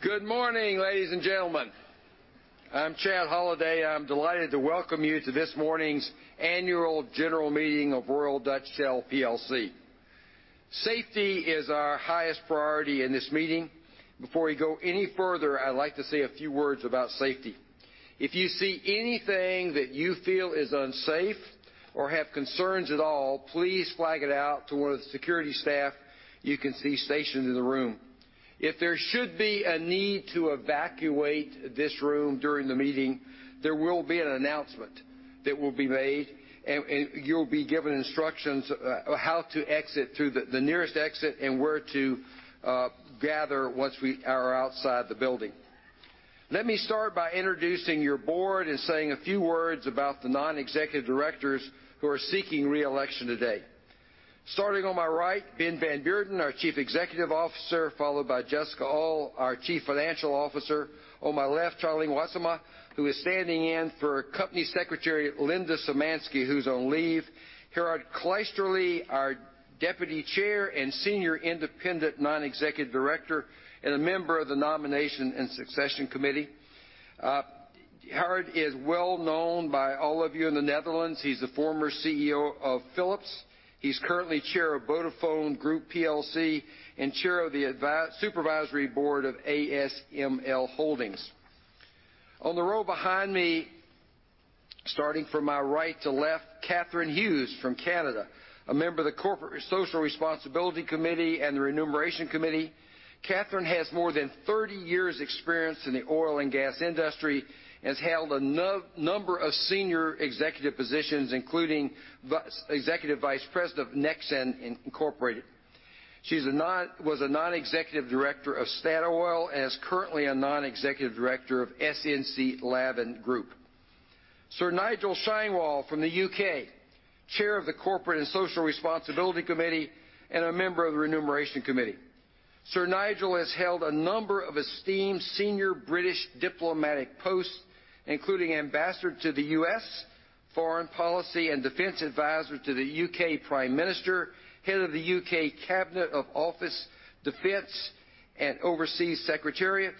Good morning, ladies and gentlemen. I'm Chad Holliday. I'm delighted to welcome you to this morning's annual general meeting of Royal Dutch Shell plc. Safety is our highest priority in this meeting. Before we go any further, I'd like to say a few words about safety. If you see anything that you feel is unsafe or have concerns at all, please flag it out to one of the security staff you can see stationed in the room. If there should be a need to evacuate this room during the meeting, there will be an announcement that will be made, and you'll be given instructions how to exit through the nearest exit and where to gather once we are outside the building. Let me start by introducing your board and saying a few words about the non-executive directors who are seeking re-election today. Starting on my right, Ben van Beurden, our Chief Executive Officer, followed by Jessica Uhl, our Chief Financial Officer. On my left, Charlie Wassenaar, who is standing in for Company Secretary Linda Szymanski, who's on leave. Gerard Kleisterlee, our Deputy Chair and Senior Independent Non-Executive Director, and a member of the Nomination and Succession Committee. Gerard is well known by all of you in the Netherlands. He's the former CEO of Philips. He's currently Chair of Vodafone Group PLC and Chair of the Supervisory Board of ASML Holdings. On the row behind me, starting from my right to left, Catherine Hughes from Canada, a member of the Corporate and Social Responsibility Committee and the Remuneration Committee. Catherine has more than 30 years experience in the oil and gas industry, has held a number of senior executive positions, including Executive Vice President of Nexen Incorporated. She was a non-executive director of Statoil and is currently a non-executive director of SNC-Lavalin Group. Sir Nigel Sheinwald from the U.K., Chair of the Corporate and Social Responsibility Committee, and a member of the Remuneration Committee. Sir Nigel has held a number of esteemed senior British diplomatic posts, including Ambassador to the U.S., Foreign Policy and Defense Advisor to the U.K. Prime Minister, Head of the U.K. Cabinet of Office Defence and Overseas Secretariat,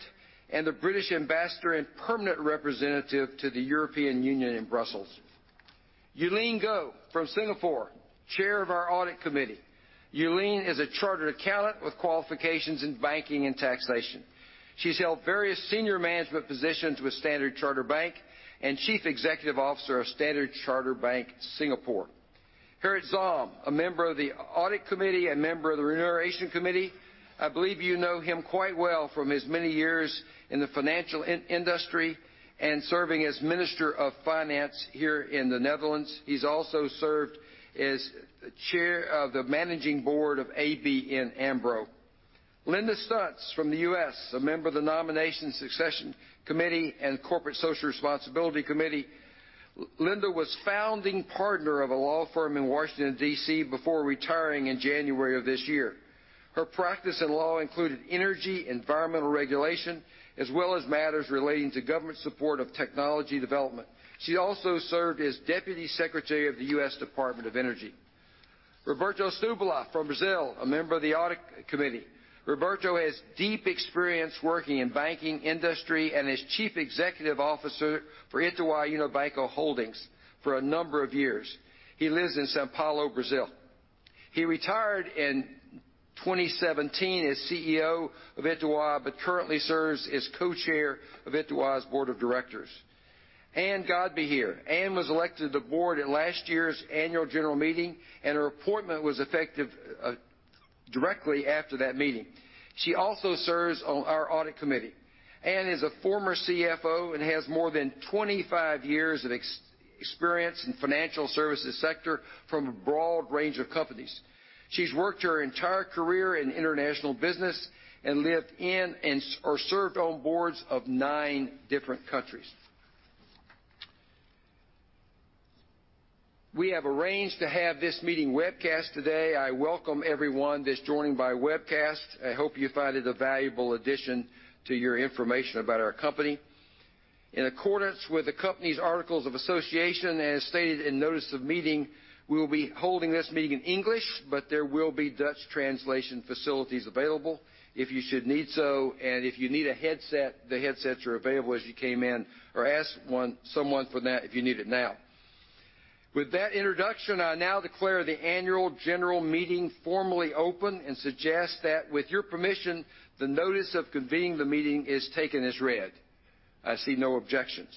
and the British Ambassador and Permanent Representative to the European Union in Brussels. Euleen Goh from Singapore, Chair of our Audit Committee. Euleen is a chartered accountant with qualifications in banking and taxation. She's held various senior management positions with Standard Chartered Bank and Chief Executive Officer of Standard Chartered Bank, Singapore. Gerrit Zalm, a member of the Audit Committee and member of the Remuneration Committee. I believe you know him quite well from his many years in the financial industry and serving as Minister of Finance here in the Netherlands. He's also served as Chair of the Managing Board of ABN AMRO. Linda Stuntz from the U.S., a member of the Nomination and Succession Committee and Corporate Social Responsibility Committee. Linda was founding partner of a law firm in Washington, D.C. before retiring in January of this year. Her practice in law included energy, environmental regulation, as well as matters relating to government support of technology development. She also served as Deputy Secretary of the U.S. Department of Energy. Roberto Setubal from Brazil, a member of the Audit Committee. Roberto has deep experience working in banking industry and is Chief Executive Officer for Itaú Unibanco Holdings for a number of years. He lives in São Paulo, Brazil. He retired in 2017 as CEO of Itaú, currently serves as co-chair of Itaú's Board of Directors. Ann Godbehere. Ann was elected to the board at last year's annual general meeting, and her appointment was effective directly after that meeting. She also serves on our Audit Committee. Ann is a former CFO and has more than 25 years of experience in financial services sector from a broad range of companies. She's worked her entire career in international business and lived in or served on boards of nine different countries. We have arranged to have this meeting webcast today. I welcome everyone that's joining by webcast. I hope you find it a valuable addition to your information about our company. In accordance with the company's articles of association, as stated in notice of meeting, we will be holding this meeting in English, there will be Dutch translation facilities available if you should need so. If you need a headset, the headsets are available as you came in, or ask someone for that if you need it now. With that introduction, I now declare the annual general meeting formally open and suggest that with your permission, the notice of convening the meeting is taken as read. I see no objections.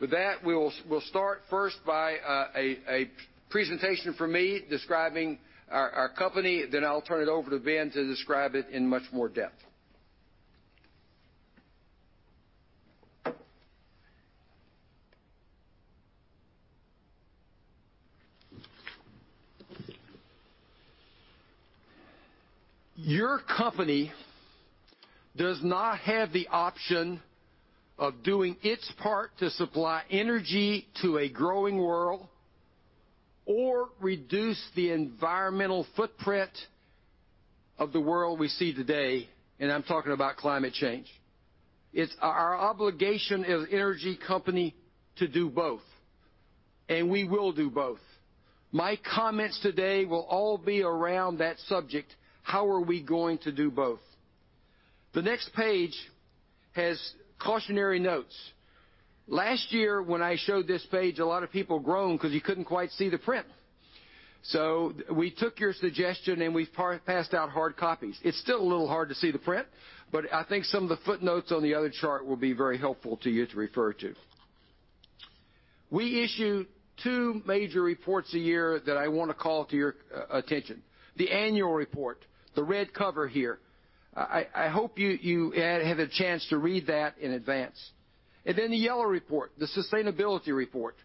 With that, we'll start first by a presentation from me describing our company. I'll turn it over to Ben to describe it in much more depth. Your company does not have the option of doing its part to supply energy to a growing world or reduce the environmental footprint of the world we see today, I'm talking about climate change. It's our obligation as an energy company to do both, we will do both. My comments today will all be around that subject, how are we going to do both? The next page has cautionary notes. Last year, when I showed this page, a lot of people groaned because you couldn't quite see the print. We took your suggestion, we've passed out hard copies. It's still a little hard to see the print, I think some of the footnotes on the other chart will be very helpful to you to refer to. We issue two major reports a year that I want to call to your attention. The annual report, the red cover here. I hope you had a chance to read that in advance. The yellow report, the sustainability report.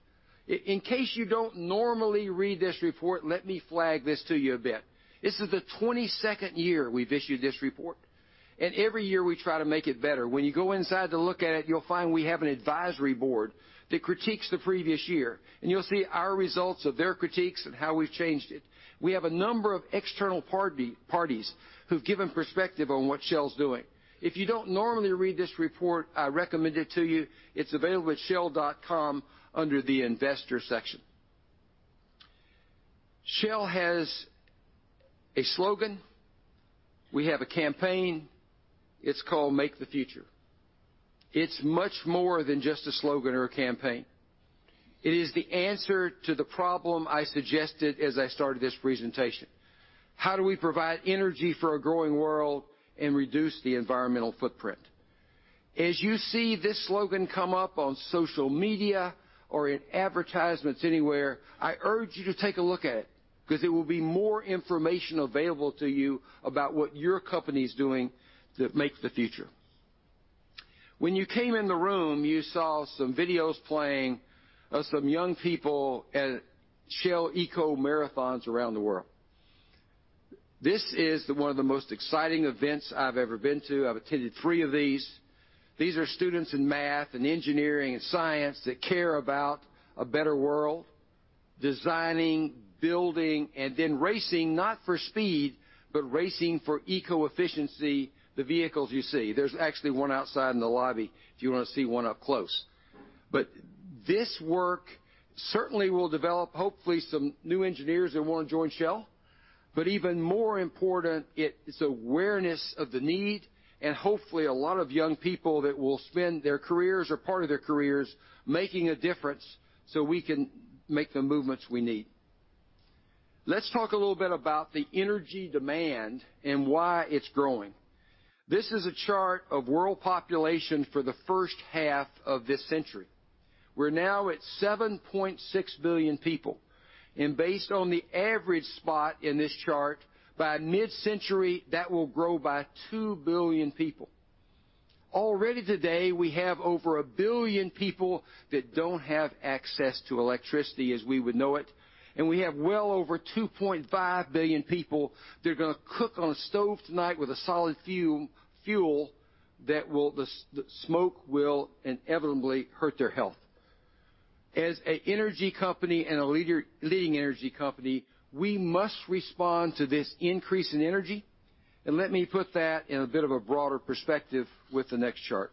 In case you don't normally read this report, let me flag this to you a bit. This is the 22nd year we've issued this report, every year we try to make it better. When you go inside to look at it, you'll find we have an advisory board that critiques the previous year, you'll see our results of their critiques and how we've changed it. We have a number of external parties who've given perspective on what Shell's doing. If you don't normally read this report, I recommend it to you. It's available at shell.com under the investor section. Shell has a slogan. We have a campaign. It's called Make the Future. It's much more than just a slogan or a campaign. It is the answer to the problem I suggested as I started this presentation. How do we provide energy for a growing world and reduce the environmental footprint? As you see this slogan come up on social media or in advertisements anywhere, I urge you to take a look at it because there will be more information available to you about what your company's doing to Make the Future. When you came in the room, you saw some videos playing of some young people at Shell Eco-marathon around the world. This is one of the most exciting events I've ever been to. I've attended three of these. These are students in math and engineering and science that care about a better world, designing, building, and then racing, not for speed, but racing for eco-efficiency the vehicles you see. There's actually one outside in the lobby if you want to see one up close. This work certainly will develop, hopefully, some new engineers that want to join Shell. Even more important, it's awareness of the need and hopefully a lot of young people that will spend their careers or part of their careers making a difference so we can make the movements we need. Let's talk a little bit about the energy demand and why it's growing. This is a chart of world population for the first half of this century. We're now at 7.6 billion people. Based on the average spot in this chart, by mid-century, that will grow by 2 billion people. Already today, we have over 1 billion people that don't have access to electricity as we would know it. We have well over 2.5 billion people that are going to cook on a stove tonight with a solid fuel, the smoke will inevitably hurt their health. As an energy company and a leading energy company, we must respond to this increase in energy. Let me put that in a bit of a broader perspective with the next chart.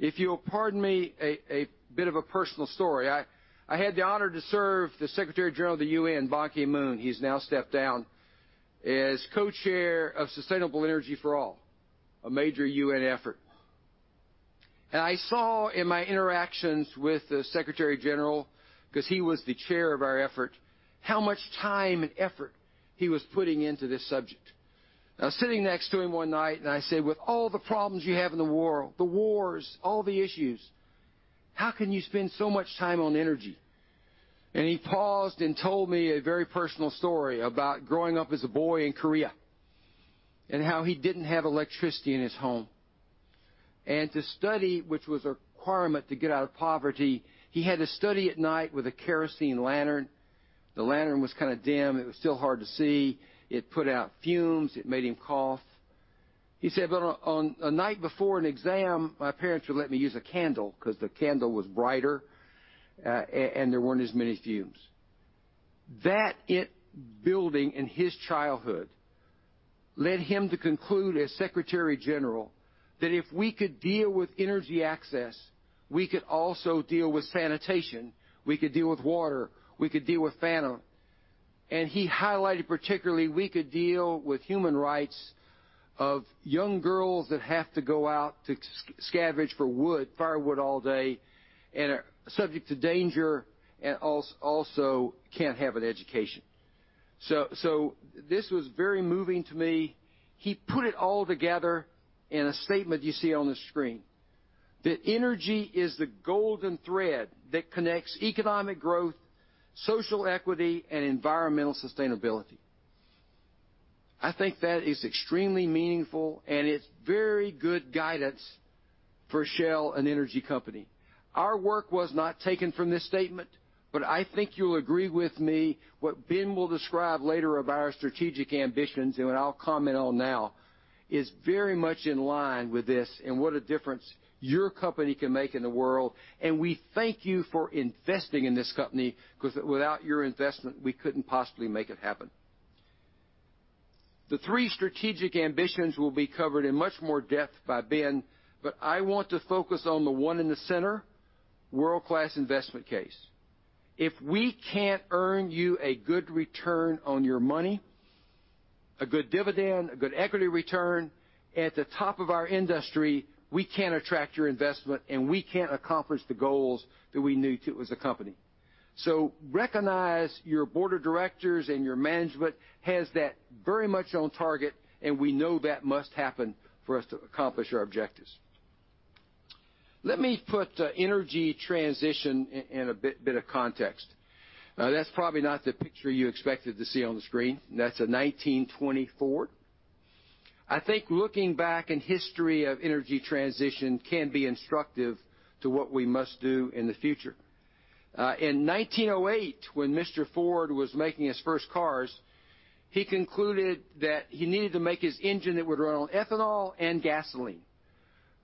If you'll pardon me a bit of a personal story. I had the honor to serve the Secretary General of the UN, Ban Ki-moon, he's now stepped down, as co-chair of Sustainable Energy for All, a major UN effort. I saw in my interactions with the Secretary General, because he was the chair of our effort, how much time and effort he was putting into this subject. I was sitting next to him one night and I said, "With all the problems you have in the world, the wars, all the issues, how can you spend so much time on energy?" He paused and told me a very personal story about growing up as a boy in Korea and how he didn't have electricity in his home. To study, which was a requirement to get out of poverty, he had to study at night with a kerosene lantern. The lantern was kind of dim. It was still hard to see. It put out fumes. It made him cough. On a night before an exam, my parents would let me use a candle because the candle was brighter, and there weren't as many fumes." That, building in his childhood, led him to conclude as Secretary General, that if we could deal with energy access, we could also deal with sanitation. We could deal with water. We could deal with famine. He highlighted particularly, we could deal with human rights of young girls that have to go out to scavenge for firewood all day and are subject to danger and also can't have an education. This was very moving to me. He put it all together in a statement you see on the screen, that energy is the golden thread that connects economic growth, social equity, and environmental sustainability. I think that is extremely meaningful, and it's very good guidance for Shell, an energy company. Our work was not taken from this statement, I think you'll agree with me what Ben will describe later of our strategic ambitions, and what I'll comment on now. Is very much in line with this and what a difference your company can make in the world. We thank you for investing in this company, because without your investment, we couldn't possibly make it happen. The three strategic ambitions will be covered in much more depth by Ben, I want to focus on the one in the center, world-class investment case. If we can't earn you a good return on your money, a good dividend, a good equity return at the top of our industry, we can't attract your investment, and we can't accomplish the goals that we need to as a company. Recognize your board of directors and your management has that very much on target, and we know that must happen for us to accomplish our objectives. Let me put energy transition in a bit of context. That's probably not the picture you expected to see on the screen. That's a 1924. I think looking back in history of energy transition can be instructive to what we must do in the future. In 1908, when Mr. Ford was making his first cars, he concluded that he needed to make his engine that would run on ethanol and gasoline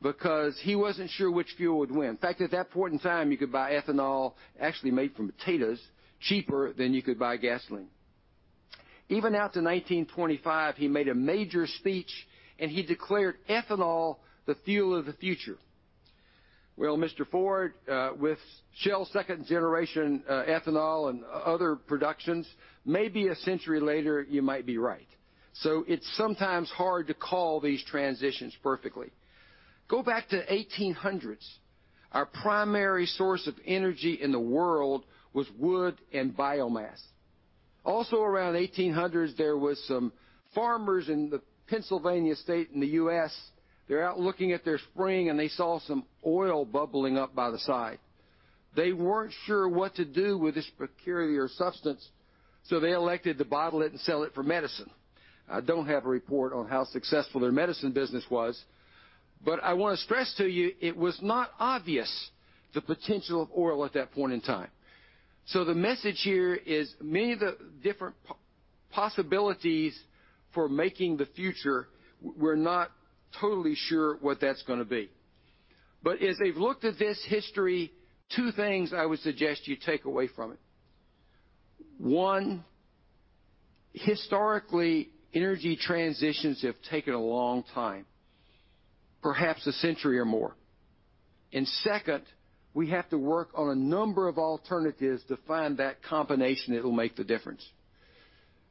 because he wasn't sure which fuel would win. In fact, at that point in time, you could buy ethanol, actually made from potatoes, cheaper than you could buy gasoline. Even out to 1925, he made a major speech and he declared ethanol the fuel of the future. Well, Mr. Ford, with Shell second generation ethanol and other productions, maybe a century later, you might be right. It's sometimes hard to call these transitions perfectly. Go back to 1800s. Our primary source of energy in the world was wood and biomass. Also around 1800s, there was some farmers in the Pennsylvania state in the U.S. They're out looking at their spring, and they saw some oil bubbling up by the side. They weren't sure what to do with this peculiar substance, so they elected to bottle it and sell it for medicine. I don't have a report on how successful their medicine business was. I want to stress to you it was not obvious the potential of oil at that point in time. The message here is many of the different possibilities for making the future, we're not totally sure what that's going to be. As they've looked at this history, two things I would suggest you take away from it. Historically, energy transitions have taken a long time, perhaps a century or more. Second, we have to work on a number of alternatives to find that combination that will make the difference.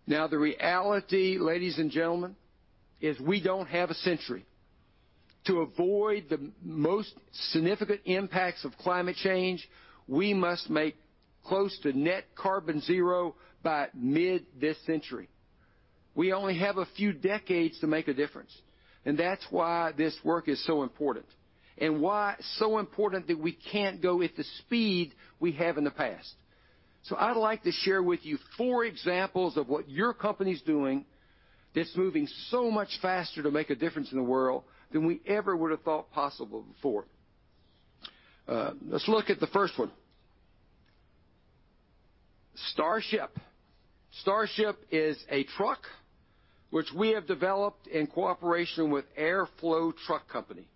The reality, ladies and gentlemen, is we don't have a century. To avoid the most significant impacts of climate change, we must make close to net carbon zero by mid this century. We only have a few decades to make a difference, and that's why this work is so important and why so important that we can't go at the speed we have in the past. I'd like to share with you four examples of what your company's doing that's moving so much faster to make a difference in the world than we ever would have thought possible before. Let's look at the first one. Starship. Starship is a truck which we have developed in cooperation with AirFlow Truck Company.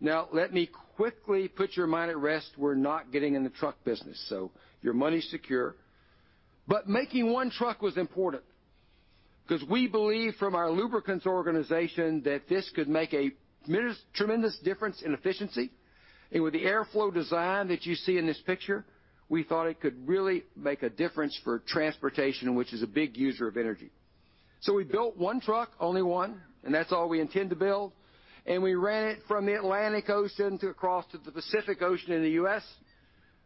Let me quickly put your mind at rest. We're not getting in the truck business, so your money's secure. Making one truck was important because we believe from our lubricants organization that this could make a tremendous difference in efficiency. With the AirFlow design that you see in this picture, we thought it could really make a difference for transportation, which is a big user of energy. We built one truck, only one, and that's all we intend to build. We ran it from the Atlantic Ocean to across to the Pacific Ocean in the U.S.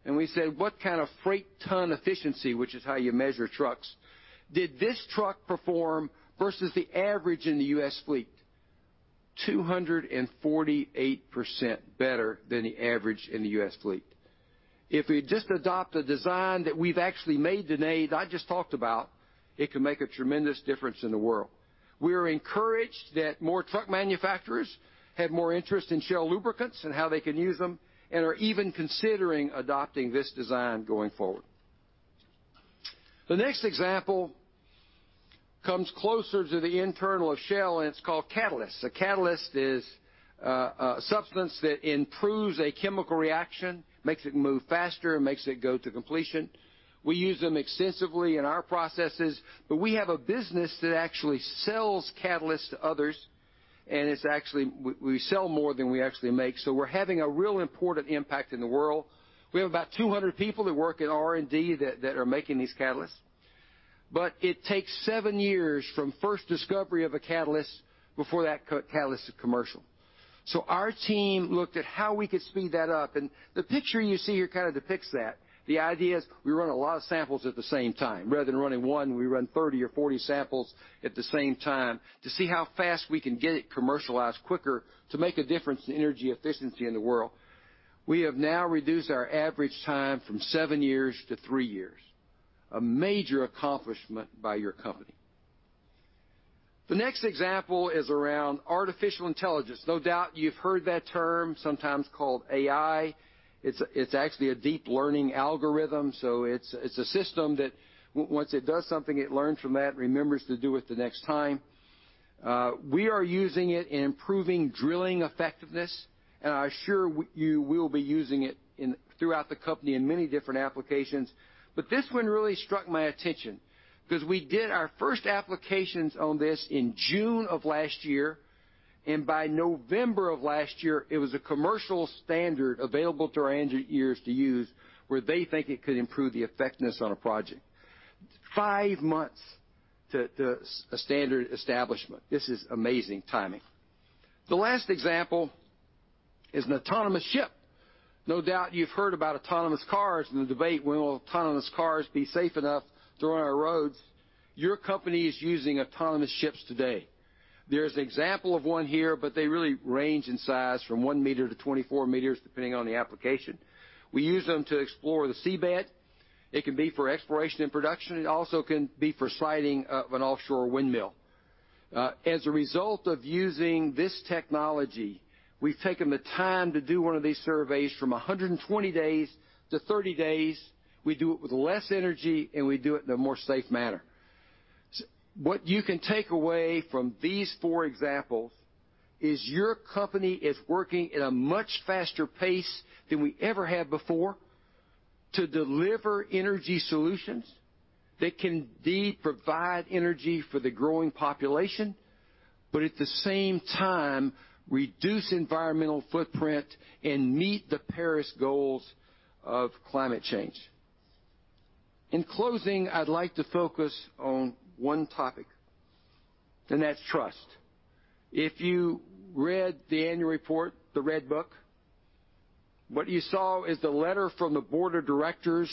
We said, what kind of freight ton efficiency, which is how you measure trucks, did this truck perform versus the average in the U.S. fleet? 248% better than the average in the U.S. fleet. If we just adopt a design that we've actually made today that I just talked about, it can make a tremendous difference in the world. We are encouraged that more truck manufacturers have more interest in Shell lubricants and how they can use them and are even considering adopting this design going forward. The next example comes closer to the internal of Shell, and it's called catalyst. A catalyst is a substance that improves a chemical reaction, makes it move faster, and makes it go to completion. We use them extensively in our processes, but we have a business that actually sells catalysts to others. We sell more than we actually make. We're having a real important impact in the world. We have about 200 people that work in R&D that are making these catalysts. It takes seven years from first discovery of a catalyst before that catalyst is commercial. Our team looked at how we could speed that up, and the picture you see here kind of depicts that. The idea is we run a lot of samples at the same time. Rather than running one, we run 30 or 40 samples at the same time to see how fast we can get it commercialized quicker to make a difference in energy efficiency in the world. We have now reduced our average time from seven years to three years. A major accomplishment by your company. The next example is around artificial intelligence. No doubt you've heard that term, sometimes called AI. It's actually a deep learning algorithm. It's a system that once it does something, it learns from that and remembers to do it the next time. We are using it in improving drilling effectiveness, and I assure you we will be using it throughout the company in many different applications. This one really struck my attention because we did our first applications on this in June of last year, and by November of last year, it was a commercial standard available to our engineers to use where they think it could improve the effectiveness on a project. five months to a standard establishment. This is amazing timing. The last example is an autonomous ship. No doubt you've heard about autonomous cars and the debate, when will autonomous cars be safe enough to be on our roads? Your company is using autonomous ships today. There's an example of one here, but they really range in size from one meter to 24 meters, depending on the application. We use them to explore the seabed. It can be for exploration and production. It also can be for siting of an offshore windmill. As a result of using this technology, we've taken the time to do one of these surveys from 120 days to 30 days. We do it with less energy, and we do it in a more safe manner. What you can take away from these four examples is your company is working at a much faster pace than we ever have before to deliver energy solutions that can, indeed, provide energy for the growing population, but at the same time, reduce environmental footprint and meet the Paris goals of climate change. In closing, I'd like to focus on one topic, and that's trust. If you read the annual report, the red book, what you saw is the letter from the board of directors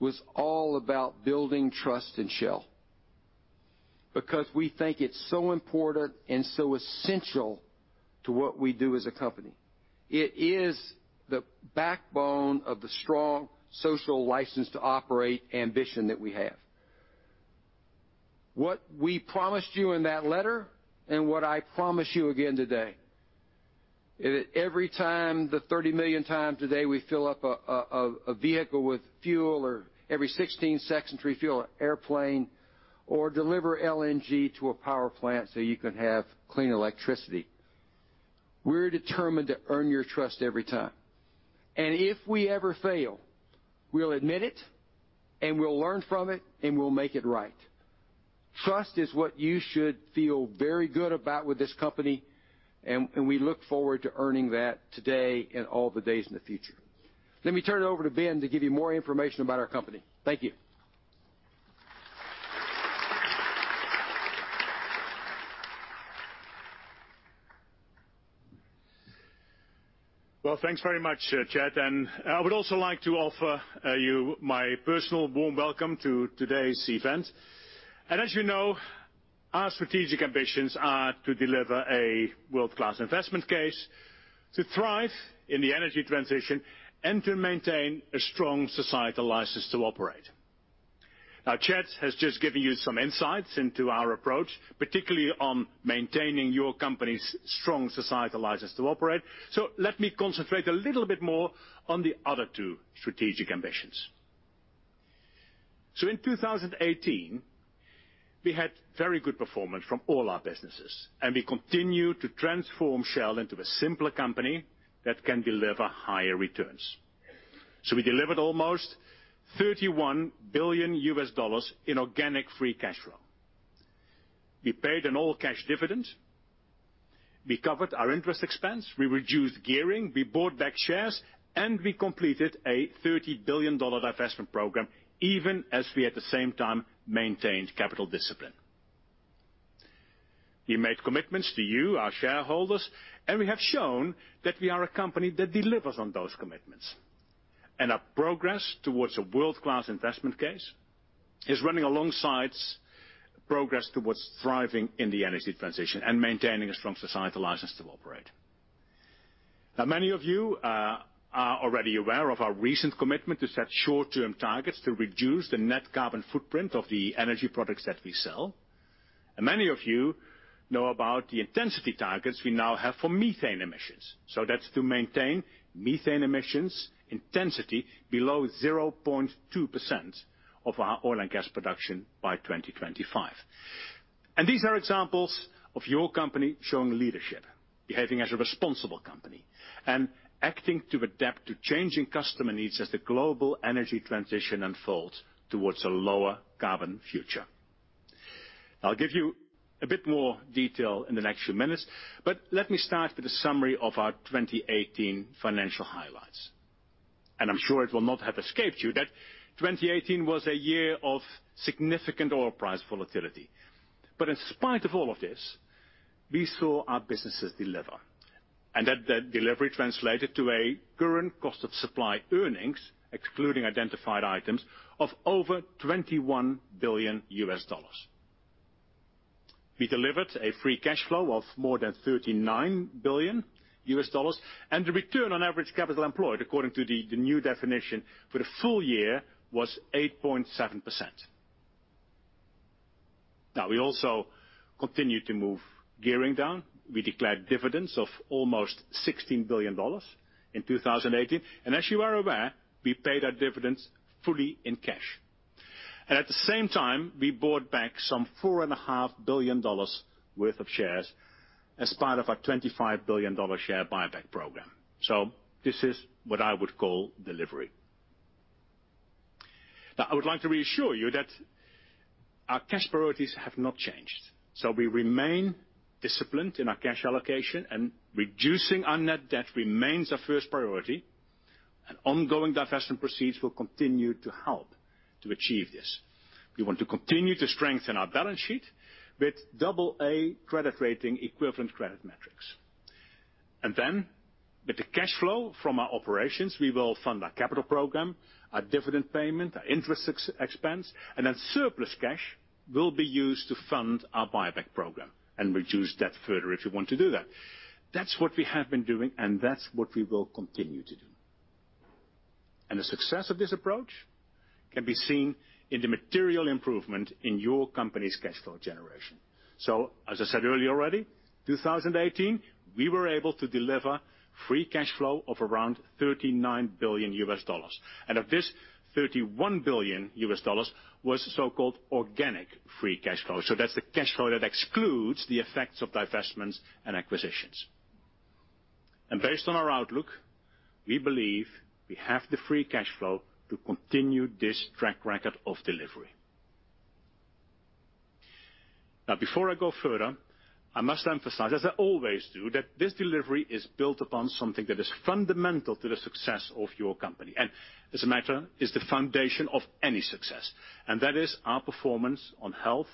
was all about building trust in Shell. We think it's so important and so essential to what we do as a company. It is the backbone of the strong social license to operate ambition that we have. What we promised you in that letter and what I promise you again today, that every time, the 30 million times a day we fill up a vehicle with fuel or every 16 seconds we fuel an airplane or deliver LNG to a power plant so you can have clean electricity, we're determined to earn your trust every time. If we ever fail, we'll admit it, and we'll learn from it, and we'll make it right. Trust is what you should feel very good about with this company, and we look forward to earning that today and all the days in the future. Let me turn it over to Ben to give you more information about our company. Thank you. Thanks very much, Chad, I would also like to offer you my personal warm welcome to today's event. As you know, our strategic ambitions are to deliver a world-class investment case, to thrive in the energy transition, and to maintain a strong societal license to operate. Chad has just given you some insights into our approach, particularly on maintaining your company's strong societal license to operate. Let me concentrate a little bit more on the other two strategic ambitions. In 2018, we had very good performance from all our businesses, and we continued to transform Shell into a simpler company that can deliver higher returns. We delivered almost $31 billion in organic free cash flow. We paid an all-cash dividend. We covered our interest expense. We reduced gearing. We bought back shares, we completed a $30 billion divestment program, even as we, at the same time, maintained capital discipline. We made commitments to you, our shareholders, we have shown that we are a company that delivers on those commitments. Our progress towards a world-class investment case is running alongside progress towards thriving in the energy transition and maintaining a strong societal license to operate. Many of you are already aware of our recent commitment to set short-term targets to reduce the net carbon footprint of the energy products that we sell. Many of you know about the intensity targets we now have for methane emissions. That's to maintain methane emissions intensity below 0.2% of our oil and gas production by 2025. These are examples of your company showing leadership, behaving as a responsible company, and acting to adapt to changing customer needs as the global energy transition unfolds towards a lower carbon future. I'll give you a bit more detail in the next few minutes, but let me start with a summary of our 2018 financial highlights. I'm sure it will not have escaped you that 2018 was a year of significant oil price volatility. In spite of all of this, we saw our businesses deliver, and that delivery translated to a current cost of supply earnings, excluding identified items, of over $21 billion. We delivered a free cash flow of more than $39 billion, and the return on average capital employed, according to the new definition for the full year, was 8.7%. We also continued to move gearing down. We declared dividends of almost $16 billion in 2018. As you are aware, we paid our dividends fully in cash. At the same time, we bought back some $4.5 billion worth of shares as part of our $25 billion share buyback program. This is what I would call delivery. I would like to reassure you that our cash priorities have not changed. We remain disciplined in our cash allocation and reducing our net debt remains our first priority, and ongoing divestment proceeds will continue to help to achieve this. We want to continue to strengthen our balance sheet with AA credit rating equivalent credit metrics. With the cash flow from our operations, we will fund our capital program, our dividend payment, our interest expense, and surplus cash will be used to fund our buyback program and reduce debt further if we want to do that. That's what we have been doing, and that's what we will continue to do. The success of this approach can be seen in the material improvement in your company's cash flow generation. As I said earlier already, 2018, we were able to deliver free cash flow of around $39 billion. Of this, $31 billion was so-called organic free cash flow. That's the cash flow that excludes the effects of divestments and acquisitions. Based on our outlook, we believe we have the free cash flow to continue this track record of delivery. Before I go further, I must emphasize, as I always do, that this delivery is built upon something that is fundamental to the success of your company. As a matter, is the foundation of any success, and that is our performance on health,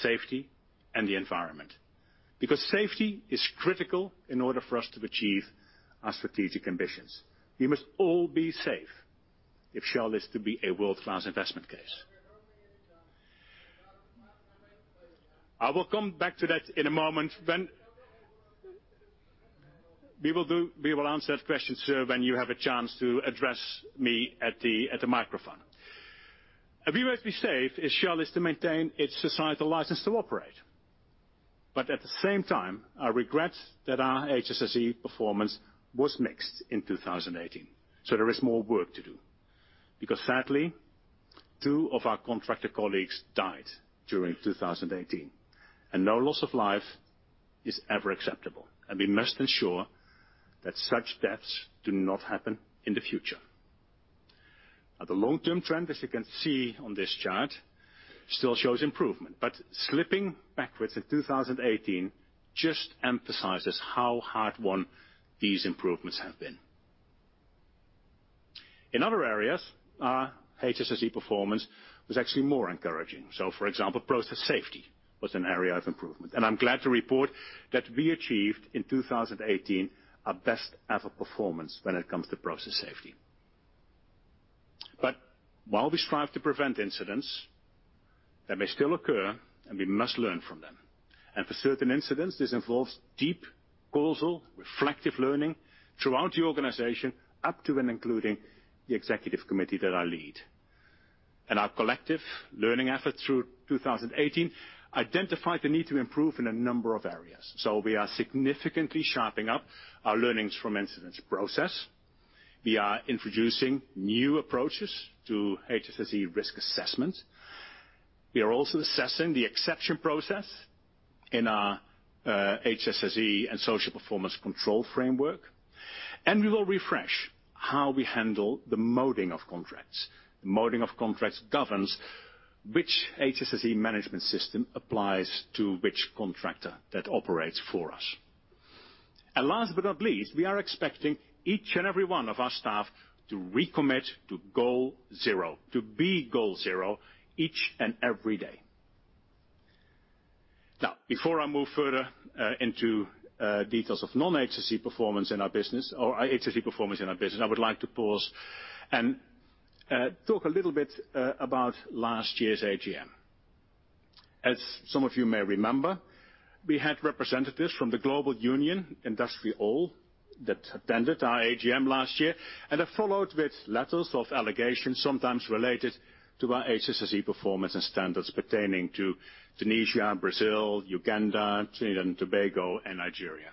safety, and the environment. Safety is critical in order for us to achieve our strategic ambitions. We must all be safe if Shell is to be a world-class investment case. I will come back to that in a moment. We will answer that question, sir, when you have a chance to address me at the microphone. We must be safe if Shell is to maintain its societal license to operate. At the same time, I regret that our HSSE performance was mixed in 2018, there is more work to do. Sadly, two of our contractor colleagues died during 2018, no loss of life is ever acceptable, and we must ensure that such deaths do not happen in the future. The long-term trend, as you can see on this chart, still shows improvement. Slipping backwards in 2018 just emphasizes how hard-won these improvements have been. In other areas, our HSSE performance was actually more encouraging. For example, process safety was an area of improvement, I'm glad to report that we achieved in 2018 our best ever performance when it comes to process safety. While we strive to prevent incidents, they may still occur, we must learn from them. For certain incidents, this involves deep causal, reflective learning throughout the organization, up to and including the executive committee that I lead. Our collective learning effort through 2018 identified the need to improve in a number of areas. We are significantly sharpening up our learnings from incidents process. We are introducing new approaches to HSSE risk assessment. We are also assessing the exception process in our HSSE and social performance control framework, we will refresh how we handle the moding of contracts. The moding of contracts governs which HSSE management system applies to which contractor that operates for us. Last but not least, we are expecting each and every one of our staff to recommit to Goal Zero, to be Goal Zero each and every day. Before I move further into details of non-HSSE performance in our business, or HSSE performance in our business, I would like to pause and talk a little bit about last year's AGM. As some of you may remember, we had representatives from the global union, IndustriALL, that attended our AGM last year, and that followed with letters of allegations sometimes related to our HSSE performance and standards pertaining to Tunisia, Brazil, Uganda, Trinidad and Tobago, and Nigeria.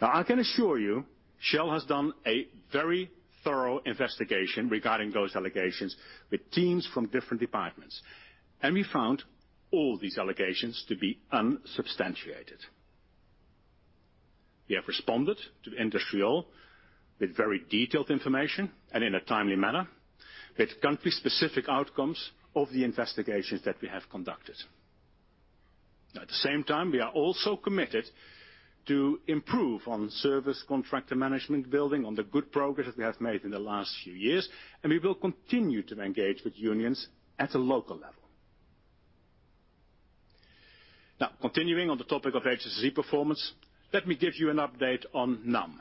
I can assure you, Shell has done a very thorough investigation regarding those allegations with teams from different departments, and we found all these allegations to be unsubstantiated. We have responded to IndustriALL with very detailed information and in a timely manner with country-specific outcomes of the investigations that we have conducted. At the same time, we are also committed to improve on service contractor management building on the good progress we have made in the last few years, and we will continue to engage with unions at a local level. Continuing on the topic of HSSE performance, let me give you an update on NAM,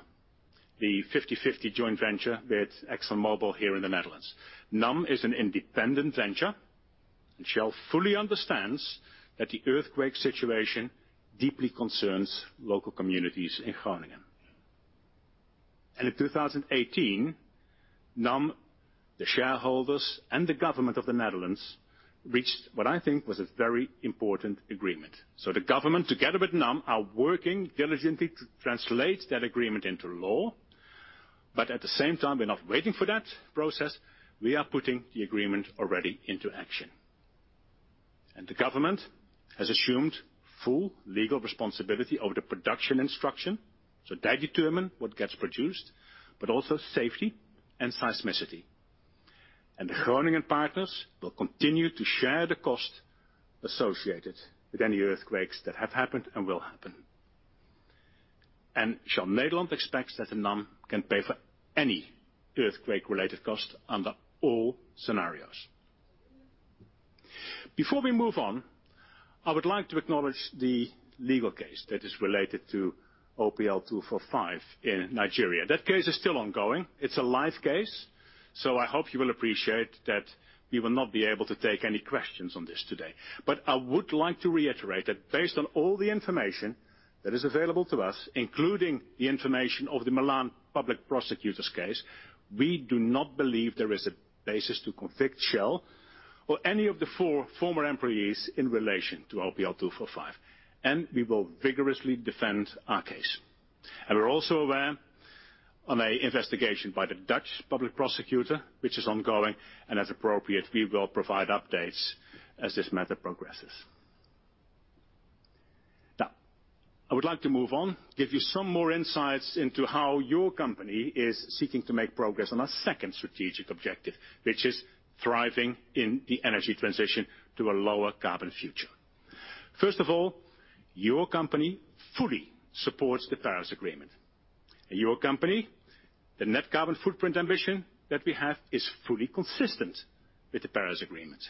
the 50/50 joint venture with ExxonMobil here in the Netherlands. NAM is an independent venture, Shell fully understands that the earthquake situation deeply concerns local communities in Groningen. In 2018, NAM, the shareholders, and the government of the Netherlands reached, what I think, was a very important agreement. The government, together with NAM, are working diligently to translate that agreement into law. At the same time, we're not waiting for that process. We are putting the agreement already into action. The government has assumed full legal responsibility over the production instruction. They determine what gets produced, but also safety and seismicity. The Groningen partners will continue to share the cost associated with any earthquakes that have happened and will happen. Shell Nederland expects that the NAM can pay for any earthquake-related cost under all scenarios. Before we move on, I would like to acknowledge the legal case that is related to OPL 245 in Nigeria. That case is still ongoing. It's a live case, I hope you will appreciate that we will not be able to take any questions on this today. I would like to reiterate that based on all the information that is available to us, including the information of the Milan public prosecutor's case, we do not believe there is a basis to convict Shell or any of the four former employees in relation to OPL 245. We will vigorously defend our case. We're also aware of an investigation by the Netherlands Public Prosecution Service, which is ongoing, and as appropriate, we will provide updates as this matter progresses. I would like to move on, give you some more insights into how your company is seeking to make progress on our second strategic objective, which is thriving in the energy transition to a lower carbon future. First of all, your company fully supports the Paris Agreement. At your company, the net carbon footprint ambition that we have is fully consistent with the Paris Agreement.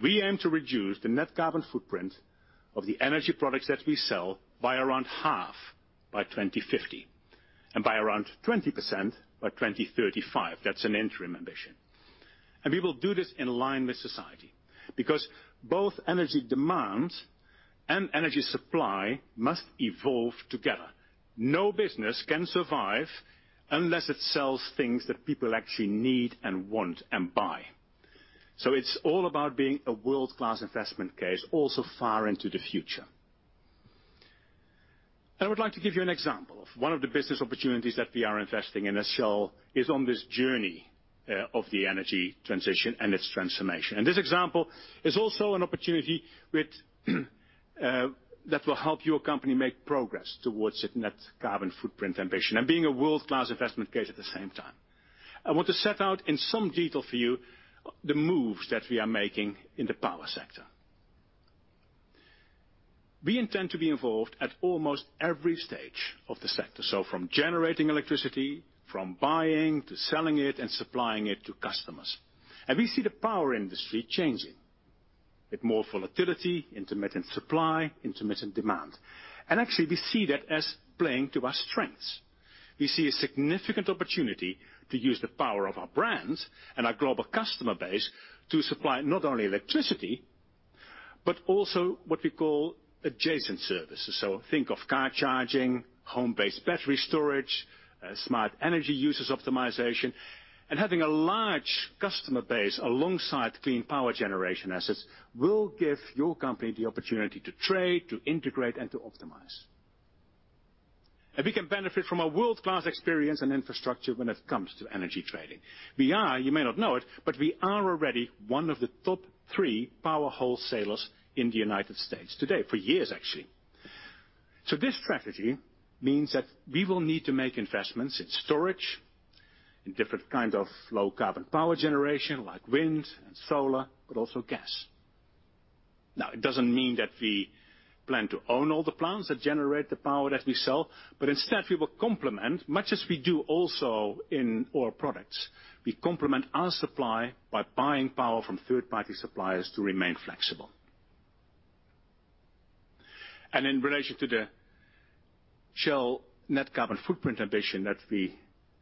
We aim to reduce the net carbon footprint of the energy products that we sell by around half by 2050, and by around 20% by 2035. That's an interim ambition. We will do this in line with society, because both energy demand and energy supply must evolve together. No business can survive unless it sells things that people actually need and want and buy. It's all about being a world-class investment case also far into the future. I would like to give you an example of one of the business opportunities that we are investing in as Shell is on this journey of the energy transition and its transformation. This example is also an opportunity that will help your company make progress towards its net carbon footprint ambition and being a world-class investment case at the same time. I want to set out in some detail for you the moves that we are making in the power sector. We intend to be involved at almost every stage of the sector. From generating electricity, from buying to selling it and supplying it to customers. We see the power industry changing. With more volatility, intermittent supply, intermittent demand. Actually, we see that as playing to our strengths. We see a significant opportunity to use the power of our brands and our global customer base to supply not only electricity, but also what we call adjacent services. Think of car charging, home-based battery storage, smart energy usage optimization, and having a large customer base alongside clean power generation assets will give your company the opportunity to trade, to integrate, and to optimize. We can benefit from a world-class experience and infrastructure when it comes to energy trading. We are, you may not know it, but we are already one of the top three power wholesalers in the U.S. today, for years actually. This strategy means that we will need to make investments in storage, in different kind of low carbon power generation like wind and solar, but also gas. Now, it doesn't mean that we plan to own all the plants that generate the power that we sell, but instead we will complement, much as we do also in oil products. We complement our supply by buying power from third-party suppliers to remain flexible. In relation to the Shell net carbon footprint ambition that we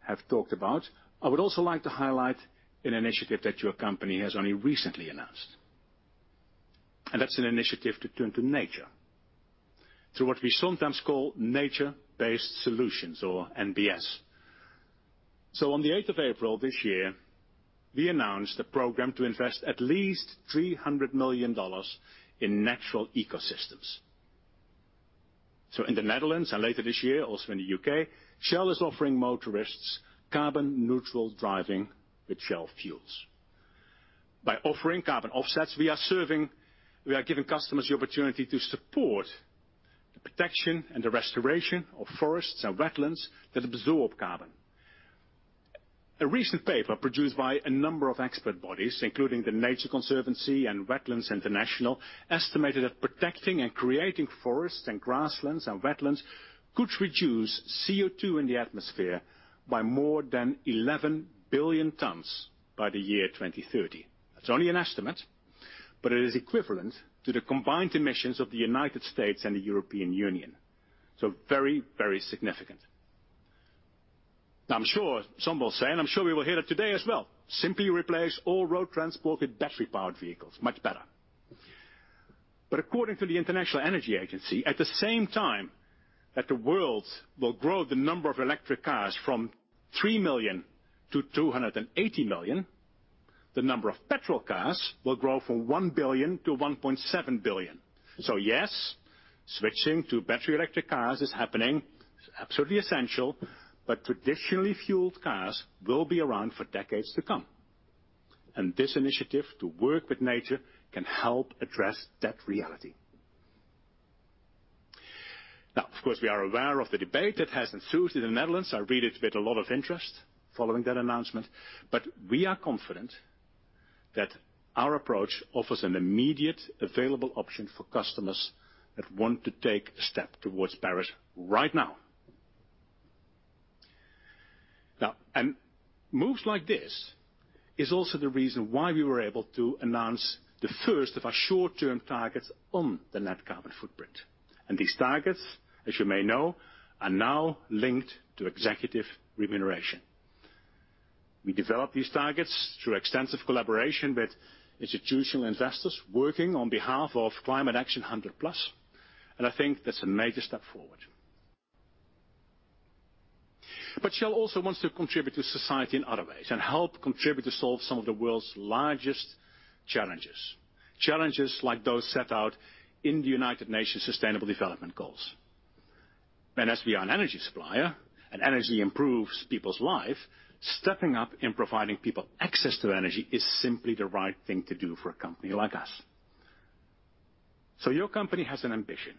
have talked about, I would also like to highlight an initiative that your company has only recently announced. That's an initiative to turn to nature, through what we sometimes call nature-based solutions or NBS. On the 8th of April this year, we announced a program to invest at least $300 million in natural ecosystems. In the Netherlands and later this year, also in the U.K., Shell is offering motorists carbon neutral driving with Shell fuels. By offering carbon offsets, we are giving customers the opportunity to support the protection and the restoration of forests and wetlands that absorb carbon. A recent paper produced by a number of expert bodies, including The Nature Conservancy and Wetlands International, estimated that protecting and creating forests and grasslands and wetlands could reduce CO2 in the atmosphere by more than 11 billion tons by the year 2030. That's only an estimate, but it is equivalent to the combined emissions of the U.S. and the European Union. Very, very significant. Now I'm sure some will say, and I'm sure we will hear it today as well, simply replace all road transport with battery-powered vehicles. Much better. According to the International Energy Agency, at the same time that the world will grow the number of electric cars from 3 million to 280 million. The number of petrol cars will grow from 1 billion to 1.7 billion. Yes, switching to battery electric cars is happening. It's absolutely essential. Traditionally fueled cars will be around for decades to come. This initiative to work with nature can help address that reality. Of course, we are aware of the debate that has ensued in the Netherlands. I read it with a lot of interest following that announcement. We are confident that our approach offers an immediate available option for customers that want to take a step towards Paris right now. Moves like this is also the reason why we were able to announce the first of our short-term targets on the net carbon footprint. These targets, as you may know, are now linked to executive remuneration. We developed these targets through extensive collaboration with institutional investors working on behalf of Climate Action 100+. I think that's a major step forward. Shell also wants to contribute to society in other ways and help contribute to solve some of the world's largest challenges. Challenges like those set out in the United Nations Sustainable Development Goals. As we are an energy supplier, and energy improves people's life, stepping up and providing people access to energy is simply the right thing to do for a company like us. Your company has an ambition.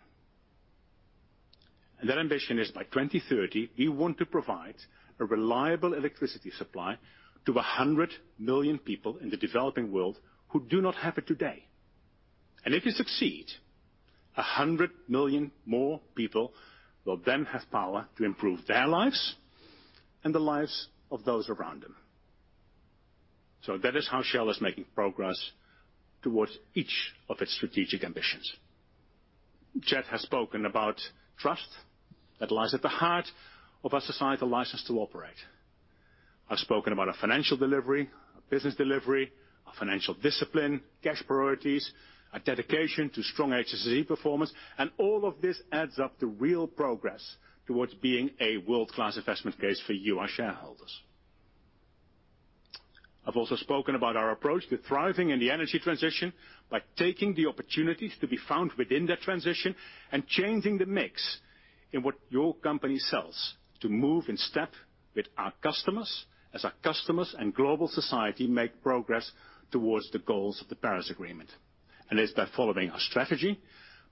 That ambition is by 2030, we want to provide a reliable electricity supply to 100 million people in the developing world who do not have it today. If we succeed, 100 million more people will then have power to improve their lives and the lives of those around them. That is how Shell is making progress towards each of its strategic ambitions. Chad has spoken about trust that lies at the heart of our societal license to operate. I've spoken about our financial delivery, our business delivery, our financial discipline, cash priorities, our dedication to strong HSSE performance, and all of this adds up to real progress towards being a world-class investment case for you, our shareholders. I've also spoken about our approach to thriving in the energy transition by taking the opportunities to be found within that transition and changing the mix in what your company sells to move in step with our customers as our customers and global society make progress towards the goals of the Paris Agreement. It is by following our strategy,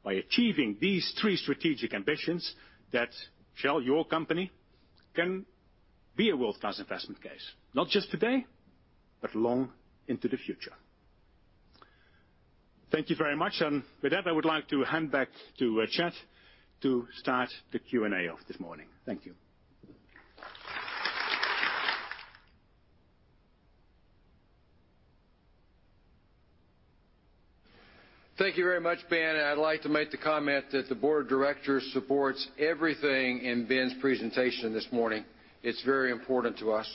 by achieving these three strategic ambitions that Shell, your company, can be a world-class investment case, not just today, but long into the future. Thank you very much. With that, I would like to hand back to Chad to start the Q&A off this morning. Thank you. Thank you very much, Ben. I'd like to make the comment that the Board of Directors supports everything in Ben's presentation this morning. It's very important to us.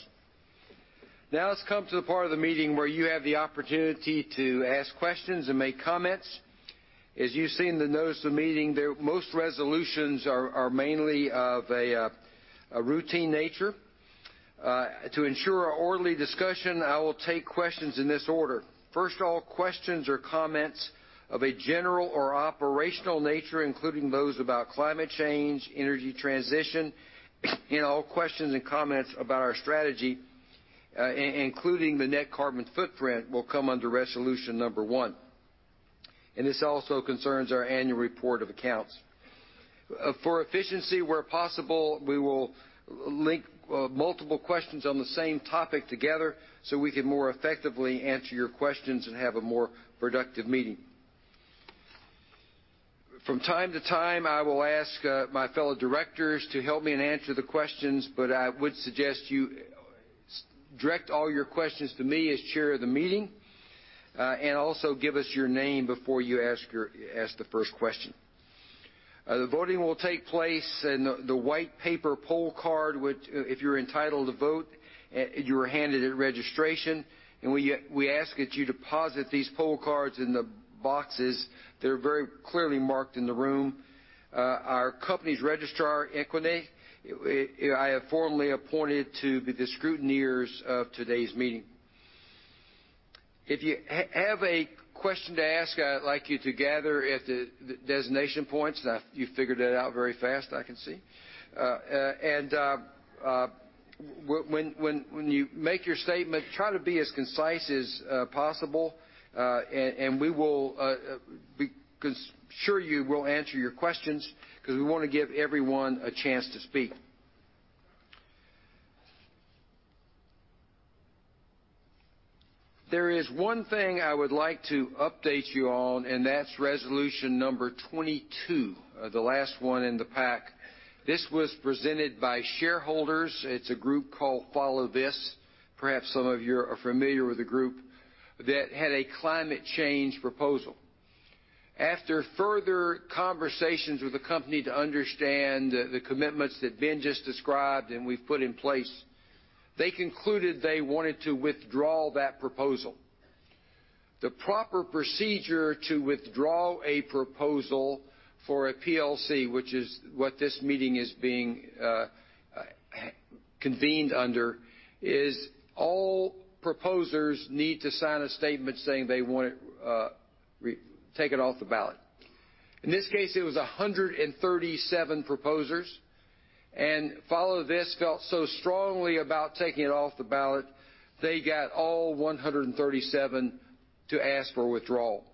Now let's come to the part of the meeting where you have the opportunity to ask questions and make comments. As you see in the notice of the meeting, most resolutions are mainly of a routine nature. To ensure an orderly discussion, I will take questions in this order. First of all, questions or comments of a general or operational nature, including those about climate change, energy transition, and all questions and comments about our strategy, including the net carbon footprint, will come under Resolution number one. This also concerns our annual report of accounts. For efficiency, where possible, we will link multiple questions on the same topic together so we can more effectively answer your questions and have a more productive meeting. From time to time, I will ask my fellow directors to help me and answer the questions, but I would suggest you direct all your questions to me as Chair of the meeting, and also give us your name before you ask the first question. The voting will take place in the white paper poll card, if you're entitled to vote, you were handed at registration. We ask that you deposit these poll cards in the boxes that are very clearly marked in the room. Our company's registrar, Equiniti, I have formally appointed to be the scrutineers of today's meeting. If you have a question to ask, I'd like you to gather at the designation points. You figured that out very fast, I can see. When you make your statement, try to be as concise as possible. We will ensure you we'll answer your questions because we want to give everyone a chance to speak. There is one thing I would like to update you on, and that's Resolution number 22, the last one in the pack. This was presented by shareholders. It's a group called Follow This. Perhaps some of you are familiar with the group that had a climate change proposal. After further conversations with the company to understand the commitments that Ben just described and we've put in place, they concluded they wanted to withdraw that proposal. The proper procedure to withdraw a proposal for a PLC, which is what this meeting is being convened under, is all proposers need to sign a statement saying they want it taken off the ballot. In this case, it was 137 proposers, and Follow This felt so strongly about taking it off the ballot, they got all 137 to ask for withdrawal.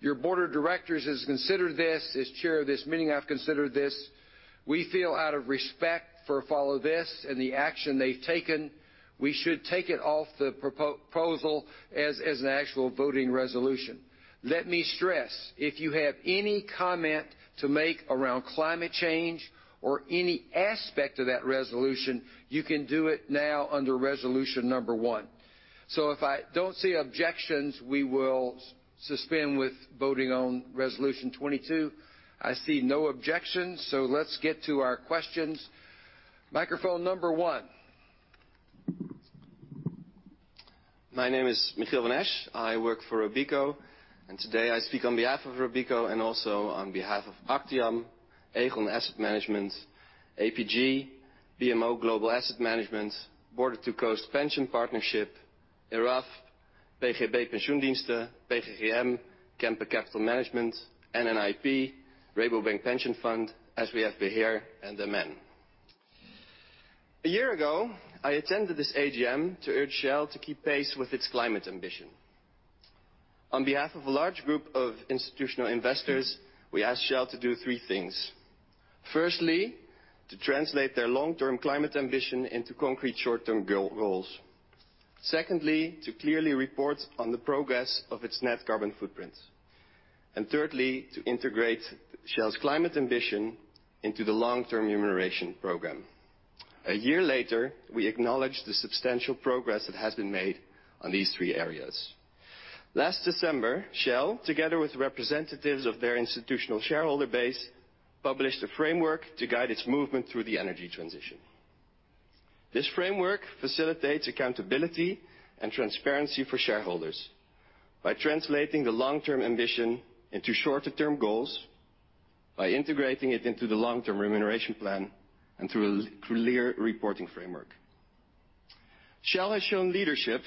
Your Board of Directors has considered this. As Chair of this meeting, I've considered this. We feel out of respect for Follow This and the action they've taken, we should take it off the proposal as an actual voting resolution. Let me stress, if you have any comment to make around climate change or any aspect of that resolution, you can do it now under Resolution number one. If I don't see objections, we will suspend with voting on Resolution 22. I see no objections, let's get to our questions. Microphone number one. My name is Michiel van Esch. I work for Robeco, and today I speak on behalf of Robeco and also on behalf of Actiam, Aegon Asset Management, APG, BMO Global Asset Management, Border to Coast Pensions Partnership, ERAF, PGB Pensioendiensten, PGGM, Kempen Capital Management, NNIP, Rabobank Pension Fund, SBF Beheer and ABN AMRO. A year ago, I attended this AGM to urge Shell to keep pace with its climate ambition. On behalf of a large group of institutional investors, we asked Shell to do three things. Firstly, to translate their long-term climate ambition into concrete short-term goals. Secondly, to clearly report on the progress of its net carbon footprint. Thirdly, to integrate Shell's climate ambition into the long-term remuneration program. A year later, we acknowledge the substantial progress that has been made on these three areas. Last December, Shell, together with representatives of their institutional shareholder base, published a framework to guide its movement through the energy transition. This framework facilitates accountability and transparency for shareholders by translating the long-term ambition into shorter-term goals by integrating it into the long-term remuneration plan and through a clear reporting framework. Shell has shown leadership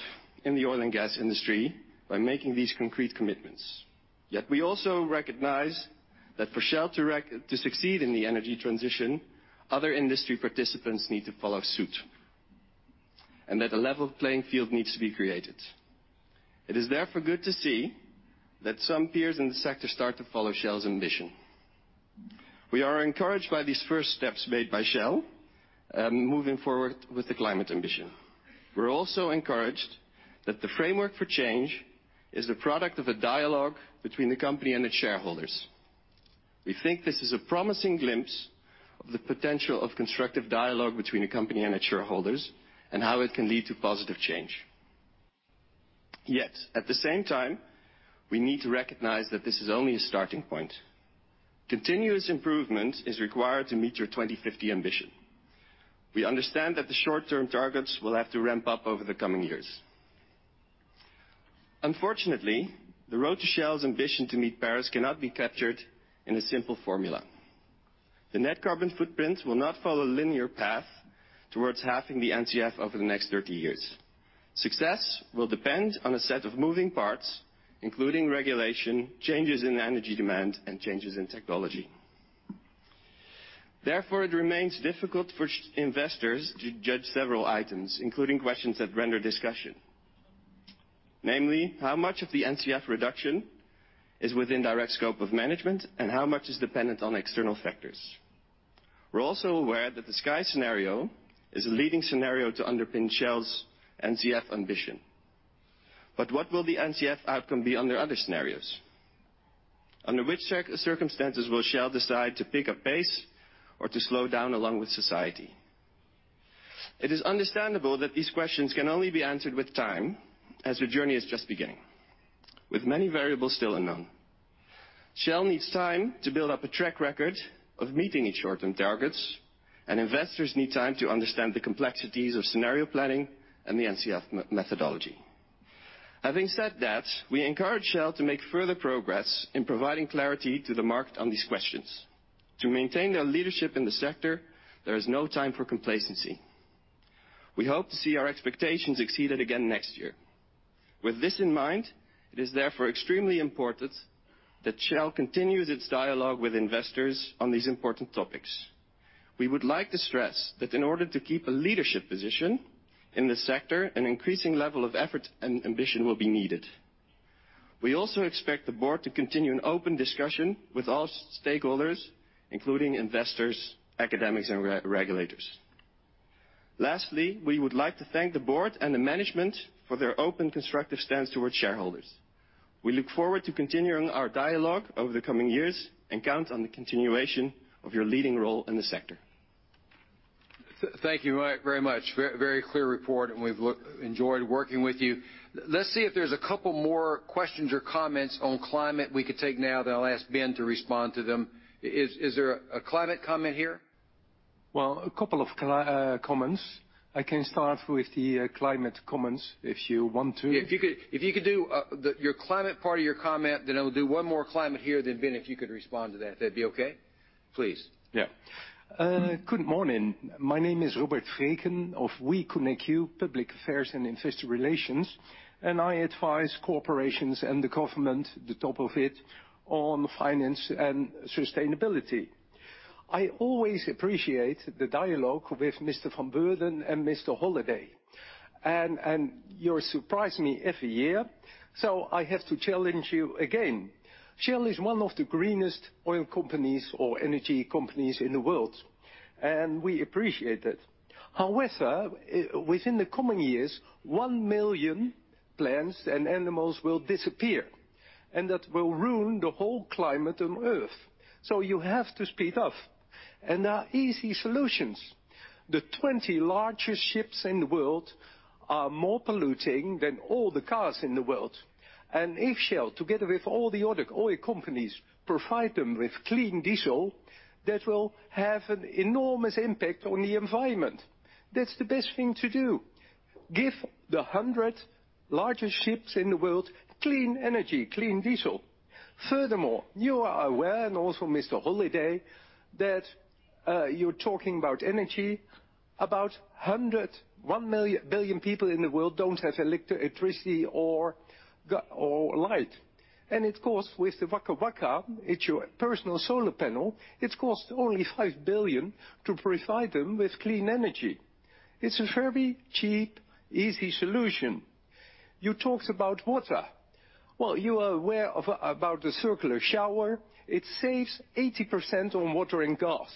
in the oil and gas industry by making these concrete commitments. Yet we also recognize that for Shell to succeed in the energy transition, other industry participants need to follow suit, and that a level playing field needs to be created. It is therefore good to see that some peers in the sector start to follow Shell's ambition. We are encouraged by these first steps made by Shell, moving forward with the climate ambition. We're also encouraged that the framework for change is the product of a dialogue between the company and its shareholders. We think this is a promising glimpse of the potential of constructive dialogue between a company and its shareholders and how it can lead to positive change. At the same time, we need to recognize that this is only a starting point. Continuous improvement is required to meet your 2050 ambition. We understand that the short-term targets will have to ramp up over the coming years. Unfortunately, the road to Shell's ambition to meet Paris cannot be captured in a simple formula. The net carbon footprint will not follow a linear path towards halving the NCF over the next 30 years. Success will depend on a set of moving parts, including regulation, changes in energy demand, and changes in technology. Therefore, it remains difficult for investors to judge several items, including questions that render discussion. Namely, how much of the NCF reduction is within direct scope of management, and how much is dependent on external factors? We're also aware that the Sky scenario is a leading scenario to underpin Shell's NCF ambition. What will the NCF outcome be under other scenarios? Under which circumstances will Shell decide to pick up pace or to slow down along with society? It is understandable that these questions can only be answered with time as the journey is just beginning, with many variables still unknown. Shell needs time to build up a track record of meeting its short-term targets, and investors need time to understand the complexities of scenario planning and the NCF methodology. Having said that, we encourage Shell to make further progress in providing clarity to the market on these questions. To maintain their leadership in the sector, there is no time for complacency. We hope to see our expectations exceeded again next year. With this in mind, it is therefore extremely important that Shell continues its dialogue with investors on these important topics. We would like to stress that in order to keep a leadership position in this sector, an increasing level of effort and ambition will be needed. We also expect the board to continue an open discussion with all stakeholders, including investors, academics, and regulators. Lastly, we would like to thank the board and the management for their open, constructive stance towards shareholders. We look forward to continuing our dialogue over the coming years and count on the continuation of your leading role in the sector. Thank you very much. Very clear report and we've enjoyed working with you. Let's see if there's a couple more questions or comments on climate we could take now. Then I'll ask Ben to respond to them. Is there a climate comment here? Well, a couple of comments. I can start with the climate comments if you want to. If you could do your climate part of your comment, then I will do one more climate here, then Ben, if you could respond to that'd be okay? Please. Good morning. My name is Robert Vreeken of WeConnectU Public Affairs and Investor Relations. I advise corporations and the government, the top of it, on finance and sustainability. I always appreciate the dialogue with Mr. Van Beurden and Mr. Holliday. You surprise me every year, so I have to challenge you again. Shell is one of the greenest oil companies or energy companies in the world, and we appreciate it. However, within the coming years, 1 million plants and animals will disappear, and that will ruin the whole climate on Earth. You have to speed up. There are easy solutions. The 20 largest ships in the world are more polluting than all the cars in the world. If Shell, together with all the other oil companies, provide them with clean diesel, that will have an enormous impact on the environment. That's the best thing to do. Give the 100 largest ships in the world clean energy, clean diesel. Furthermore, you are aware, and also Mr. Holliday, that you're talking about energy, about 1 billion people in the world don't have electricity or light. It costs with the WakaWaka, it's your personal solar panel, it costs only $5 billion to provide them with clean energy. It's a very cheap, easy solution. You talked about water. You are aware about the circular shower. It saves 80% on water and gas.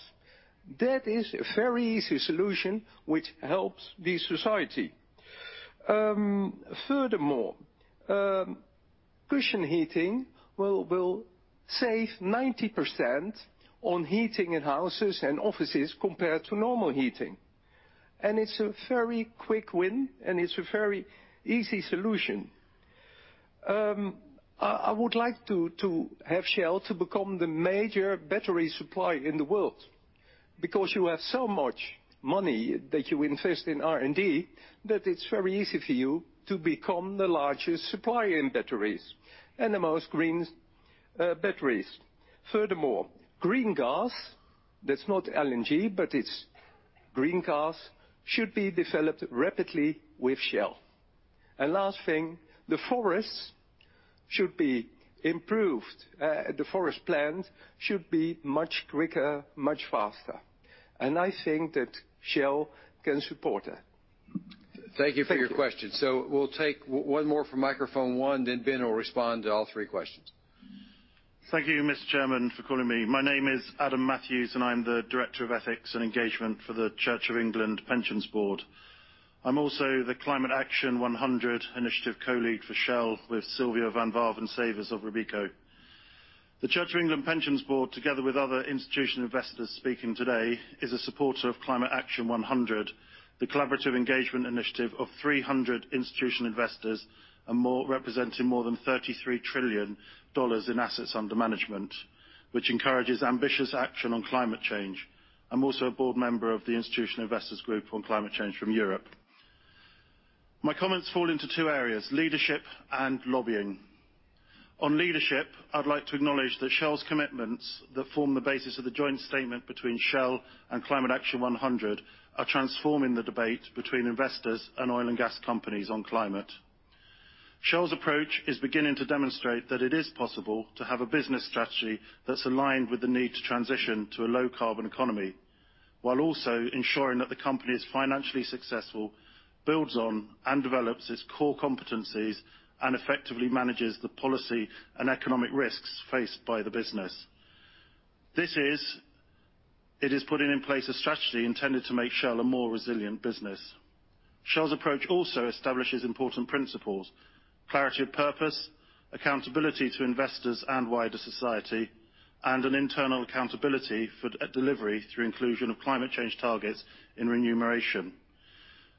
That is a very easy solution, which helps the society. Furthermore, cushion heating will save 90% on heating in houses and offices compared to normal heating. It's a very quick win, and it's a very easy solution. I would like to have Shell to become the major battery supplier in the world because you have so much money that you invest in R&D, that it's very easy for you to become the largest supplier in batteries and the most green batteries. Furthermore, green gas, that's not LNG, but it's green gas, should be developed rapidly with Shell. Last thing, the forests should be improved. The forest plans should be much quicker, much faster. I think that Shell can support it. Thank you for your question. We'll take one more from microphone one, then Ben will respond to all three questions. Thank you, Mr. Chairman, for calling me. My name is Adam Matthews, I'm the Director of Ethics and Engagement for the Church of England Pensions Board. I'm also the Climate Action 100+ Initiative co-lead for Shell with Carola van Lamoen and Sylvia's of Robeco. The Church of England Pensions Board, together with other institutional investors speaking today, is a supporter of Climate Action 100+, the collaborative engagement initiative of 300 institutional investors, representing more than $33 trillion in assets under management, which encourages ambitious action on climate change. I'm also a board member of the Institutional Investors Group on Climate Change from Europe. My comments fall into two areas, leadership and lobbying. On leadership, I'd like to acknowledge that Shell's commitments that form the basis of the joint statement between Shell and Climate Action 100+ are transforming the debate between investors and oil and gas companies on climate. Shell's approach is beginning to demonstrate that it is possible to have a business strategy that's aligned with the need to transition to a low carbon economy, while also ensuring that the company is financially successful, builds on, and develops its core competencies, and effectively manages the policy and economic risks faced by the business. It is putting in place a strategy intended to make Shell a more resilient business. Shell's approach also establishes important principles, clarity of purpose, accountability to investors and wider society, and an internal accountability for delivery through inclusion of climate change targets in remuneration.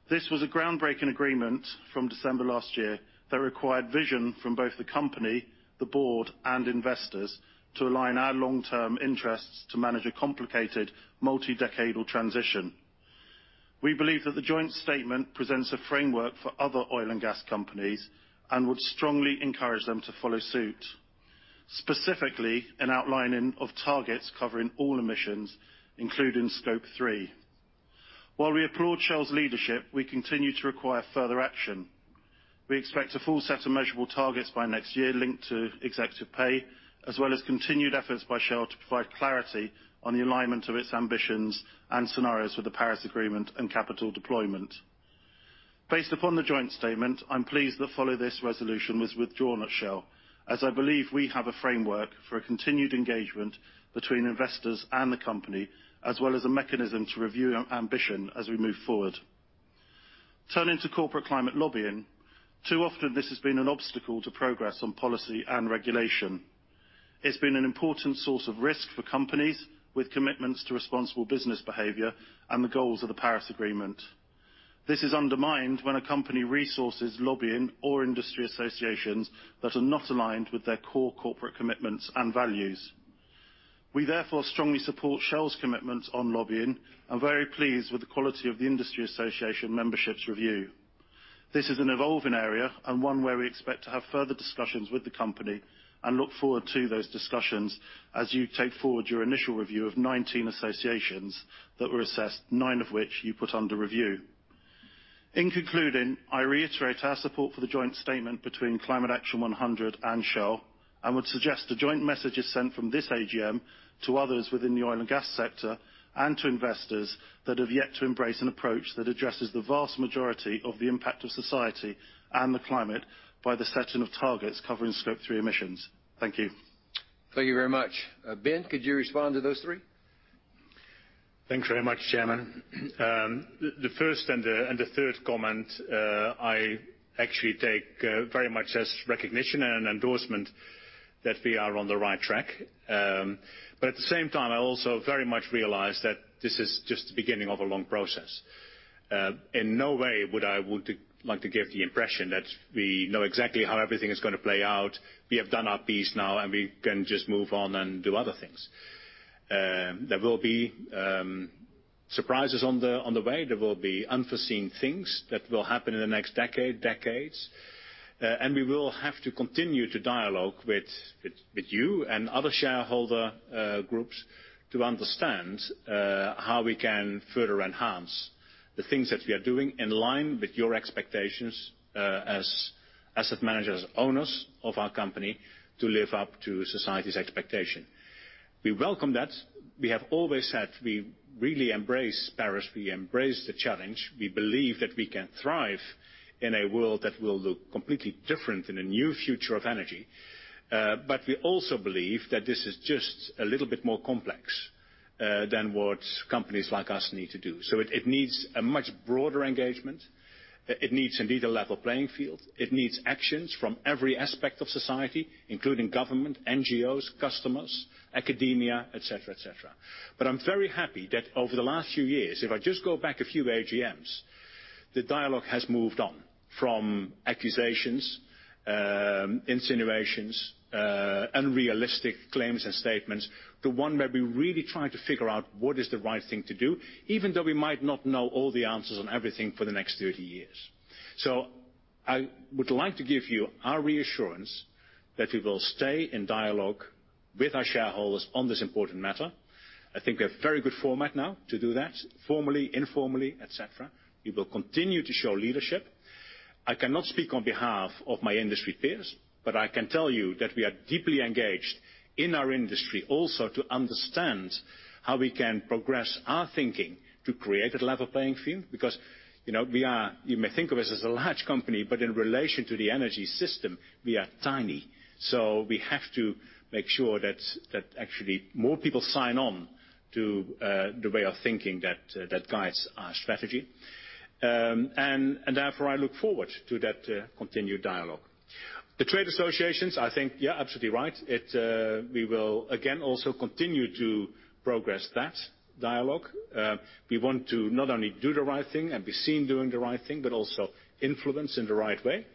This was a groundbreaking agreement from December last year that required vision from both the company, the board, and investors to align our long-term interests to manage a complicated, multi-decadal transition. We believe that the joint statement presents a framework for other oil and gas companies and would strongly encourage them to follow suit. Specifically, an outlining of targets covering all emissions, including Scope 3. While we applaud Shell's leadership, we continue to require further action. We expect a full set of measurable targets by next year linked to executive pay, as well as continued efforts by Shell to provide clarity on the alignment of its ambitions and scenarios for the Paris Agreement and capital deployment. Based upon the joint statement, I'm pleased the Follow This resolution was withdrawn at Shell, as I believe we have a framework for a continued engagement between investors and the company, as well as a mechanism to review ambition as we move forward. Turning to corporate climate lobbying, too often this has been an obstacle to progress on policy and regulation. It's been an important source of risk for companies with commitments to responsible business behavior and the goals of the Paris Agreement. This is undermined when a company resources lobbying or industry associations that are not aligned with their core corporate commitments and values. We therefore strongly support Shell's commitment on lobbying and very pleased with the quality of the industry association memberships review. This is an evolving area and one where we expect to have further discussions with the company and look forward to those discussions as you take forward your initial review of 19 associations that were assessed, nine of which you put under review. In concluding, I reiterate our support for the joint statement between Climate Action 100+ and Shell, and would suggest a joint message is sent from this AGM to others within the oil and gas sector, and to investors that have yet to embrace an approach that addresses the vast majority of the impact of society and the climate by the setting of targets covering Scope 3 emissions. Thank you. Thank you very much. Ben, could you respond to those three? Thanks very much, Chairman. The first and the third comment, I actually take very much as recognition and endorsement that we are on the right track. At the same time, I also very much realize that this is just the beginning of a long process. In no way would I like to give the impression that we know exactly how everything is going to play out, we have done our piece now, and we can just move on and do other things. There will be surprises on the way. There will be unforeseen things that will happen in the next decades. We will have to continue to dialogue with you and other shareholder groups to understand how we can further enhance the things that we are doing in line with your expectations as asset managers, owners of our company, to live up to society's expectation. We welcome that. We have always said we really embrace Paris. We embrace the challenge. We believe that we can thrive in a world that will look completely different in a new future of energy. We also believe that this is just a little bit more complex than what companies like us need to do. It needs a much broader engagement. It needs indeed a level playing field. It needs actions from every aspect of society, including government, NGOs, customers, academia, et cetera. I'm very happy that over the last few years, if I just go back a few AGMs, the dialogue has moved on from accusations, insinuations, unrealistic claims and statements to one where we really try to figure out what is the right thing to do, even though we might not know all the answers on everything for the next 30 years. I would like to give you our reassurance that we will stay in dialogue with our shareholders on this important matter. I think we have very good format now to do that formally, informally, et cetera. We will continue to show leadership. I cannot speak on behalf of my industry peers. I can tell you that we are deeply engaged in our industry also to understand how we can progress our thinking to create a level playing field. You may think of us as a large company, but in relation to the energy system, we are tiny. We have to make sure that actually more people sign on to the way of thinking that guides our strategy. Therefore I look forward to that continued dialogue. The trade associations, I think, you're absolutely right. We will again also continue to progress that dialogue. We want to not only do the right thing and be seen doing the right thing, but also influence in the right way.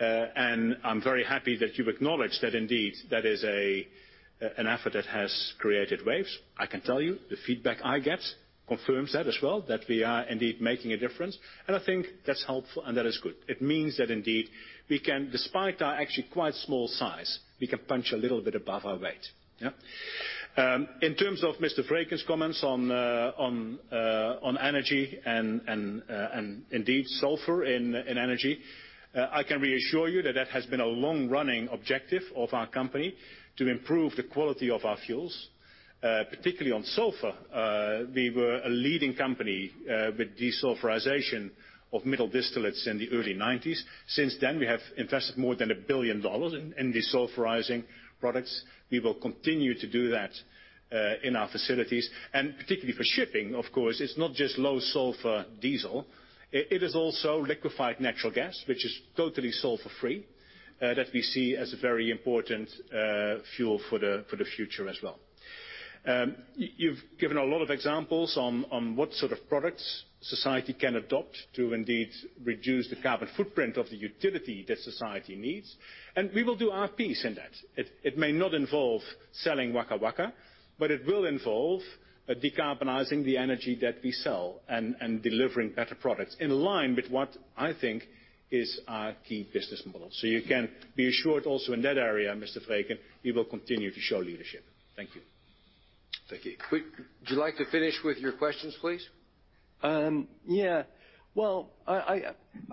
I'm very happy that you've acknowledged that indeed that is an effort that has created waves. I can tell you the feedback I get confirms that as well, that we are indeed making a difference. I think that's helpful and that is good. It means that indeed, despite our actually quite small size, we can punch a little bit above our weight. In terms of Mr. Vreeken's comments on energy and indeed sulfur in energy, I can reassure you that that has been a long-running objective of our company to improve the quality of our fuels. Particularly on sulfur, we were a leading company with desulfurization of middle distillates in the early '90s. Since then, we have invested more than $1 billion in desulfurizing products. We will continue to do that in our facilities. Particularly for shipping, of course, it's not just low sulfur diesel. It is also liquefied natural gas, which is totally sulfur-free, that we see as a very important fuel for the future as well. You've given a lot of examples on what sort of products society can adopt to indeed reduce the carbon footprint of the utility that society needs. We will do our piece in that. It may not involve selling WakaWaka, but it will involve decarbonizing the energy that we sell and delivering better products in line with what I think is our key business model. You can be assured also in that area, Mr. Vreeken, we will continue to show leadership. Thank you. Thank you. Would you like to finish with your questions, please? Yeah.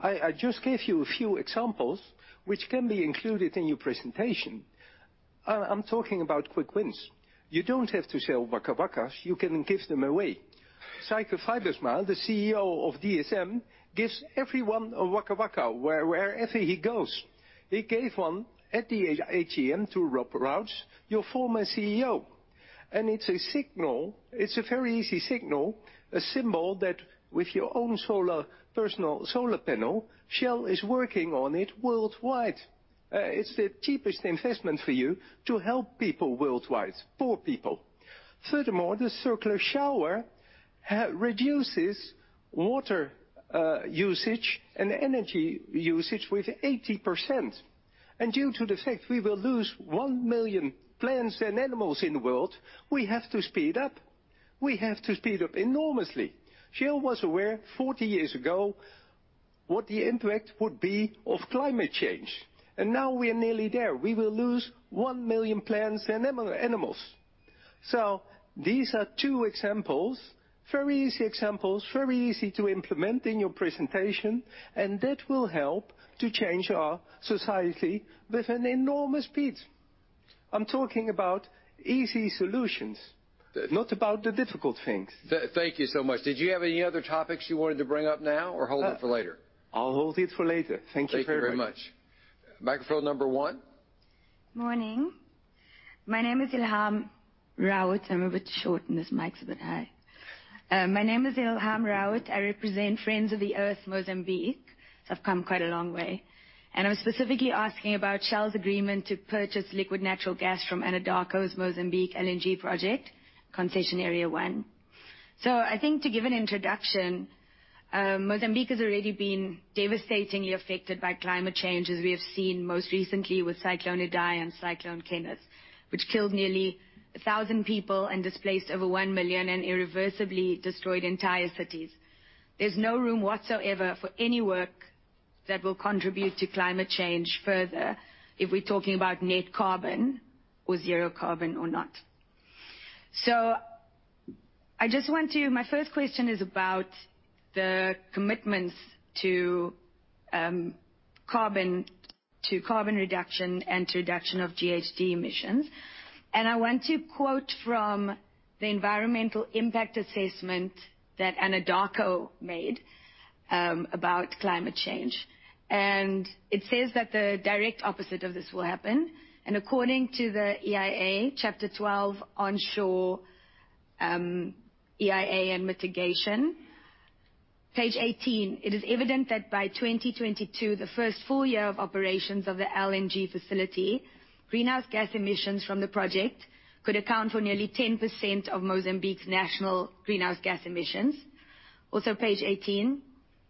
I just gave you a few examples which can be included in your presentation. I'm talking about quick wins. You don't have to sell WakaWakas, you can give them away. Feike Sijbesma, the CEO of DSM, gives everyone a WakaWaka wherever he goes. He gave one at the AGM to Rob Routs, your former CEO. It's a signal. It's a very easy signal, a symbol that with your own personal solar panel, Shell is working on it worldwide It's the cheapest investment for you to help people worldwide, poor people. Furthermore, the circular shower reduces water usage and energy usage with 80%. Due to the fact we will lose 1 million plants and animals in the world, we have to speed up. We have to speed up enormously. Shell was aware, 40 years ago, what the impact would be of climate change. Now we are nearly there. We will lose 1 million plants and animals. These are two examples, very easy examples, very easy to implement in your presentation, and that will help to change our society with an enormous speed. I'm talking about easy solutions, not about the difficult things. Thank you so much. Did you have any other topics you wanted to bring up now or hold it for later? I'll hold it for later. Thank you very much. Thank you very much. Microphone number one. Morning. My name is Ilham Rawoot. I'm a bit short and this mic's a bit high. My name is Ilham Rawoot. I represent Friends of the Earth Mozambique, so I've come quite a long way. I was specifically asking about Shell's agreement to purchase liquid natural gas from Anadarko's Mozambique LNG project, Concession Area 1. I think to give an introduction, Mozambique has already been devastatingly affected by climate change, as we have seen most recently with Cyclone Idai and Cyclone Kenneth, which killed nearly 1,000 people and displaced over 1 million and irreversibly destroyed entire cities. There's no room whatsoever for any work that will contribute to climate change further if we're talking about net carbon or zero carbon or not. My first question is about the commitments to carbon reduction and to reduction of GHG emissions. I want to quote from the environmental impact assessment that Anadarko made about climate change. It says that the direct opposite of this will happen. According to the EIA, Chapter 12, Onshore EIA and Mitigation, page 18, "It is evident that by 2022, the first full year of operations of the LNG facility, greenhouse gas emissions from the project could account for nearly 10% of Mozambique's national greenhouse gas emissions." Also page 18,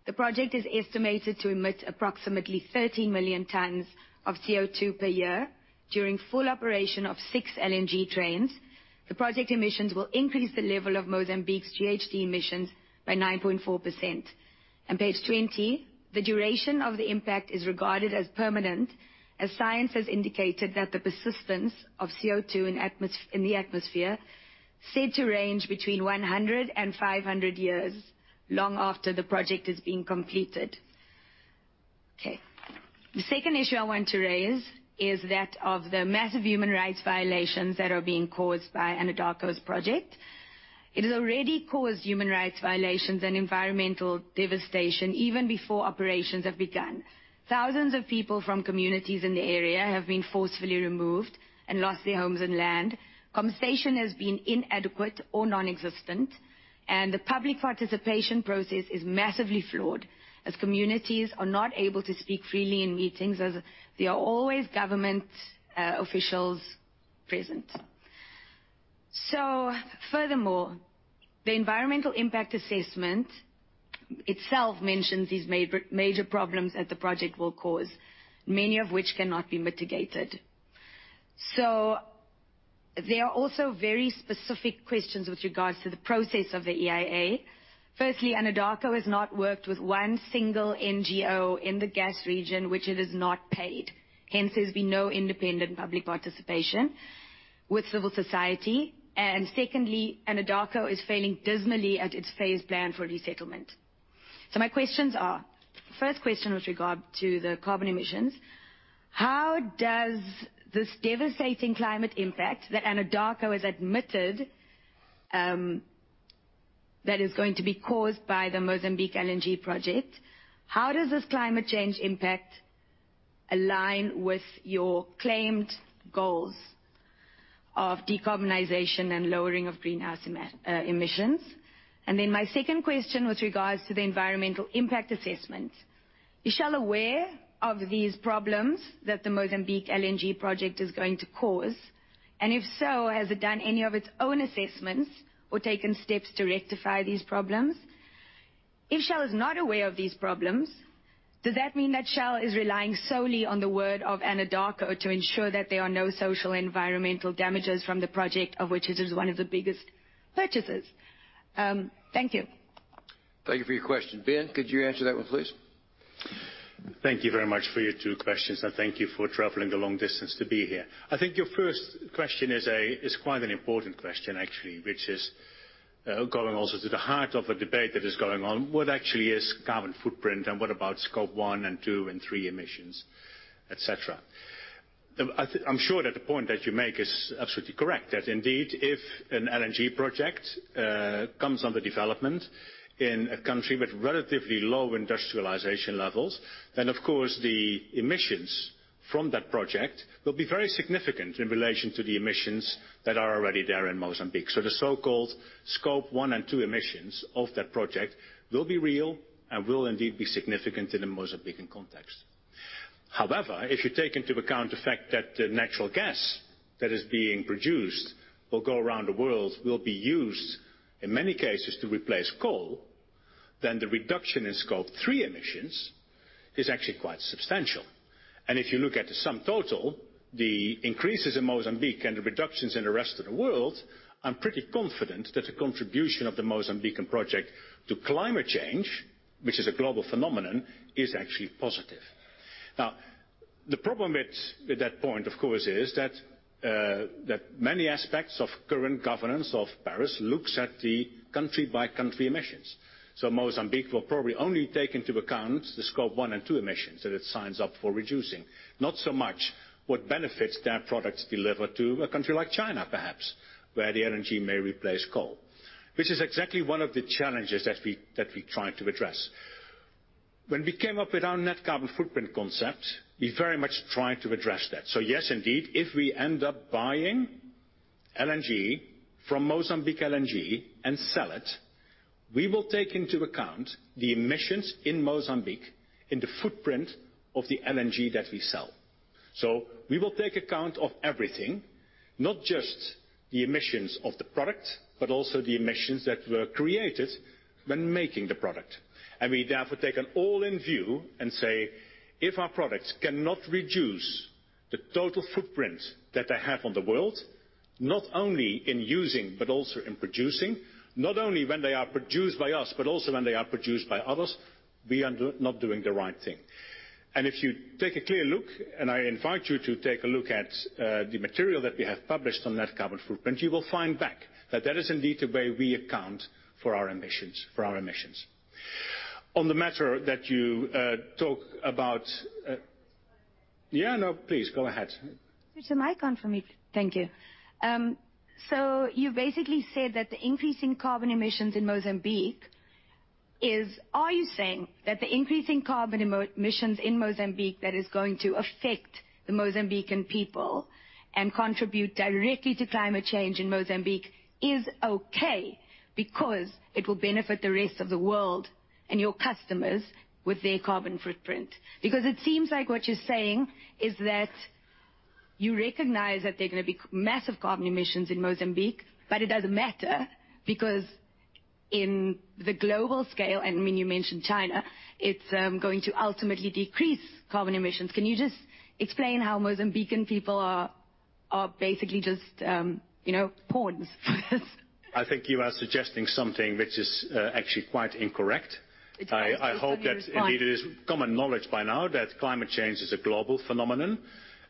"The project is estimated to emit approximately 30 million tons of CO2 per year during full operation of six LNG trains. The project emissions will increase the level of Mozambique's GHG emissions by 9.4%." Page 20, "The duration of the impact is regarded as permanent, as science has indicated that the persistence of CO2 in the atmosphere said to range between 100 and 500 years, long after the project has been completed." Okay. The second issue I want to raise is that of the massive human rights violations that are being caused by Anadarko's project. It has already caused human rights violations and environmental devastation even before operations have begun. Thousands of people from communities in the area have been forcefully removed and lost their homes and land. Compensation has been inadequate or nonexistent. The public participation process is massively flawed, as communities are not able to speak freely in meetings as there are always government officials present. Furthermore, the environmental impact assessment itself mentions these major problems that the project will cause, many of which cannot be mitigated. There are also very specific questions with regards to the process of the EIA. Firstly, Anadarko has not worked with one single NGO in the gas region which it has not paid. Hence, there's been no independent public participation with civil society. Secondly, Anadarko is failing dismally at its phased plan for resettlement. My questions are, first question with regard to the carbon emissions, how does this devastating climate impact that Anadarko has admitted that is going to be caused by the Mozambique LNG project, how does this climate change impact align with your claimed goals of decarbonization and lowering of greenhouse emissions? My second question with regards to the environmental impact assessment, is Shell aware of these problems that the Mozambique LNG project is going to cause? If so, has it done any of its own assessments or taken steps to rectify these problems? If Shell is not aware of these problems, does that mean that Shell is relying solely on the word of Anadarko to ensure that there are no social and environmental damages from the project of which it is one of the biggest purchasers? Thank you. Thank you for your question. Ben, could you answer that one, please? Thank you very much for your two questions. Thank you for traveling a long distance to be here. I think your first question is quite an important question, actually, which is going also to the heart of a debate that is going on. What actually is carbon footprint, what about Scope 1 and 2 and 3 emissions, et cetera? I'm sure that the point that you make is absolutely correct. Indeed, if an LNG project comes under development in a country with relatively low industrialization levels, then of course, the emissions from that project will be very significant in relation to the emissions that are already there in Mozambique. The so-called Scope 1 and Scope 2 emissions of that project will be real and will indeed be significant in the Mozambican context. However, if you take into account the fact that the natural gas that is being produced will go around the world, will be used, in many cases, to replace coal, then the reduction in Scope 3 emissions is actually quite substantial. If you look at the sum total, the increases in Mozambique and the reductions in the rest of the world, I'm pretty confident that the contribution of the Mozambican project to climate change, which is a global phenomenon, is actually positive. The problem with that point, of course, is that many aspects of current governance of Paris looks at the country-by-country emissions. Mozambique will probably only take into account the Scope 1 and Scope 2 emissions that it signs up for reducing, not so much what benefits their products deliver to a country like China, perhaps, where the energy may replace coal. Which is exactly one of the challenges that we try to address. When we came up with our net carbon footprint concept, we very much tried to address that. Yes, indeed, if we end up buying LNG from Mozambique LNG and sell it, we will take into account the emissions in Mozambique in the footprint of the LNG that we sell. We will take account of everything, not just the emissions of the product, but also the emissions that were created when making the product. We therefore take an all-in view and say, "If our products cannot reduce the total footprint that they have on the world, not only in using, but also in producing, not only when they are produced by us, but also when they are produced by others, we are not doing the right thing." If you take a clear look, and I invite you to take a look at the material that we have published on net carbon footprint, you will find back that that is indeed the way we account for our emissions. Can you repeat the question? Yeah, no, please, go ahead. Switch the mic on for me. Thank you. You basically said that the increase in carbon emissions in Mozambique. Are you saying that the increase in carbon emissions in Mozambique that is going to affect the Mozambican people and contribute directly to climate change in Mozambique is okay because it will benefit the rest of the world and your customers with their carbon footprint? It seems like what you're saying is that you recognize that there are going to be massive carbon emissions in Mozambique, but it doesn't matter because in the global scale, and when you mention China, it's going to ultimately decrease carbon emissions. Can you just explain how Mozambican people are basically just pawns for this? I think you are suggesting something which is actually quite incorrect. It's how I understood your response. I hope that indeed it is common knowledge by now that climate change is a global phenomenon,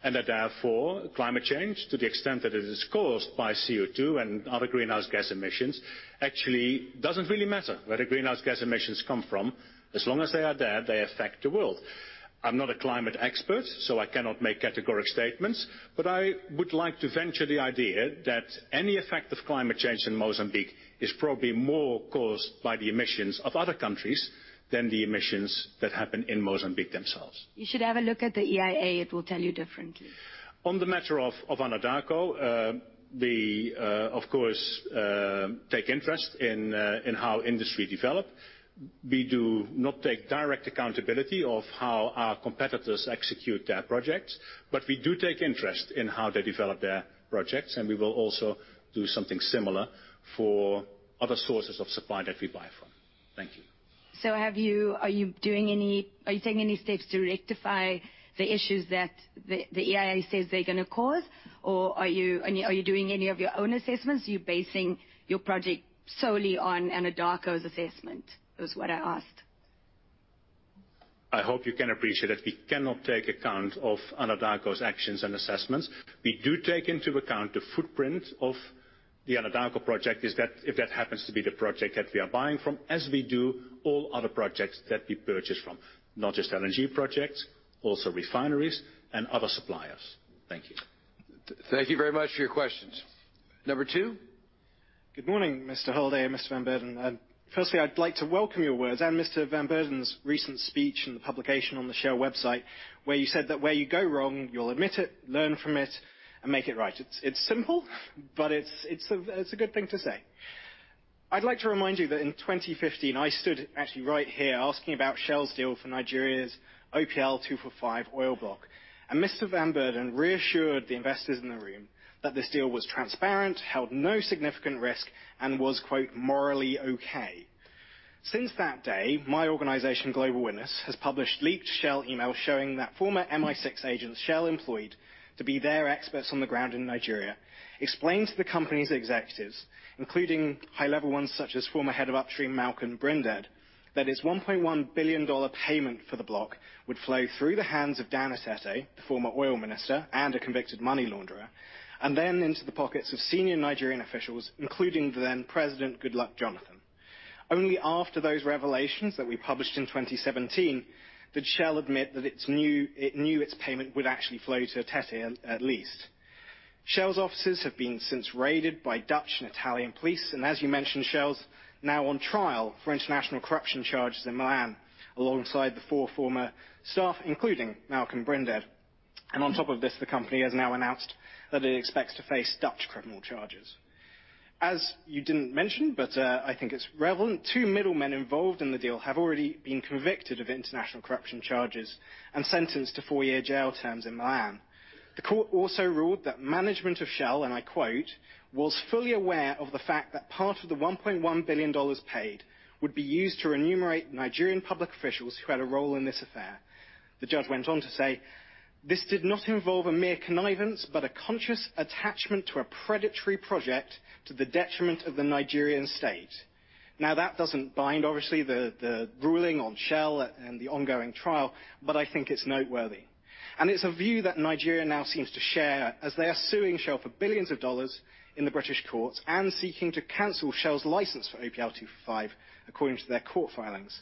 and that therefore climate change, to the extent that it is caused by CO2 and other greenhouse gas emissions, actually doesn't really matter where the greenhouse gas emissions come from. As long as they are there, they affect the world. I'm not a climate expert, so I cannot make categoric statements, but I would like to venture the idea that any effect of climate change in Mozambique is probably more caused by the emissions of other countries than the emissions that happen in Mozambique themselves. You should have a look at the EIA, it will tell you differently. On the matter of Anadarko, we of course take interest in how industry develop. We do not take direct accountability of how our competitors execute their projects, but we do take interest in how they develop their projects, and we will also do something similar for other sources of supply that we buy from. Thank you. Are you taking any steps to rectify the issues that the EIA says they're going to cause? Are you doing any of your own assessments? Are you basing your project solely on Anadarko's assessment, is what I asked. I hope you can appreciate that we cannot take account of Anadarko's actions and assessments. We do take into account the footprint of the Anadarko project if that happens to be the project that we are buying from, as we do all other projects that we purchase from, not just LNG projects, also refineries and other suppliers. Thank you. Thank you very much for your questions. Number two. Good morning, Mr. Holliday and Mr. Van Beurden. Firstly, I'd like to welcome your words and Mr. Van Beurden's recent speech in the publication on the shell.com website, where you said that where you go wrong, you'll admit it, learn from it and make it right. It's simple, it's a good thing to say. I'd like to remind you that in 2015, I stood actually right here asking about Shell's deal for Nigeria's OPL 245 oil block. Mr. Van Beurden reassured the investors in the room that this deal was transparent, held no significant risk, and was, quote, "Morally okay." Since that day, my organization, Global Witness, has published leaked Shell emails showing that former MI6 agents Shell employed to be their experts on the ground in Nigeria, explained to the company's executives, including high-level ones such as former head of upstream Malcolm Brinded, that its $1.1 billion payment for the block would flow through the hands of Dan Etete, the former oil minister and a convicted money launderer, then into the pockets of senior Nigerian officials, including the then President Goodluck Jonathan. Only after those revelations that we published in 2017, did Shell admit that it knew its payment would actually flow to Etete, at least. Shell's offices have been since raided by Dutch and Italian police, and as you mentioned, Shell's now on trial for international corruption charges in Milan alongside the four former staff, including Malcolm Brinded. On top of this, the company has now announced that it expects to face Dutch criminal charges. You didn't mention, but I think it's relevant, two middlemen involved in the deal have already been convicted of international corruption charges and sentenced to four-year jail terms in Milan. The court also ruled that management of Shell, and I quote, "Was fully aware of the fact that part of the $1.1 billion paid would be used to remunerate Nigerian public officials who had a role in this affair." The judge went on to say, "This did not involve a mere connivance, but a conscious attachment to a predatory project to the detriment of the Nigerian state." That doesn't bind, obviously, the ruling on Shell and the ongoing trial, but I think it's noteworthy. It's a view that Nigeria now seems to share as they are suing Shell for billions of dollars in the British courts and seeking to cancel Shell's license for OPL 245, according to their court filings.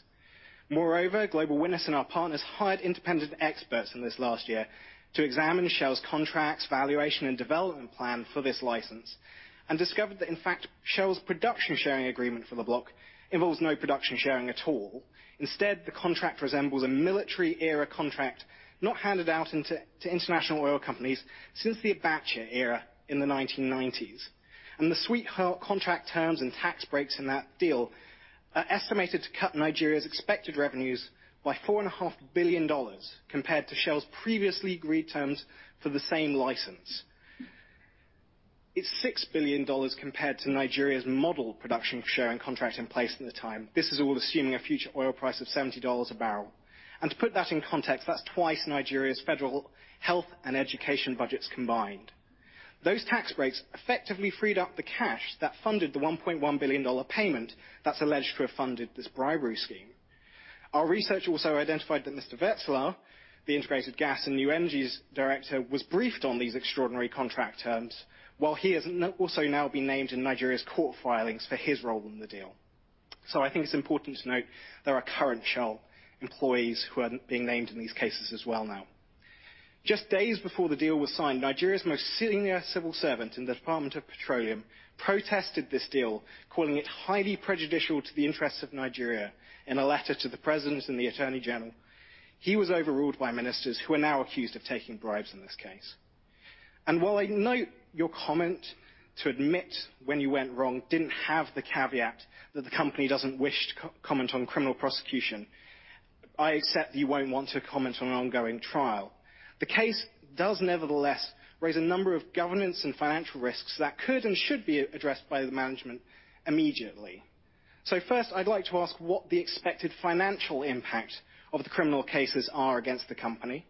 Global Witness and our partners hired independent experts in this last year to examine Shell's contracts, valuation, and development plan for this license, and discovered that, in fact, Shell's production sharing agreement for the block involves no production sharing at all. Instead, the contract resembles a military-era contract not handed out to international oil companies since the Abacha era in the 1990s. The sweetheart contract terms and tax breaks in that deal are estimated to cut Nigeria's expected revenues by $4.5 billion compared to Shell's previously agreed terms for the same license. It's $6 billion compared to Nigeria's model production sharing contract in place at the time. This is all assuming a future oil price of $70 a barrel. To put that in context, that's twice Nigeria's federal health and education budgets combined. Those tax breaks effectively freed up the cash that funded the $1.1 billion payment that's alleged to have funded this bribery scheme. Our research also identified that Mr. Wetselaar, the Integrated Gas and New Energies Director, was briefed on these extraordinary contract terms. While he has also now been named in Nigeria's court filings for his role in the deal. I think it's important to note there are current Shell employees who are being named in these cases as well now. Just days before the deal was signed, Nigeria's most senior civil servant in the Department of Petroleum protested this deal, calling it highly prejudicial to the interests of Nigeria in a letter to the president and the attorney general. He was overruled by ministers who are now accused of taking bribes in this case. While I note your comment to admit when you went wrong didn't have the caveat that the company doesn't wish to comment on criminal prosecution, I accept that you won't want to comment on an ongoing trial. The case does nevertheless raise a number of governance and financial risks that could and should be addressed by the management immediately. First, I'd like to ask what the expected financial impact of the criminal cases are against the company,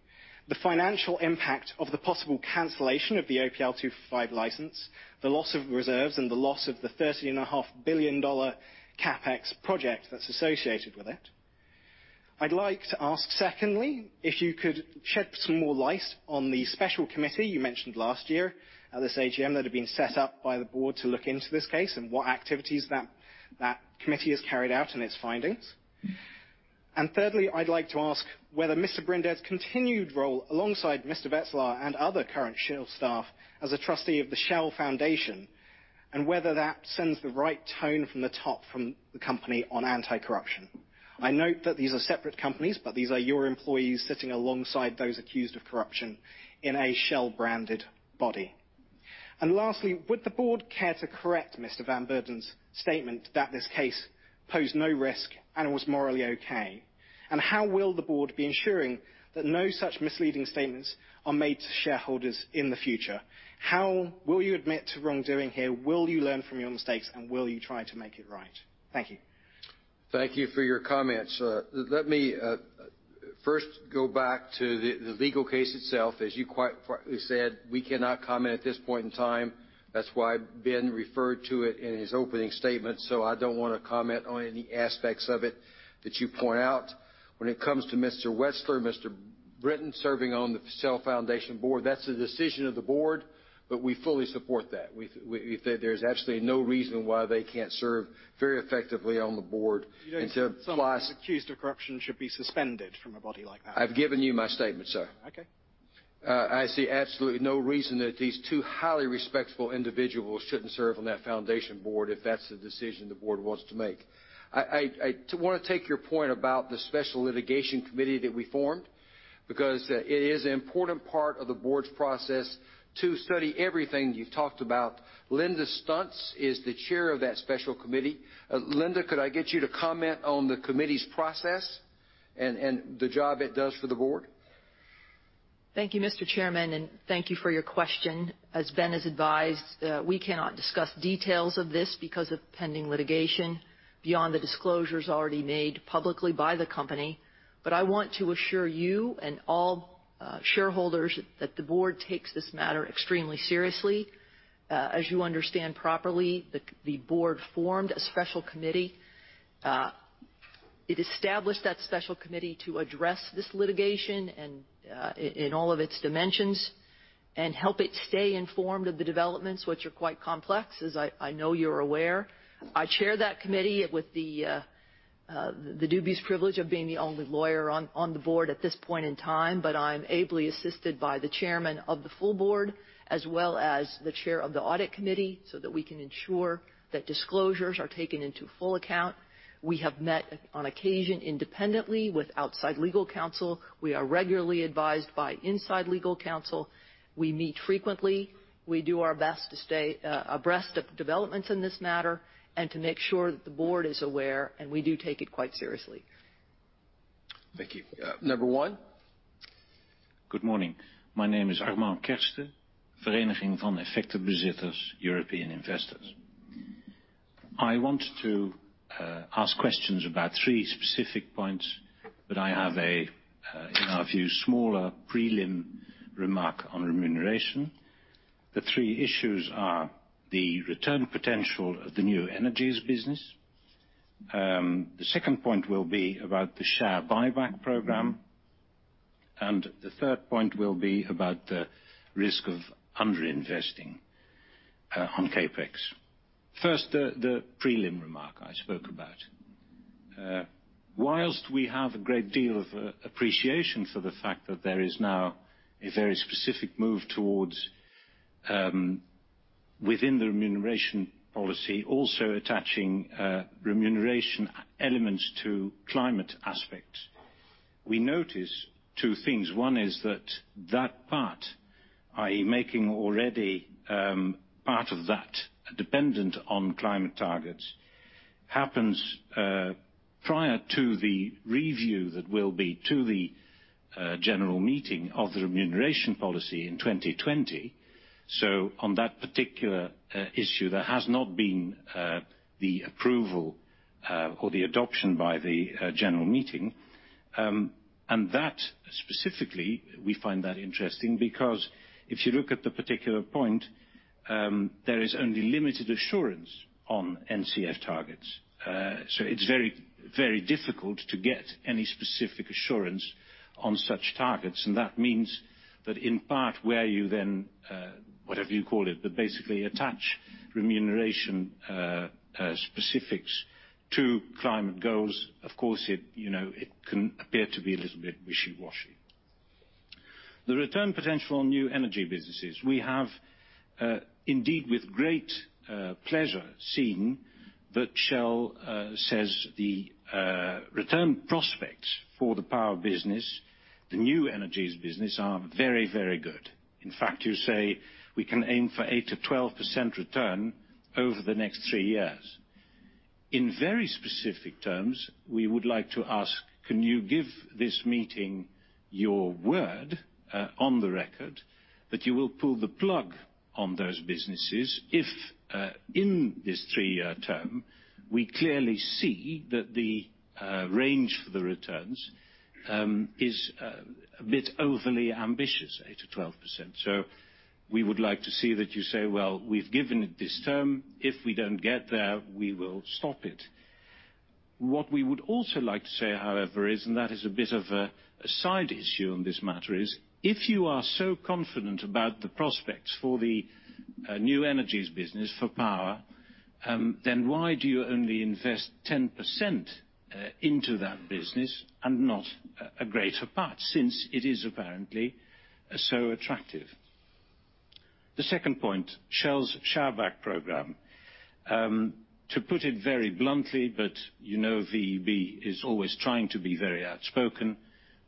the financial impact of the possible cancellation of the OPL 245 license, the loss of reserves, and the loss of the $30.5 billion CapEx project that's associated with it. I'd like to ask, secondly, if you could shed some more light on the special committee you mentioned last year at this AGM that had been set up by the board to look into this case, and what activities that committee has carried out and its findings. Thirdly, I'd like to ask whether Mr. Brinded's continued role alongside Mr. Wetselaar and other current Shell staff as a trustee of the Shell Foundation, and whether that sends the right tone from the top from the company on anti-corruption. I note that these are separate companies, but these are your employees sitting alongside those accused of corruption in a Shell-branded body. Lastly, would the board care to correct Mr. van Beurden's statement that this case posed no risk and was morally okay? How will the board be ensuring that no such misleading statements are made to shareholders in the future? How will you admit to wrongdoing here? Will you learn from your mistakes, and will you try to make it right? Thank you. Thank you for your comments. Let me first go back to the legal case itself. As you quite said, we cannot comment at this point in time. That's why Ben referred to it in his opening statement. I don't want to comment on any aspects of it that you point out. When it comes to Mr. Wetselaar, Mr. Brinded serving on the Shell Foundation board, that's the decision of the board, but we fully support that. There's absolutely no reason why they can't serve very effectively on the board until You don't think someone who is accused of corruption should be suspended from a body like that? I've given you my statement, sir. Okay. I see absolutely no reason that these two highly respectful individuals shouldn't serve on that foundation board if that's the decision the board wants to make. I want to take your point about the special litigation committee that we formed because it is an important part of the board's process to study everything you've talked about. Linda Stuntz is the chair of that special committee. Linda, could I get you to comment on the committee's process and the job it does for the board? Thank you, Mr. Chairman. Thank you for your question. As Ben has advised, we cannot discuss details of this because of pending litigation beyond the disclosures already made publicly by the company. I want to assure you and all shareholders that the board takes this matter extremely seriously. As you understand properly, the board formed a special committee. It established that special committee to address this litigation and in all of its dimensions and help it stay informed of the developments, which are quite complex, as I know you're aware. I chair that committee with the dubious privilege of being the only lawyer on the board at this point in time, but I'm ably assisted by the chairman of the full board as well as the chair of the audit committee so that we can ensure that disclosures are taken into full account. We have met on occasion independently with outside legal counsel. We are regularly advised by inside legal counsel. We meet frequently. We do our best to stay abreast of the developments in this matter and to make sure that the board is aware. We do take it quite seriously. Thank you. Number one Good morning. My name is Armand Kersten, Vereniging van Effectenbezitters, European Investors. I want to ask questions about three specific points. I have, in our view, smaller prelim remark on remuneration. The three issues are the return potential of the new energies business. The second point will be about the share buyback program. The third point will be about the risk of under-investing on CapEx. The prelim remark I spoke about. Whilst we have a great deal of appreciation for the fact that there is now a very specific move towards, within the remuneration policy, also attaching remuneration elements to climate aspects. We notice two things. One is that that part, i.e. making already part of that dependent on climate targets, happens prior to the review that will be to the general meeting of the remuneration policy in 2020. On that particular issue, there has not been the approval or the adoption by the general meeting. That specifically, we find that interesting because if you look at the particular point, there is only limited assurance on NCF targets. It's very difficult to get any specific assurance on such targets. That means that in part, where you then, whatever you call it, but basically attach remuneration specifics to climate goals, of course, it can appear to be a little bit wishy-washy. The return potential on new energy businesses. We have, indeed with great pleasure, seen that Shell says the return prospects for the power business, the new energies business, are very good. In fact, you say we can aim for 8%-12% return over the next three years. In very specific terms, we would like to ask, can you give this meeting your word, on the record, that you will pull the plug on those businesses if in this three-year term, we clearly see that the range for the returns is a bit overly ambitious, 8%-12%? We would like to see that you say, "Well, we've given it this term. If we don't get there, we will stop it." What we would also like to say, however, is, and that is a bit of a side issue on this matter is, if you are so confident about the prospects for the new energies business for power, then why do you only invest 10% into that business and not a greater part since it is apparently so attractive? The second point, Shell's share buyback program. To put it very bluntly, but you know VEB is always trying to be very outspoken.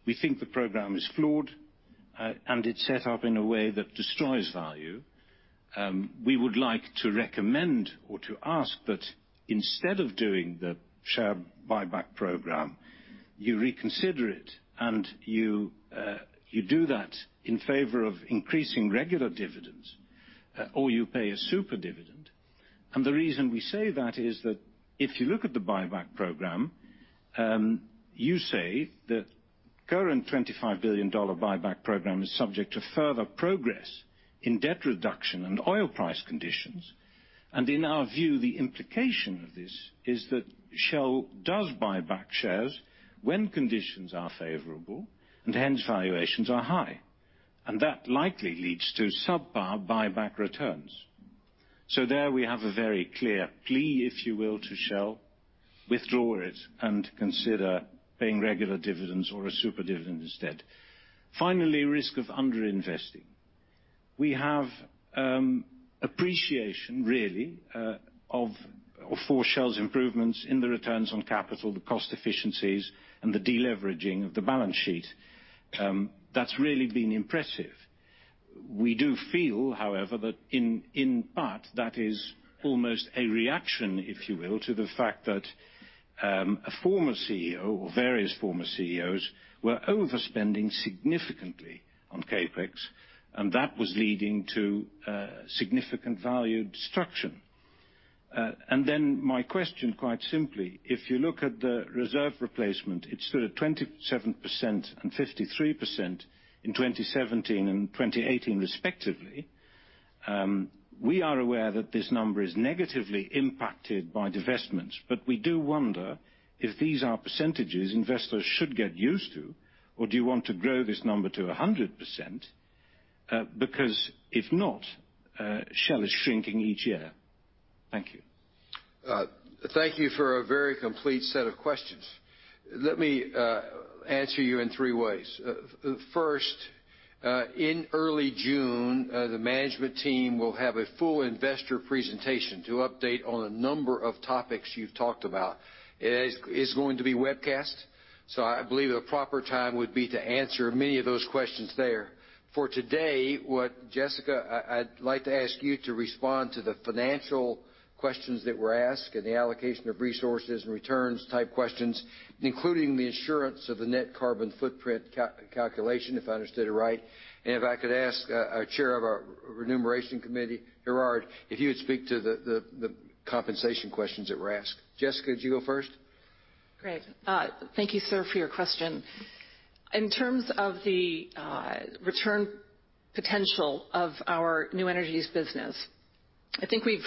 We think the program is flawed, and it's set up in a way that destroys value. We would like to recommend or to ask that instead of doing the share buyback program, you reconsider it and you do that in favor of increasing regular dividends, or you pay a super dividend. The reason we say that is that if you look at the buyback program, you say the current $25 billion buyback program is subject to further progress in debt reduction and oil price conditions. In our view, the implication of this is that Shell does buy back shares when conditions are favorable and hence valuations are high, and that likely leads to subpar buyback returns. There we have a very clear plea, if you will, to Shell, withdraw it and consider paying regular dividends or a super dividend instead. Finally, risk of under-investing. We have appreciation, really, for Shell's improvements in the returns on capital, the cost efficiencies, and the deleveraging of the balance sheet. That's really been impressive. We do feel, however, that in part, that is almost a reaction, if you will, to the fact that a former CEO or various former CEOs were overspending significantly on CapEx, and that was leading to significant value destruction. My question, quite simply, if you look at the reserve replacement, it's sort of 27% and 53% in 2017 and 2018, respectively. We are aware that this number is negatively impacted by divestments, but we do wonder if these are percentages investors should get used to, or do you want to grow this number to 100%? If not, Shell is shrinking each year. Thank you. Thank you for a very complete set of questions. Let me answer you in three ways. First, in early June, the management team will have a full investor presentation to update on a number of topics you've talked about. It is going to be webcast, so I believe a proper time would be to answer many of those questions there. For today, Jessica, I'd like to ask you to respond to the financial questions that were asked and the allocation of resources and returns type questions, including the assurance of the net carbon footprint calculation, if I understood it right. If I could ask our chair of our Remuneration Committee, Gerard, if you would speak to the compensation questions that were asked. Jessica, could you go first? Great. Thank you, sir, for your question. In terms of the return potential of our new energies business, I think we've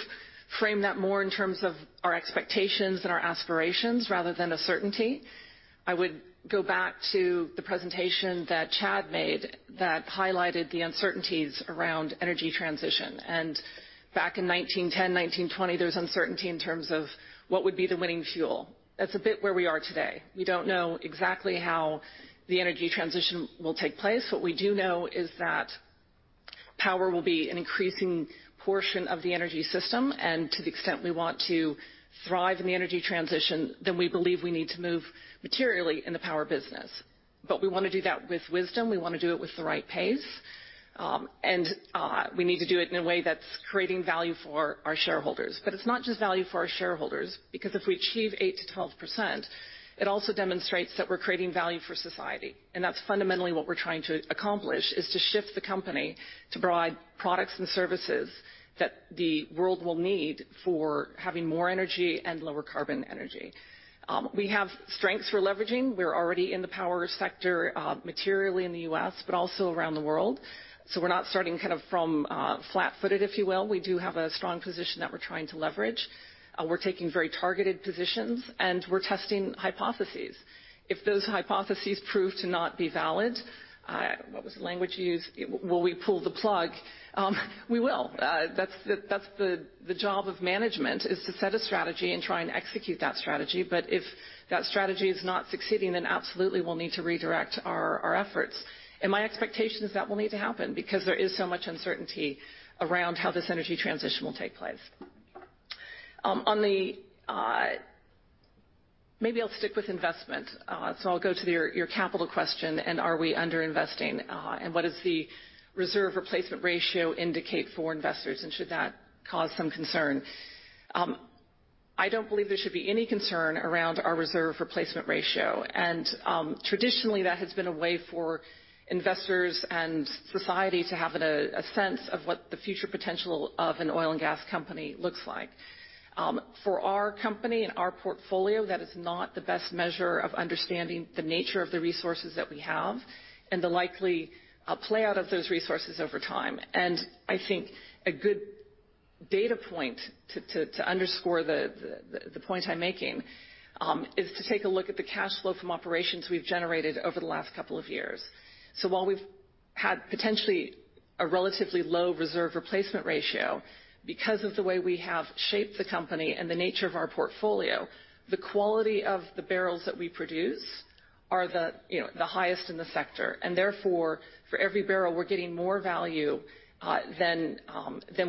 framed that more in terms of our expectations and our aspirations rather than a certainty. I would go back to the presentation that Chad made that highlighted the uncertainties around energy transition. Back in 1910, 1920, there was uncertainty in terms of what would be the winning fuel. That's a bit where we are today. We don't know exactly how the energy transition will take place. What we do know is that power will be an increasing portion of the energy system, and to the extent we want to thrive in the energy transition, then we believe we need to move materially in the power business. We want to do that with wisdom, we want to do it with the right pace. We need to do it in a way that's creating value for our shareholders. It's not just value for our shareholders, because if we achieve 8%-12%, it also demonstrates that we're creating value for society. That's fundamentally what we're trying to accomplish, is to shift the company to provide products and services that the world will need for having more energy and lower carbon energy. We have strengths we're leveraging. We're already in the power sector materially in the U.S., but also around the world. We're not starting from flat-footed, if you will. We do have a strong position that we're trying to leverage. We're taking very targeted positions, and we're testing hypotheses. If those hypotheses prove to not be valid, what was the language you used? Will we pull the plug? We will. That's the job of management, is to set a strategy and try and execute that strategy. If that strategy is not succeeding, absolutely, we'll need to redirect our efforts. My expectation is that will need to happen, because there is so much uncertainty around how this energy transition will take place. Maybe I'll stick with investment. I'll go to your capital question and are we under-investing. What does the reserve replacement ratio indicate for investors, and should that cause some concern? I don't believe there should be any concern around our reserve replacement ratio. Traditionally, that has been a way for investors and society to have a sense of what the future potential of an oil and gas company looks like. For our company and our portfolio, that is not the best measure of understanding the nature of the resources that we have and the likely play-out of those resources over time. I think a good data point to underscore the point I'm making is to take a look at the cash flow from operations we've generated over the last couple of years. While we've had potentially a relatively low reserve replacement ratio, because of the way we have shaped the company and the nature of our portfolio, the quality of the barrels that we produce are the highest in the sector. Therefore, for every barrel, we're getting more value than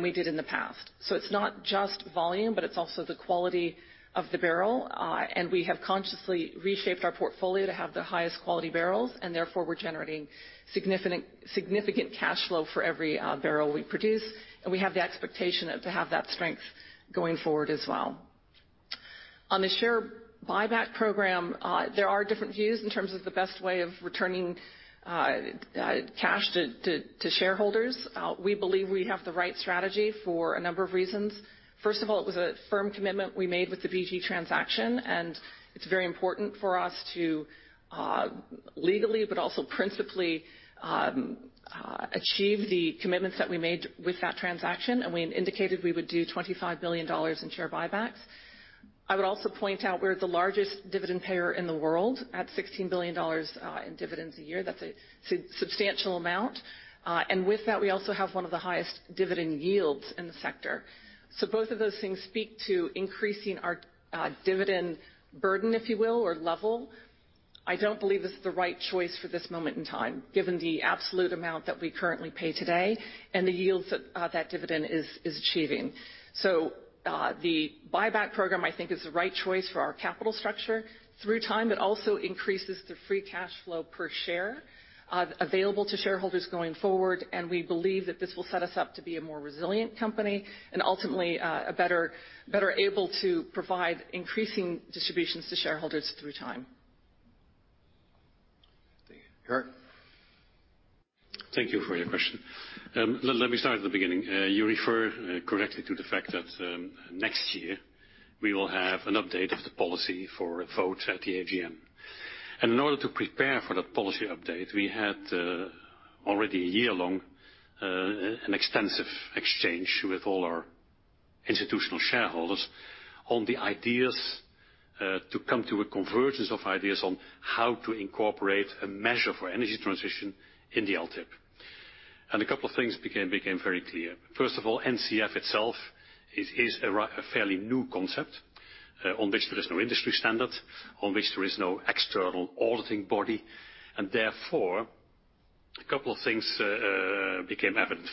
we did in the past. It's not just volume, but it's also the quality of the barrel. We have consciously reshaped our portfolio to have the highest quality barrels, therefore, we're generating significant cash flow for every barrel we produce. We have the expectation to have that strength going forward as well. On the share buyback program, there are different views in terms of the best way of returning cash to shareholders. We believe we have the right strategy for a number of reasons. First of all, it was a firm commitment we made with the BG transaction, it's very important for us to legally, but also principally achieve the commitments that we made with that transaction. We indicated we would do $25 billion in share buybacks. I would also point out we're the largest dividend payer in the world at $16 billion in dividends a year. That's a substantial amount. With that, we also have one of the highest dividend yields in the sector. Both of those things speak to increasing our dividend burden, if you will, or level. I don't believe this is the right choice for this moment in time, given the absolute amount that we currently pay today and the yields that dividend is achieving. The buyback program, I think, is the right choice for our capital structure through time. It also increases the free cash flow per share available to shareholders going forward, we believe that this will set us up to be a more resilient company and ultimately better able to provide increasing distributions to shareholders through time. Thank you. Gerard? Thank you for your question. Let me start at the beginning. You refer correctly to the fact that next year we will have an update of the policy for a vote at the AGM. In order to prepare for that policy update, we had already a year-long extensive exchange with all our institutional shareholders on the ideas to come to a convergence of ideas on how to incorporate a measure for energy transition in the LTIP. A couple of things became very clear. First of all, NCF itself is a fairly new concept on which there is no industry standard, on which there is no external auditing body. Therefore, a couple of things became evident.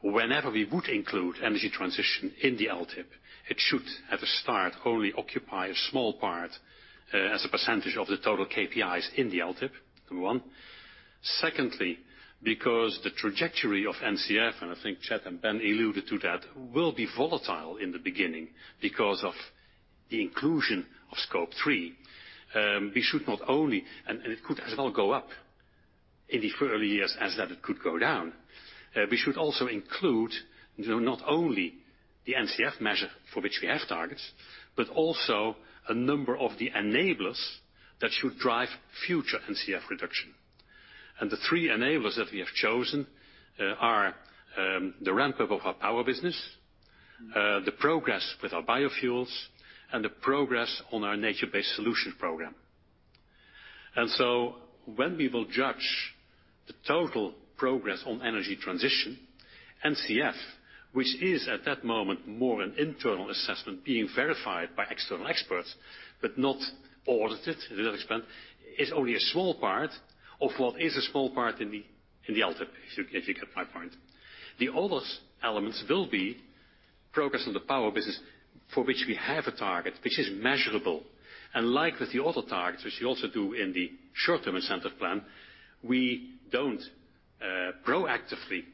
Whenever we would include energy transition in the LTIP, it should, at the start, only occupy a small part as a percentage of the total KPIs in the LTIP, number one. Secondly, because the trajectory of NCF, and I think Chad and Ben alluded to that, will be volatile in the beginning because of the inclusion of Scope 3. We should not only, and it could as well go up in the early years as that it could go down. We should also include not only the NCF measure for which we have targets, but also a number of the enablers that should drive future NCF reduction. The three enablers that we have chosen are the ramp-up of our power business, the progress with our biofuels, and the progress on our nature-based solution program. So when we will judge the total progress on energy transition, NCF, which is at that moment more an internal assessment being verified by external experts, but not audited, is only a small part of what is a small part in the LTIP, if you get my point. The other elements will be progress on the power business, for which we have a target, which is measurable. Like with the other targets, which we also do in the short-term incentive plan, we don't proactively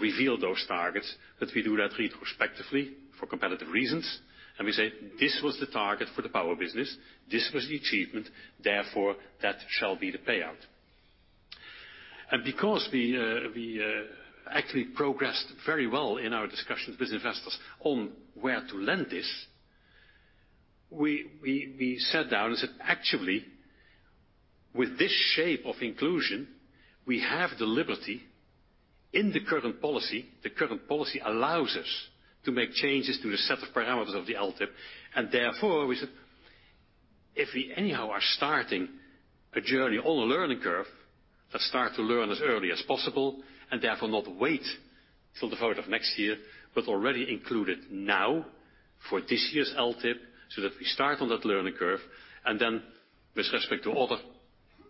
reveal those targets, but we do that retrospectively for competitive reasons. We say, "This was the target for the power business. This was the achievement, therefore, that shall be the payout." Because we actually progressed very well in our discussions with investors on where to lend this, we sat down and said, actually, with this shape of inclusion, we have the liberty in the current policy. The current policy allows us to make changes to the set of parameters of the LTIP. Therefore, we said, if we anyhow are starting a journey on a learning curve, let's start to learn as early as possible, and therefore not wait till the vote of next year, but already include it now for this year's LTIP, so that we start on that learning curve. Then with respect to other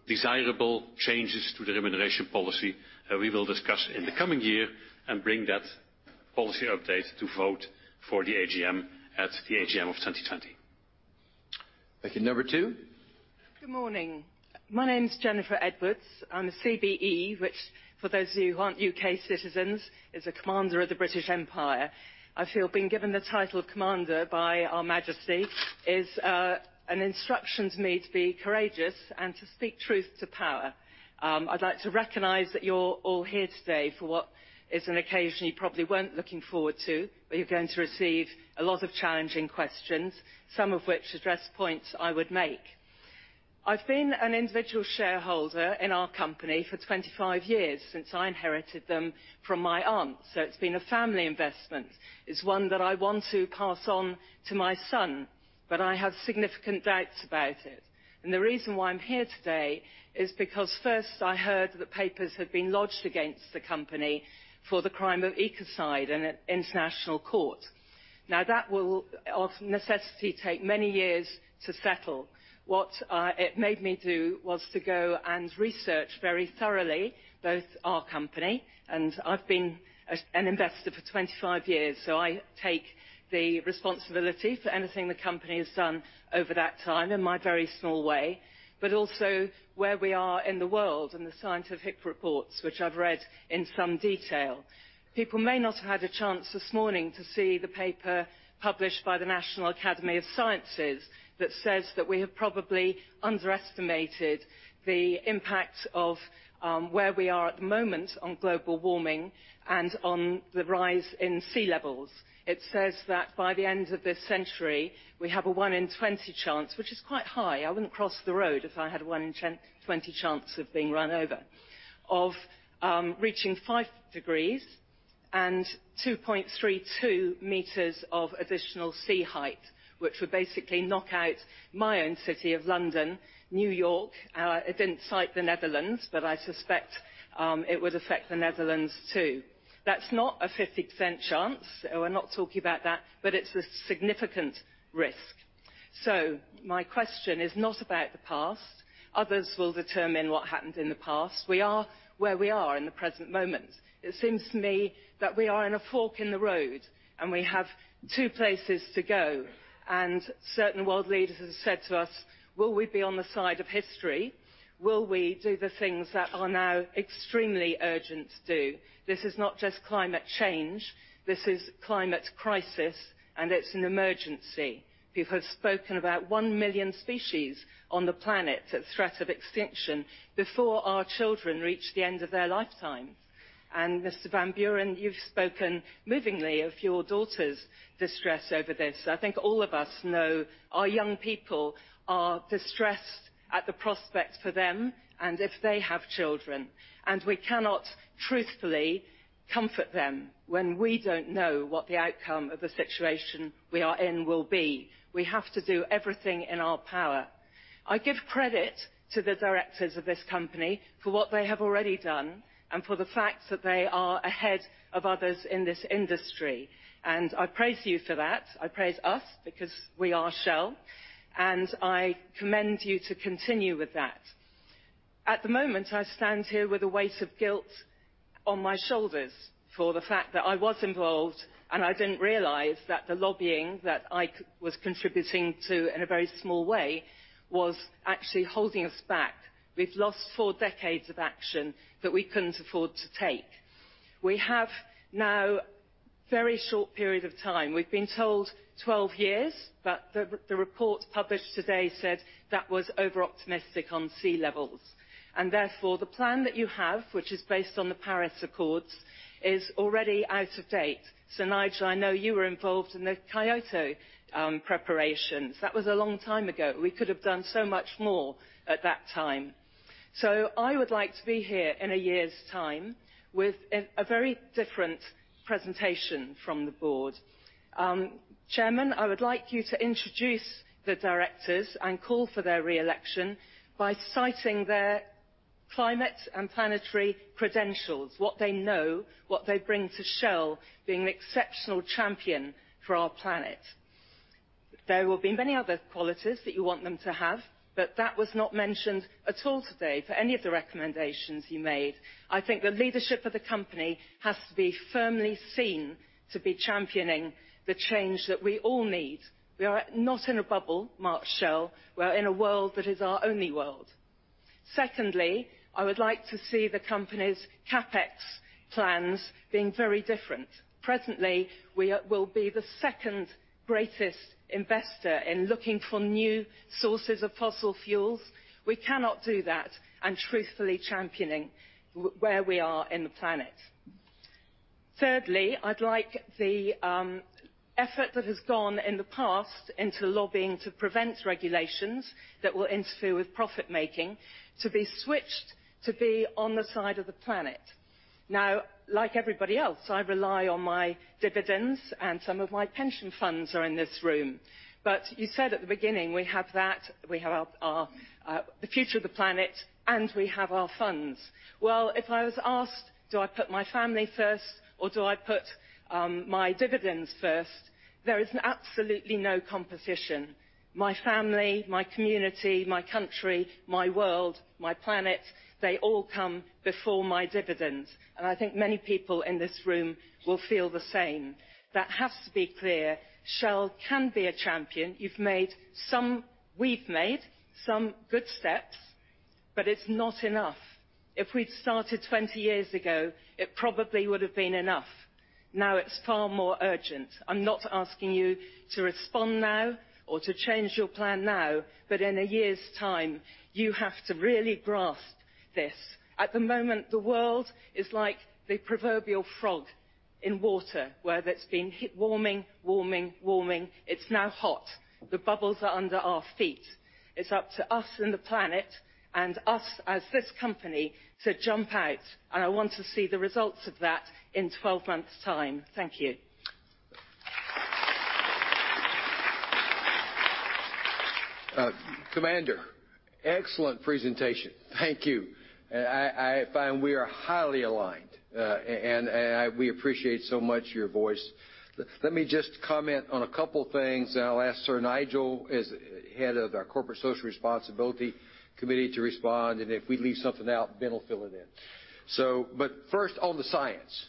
desirable changes to the remuneration policy, we will discuss in the coming year and bring that policy update to vote for the AGM at the AGM of 2020. Thank you. Number two. Good morning. My name is Jennifer Edwards. I'm a CBE, which for those of you who aren't U.K. citizens, is a Commander of the British Empire. I feel being given the title of Commander by Our Majesty is an instruction to me to be courageous and to speak truth to power. I'd like to recognize that you're all here today for what is an occasion you probably weren't looking forward to. You're going to receive a lot of challenging questions, some of which address points I would make. I've been an individual shareholder in our company for 25 years, since I inherited them from my aunt. It's been a family investment. It's one that I want to pass on to my son, but I have significant doubts about it. The reason why I'm here today is because first I heard that papers had been lodged against the company for the crime of ecocide in an international court. Now, that will, of necessity, take many years to settle. What it made me do was to go and research very thoroughly both our company, and I've been an investor for 25 years, so I take the responsibility for anything the company has done over that time in my very small way, but also where we are in the world and the scientific reports, which I've read in some detail. People may not have had a chance this morning to see the paper published by the National Academy of Sciences that says that we have probably underestimated the impact of where we are at the moment on global warming and on the rise in sea levels. It says that by the end of this century, we have a 1 in 20 chance, which is quite high. I wouldn't cross the road if I had a 1 in 20 chance of being run over, of reaching five degrees and 2.32 meters of additional sea height, which would basically knock out my own city of London, New York. It didn't cite the Netherlands, but I suspect it would affect the Netherlands, too. That's not a 50% chance. We're not talking about that, but it's a significant risk. My question is not about the past. Others will determine what happened in the past. We are where we are in the present moment. It seems to me that we are in a fork in the road, and we have two places to go. Certain world leaders have said to us, will we be on the side of history? Will we do the things that are now extremely urgent to do? This is not just climate change. This is climate crisis, and it's an emergency. People have spoken about 1 million species on the planet at threat of extinction before our children reach the end of their lifetime. Mr. Ben van Beurden, you've spoken movingly of your daughter's distress over this. I think all of us know our young people are distressed at the prospect for them and if they have children, and we cannot truthfully comfort them when we don't know what the outcome of the situation we are in will be. We have to do everything in our power. I give credit to the directors of this company for what they have already done and for the fact that they are ahead of others in this industry. I praise you for that. I praise us because we are Shell. I commend you to continue with that. At the moment, I stand here with the weight of guilt on my shoulders for the fact that I was involved. I didn't realize that the lobbying that I was contributing to in a very small way was actually holding us back. We've lost 4 decades of action that we couldn't afford to take. We have now a very short period of time. We've been told 12 years, but the report published today said that was over-optimistic on sea levels. The plan that you have, which is based on the Paris Agreement, is already out of date. Nigel, I know you were involved in the Kyoto preparations. That was a long time ago. We could have done so much more at that time. I would like to be here in a year's time with a very different presentation from the board. Chairman, I would like you to introduce the directors and call for their re-election by citing their climate and planetary credentials, what they know, what they bring to Shell, being an exceptional champion for our planet. There will be many other qualities that you want them to have, but that was not mentioned at all today for any of the recommendations you made. I think the leadership of the company has to be firmly seen to be championing the change that we all need. We are not in a bubble, our Shell. We are in a world that is our only world. Secondly, I would like to see the company's CapEx plans being very different. Presently, we will be the second-greatest investor in looking for new sources of fossil fuels. We cannot do that truthfully championing where we are in the planet. Thirdly, I'd like the effort that has gone in the past into lobbying to prevent regulations that will interfere with profit-making, to be switched to be on the side of the planet. Like everybody else, I rely on my dividends. Some of my pension funds are in this room. You said at the beginning, we have that, we have the future of the planet. We have our funds. If I was asked, do I put my family first or do I put my dividends first, there is absolutely no competition. My family, my community, my country, my world, my planet, they all come before my dividends. I think many people in this room will feel the same. That has to be clear. Shell can be a champion. We've made some good steps, but it's not enough. If we'd started 20 years ago, it probably would have been enough. Now it's far more urgent. I'm not asking you to respond now or to change your plan now, but in a year's time, you have to really grasp this. At the moment, the world is like the proverbial frog in water, where it's been warming. It's now hot. The bubbles are under our feet. It's up to us and the planet and us as this company to jump out, and I want to see the results of that in 12 months' time. Thank you. Commander, excellent presentation. Thank you. I find we are highly aligned. We appreciate so much your voice. Let me just comment on a couple things, and I'll ask Sir Nigel as head of our Corporate and Social Responsibility Committee to respond. If we leave something out, Ben will fill it in. First on the science.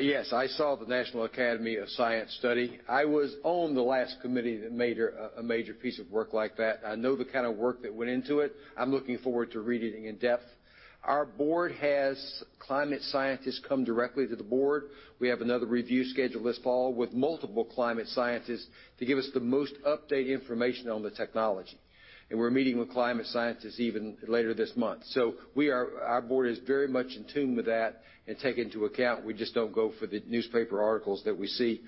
Yes, I saw the National Academy of Sciences study. I was on the last committee that made a major piece of work like that. I know the kind of work that went into it. I'm looking forward to reading it in depth. Our board has climate scientists come directly to the board. We have another review scheduled this fall with multiple climate scientists to give us the most updated information on the technology. We're meeting with climate scientists even later this month. Our board is very much in tune with that and take into account. We just don't go for the newspaper articles that we see.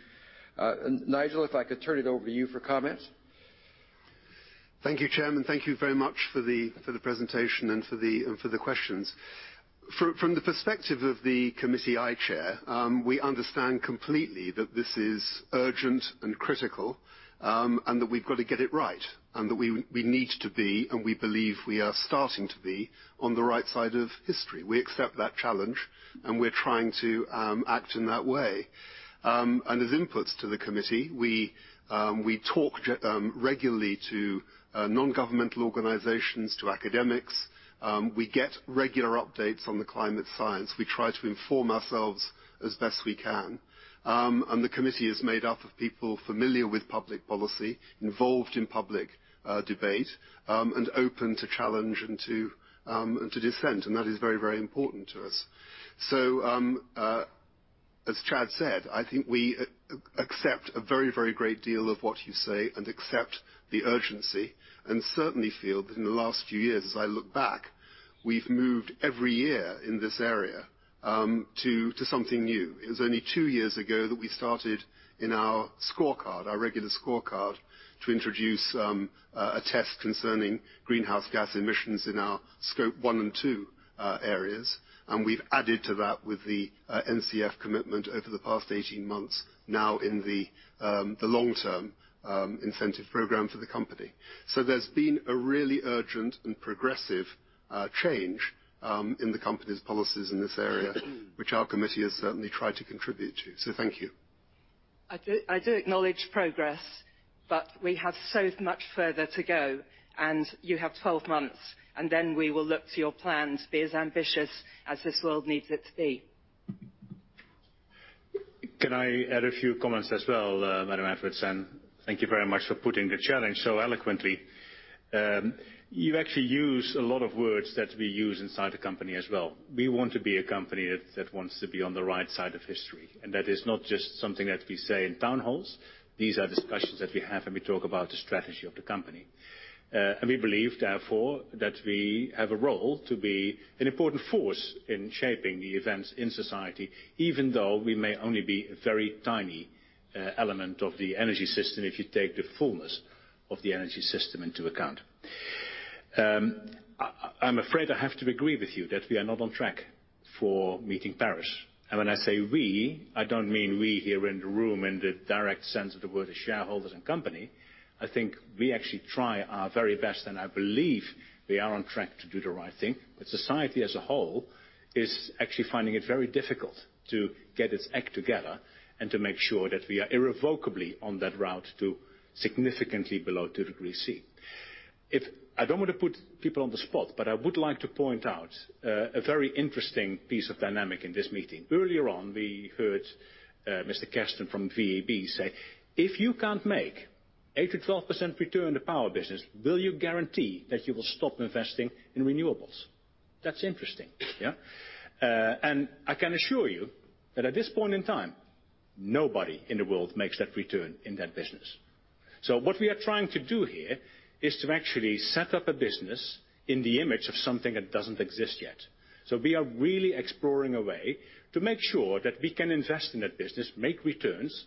Nigel, if I could turn it over to you for comment. Thank you, Chairman. Thank you very much for the presentation and for the questions. From the perspective of the committee I chair, we understand completely that this is urgent and critical, and that we've got to get it right, and that we need to be, and we believe we are starting to be on the right side of history. We accept that challenge, and we're trying to act in that way. As inputs to the committee, we talk regularly to non-governmental organizations, to academics. We get regular updates on the climate science. We try to inform ourselves as best we can. The committee is made up of people familiar with public policy, involved in public debate, and open to challenge and to dissent. That is very important to us. As Chad said, I think we accept a very great deal of what you say and accept the urgency, and certainly feel that in the last few years, as I look back, we've moved every year in this area to something new. It was only two years ago that we started in our scorecard, our regular scorecard, to introduce a test concerning greenhouse gas emissions in our Scope 1 and 2 areas. We've added to that with the NCF commitment over the past 18 months now in the long-term incentive program for the company. There's been a really urgent and progressive change in the company's policies in this area, which our committee has certainly tried to contribute to. Thank you. I do acknowledge progress, we have so much further to go, you have 12 months, we will look to your plan to be as ambitious as this world needs it to be. Can I add a few comments as well, Madam Edwards? Thank you very much for putting the challenge so eloquently. You actually use a lot of words that we use inside the company as well. We want to be a company that wants to be on the right side of history, that is not just something that we say in town halls. These are discussions that we have when we talk about the strategy of the company. We believe, therefore, that we have a role to be an important force in shaping the events in society, even though we may only be a very tiny element of the energy system, if you take the fullness of the energy system into account. I'm afraid I have to agree with you that we are not on track for meeting Paris. When I say we, I don't mean we here in the room in the direct sense of the word as shareholders and company. I think we actually try our very best, I believe we are on track to do the right thing. Society as a whole is actually finding it very difficult to get its act together and to make sure that we are irrevocably on that route to significantly below two degrees Celsius. I don't want to put people on the spot, I would like to point out a very interesting piece of dynamic in this meeting. Earlier on, we heard Mr. Kersten from VEB say, "If you can't make 8%-12% return on the power business, will you guarantee that you will stop investing in renewables?" That's interesting. I can assure you that at this point in time, nobody in the world makes that return in that business. What we are trying to do here is to actually set up a business in the image of something that doesn't exist yet. We are really exploring a way to make sure that we can invest in that business, make returns,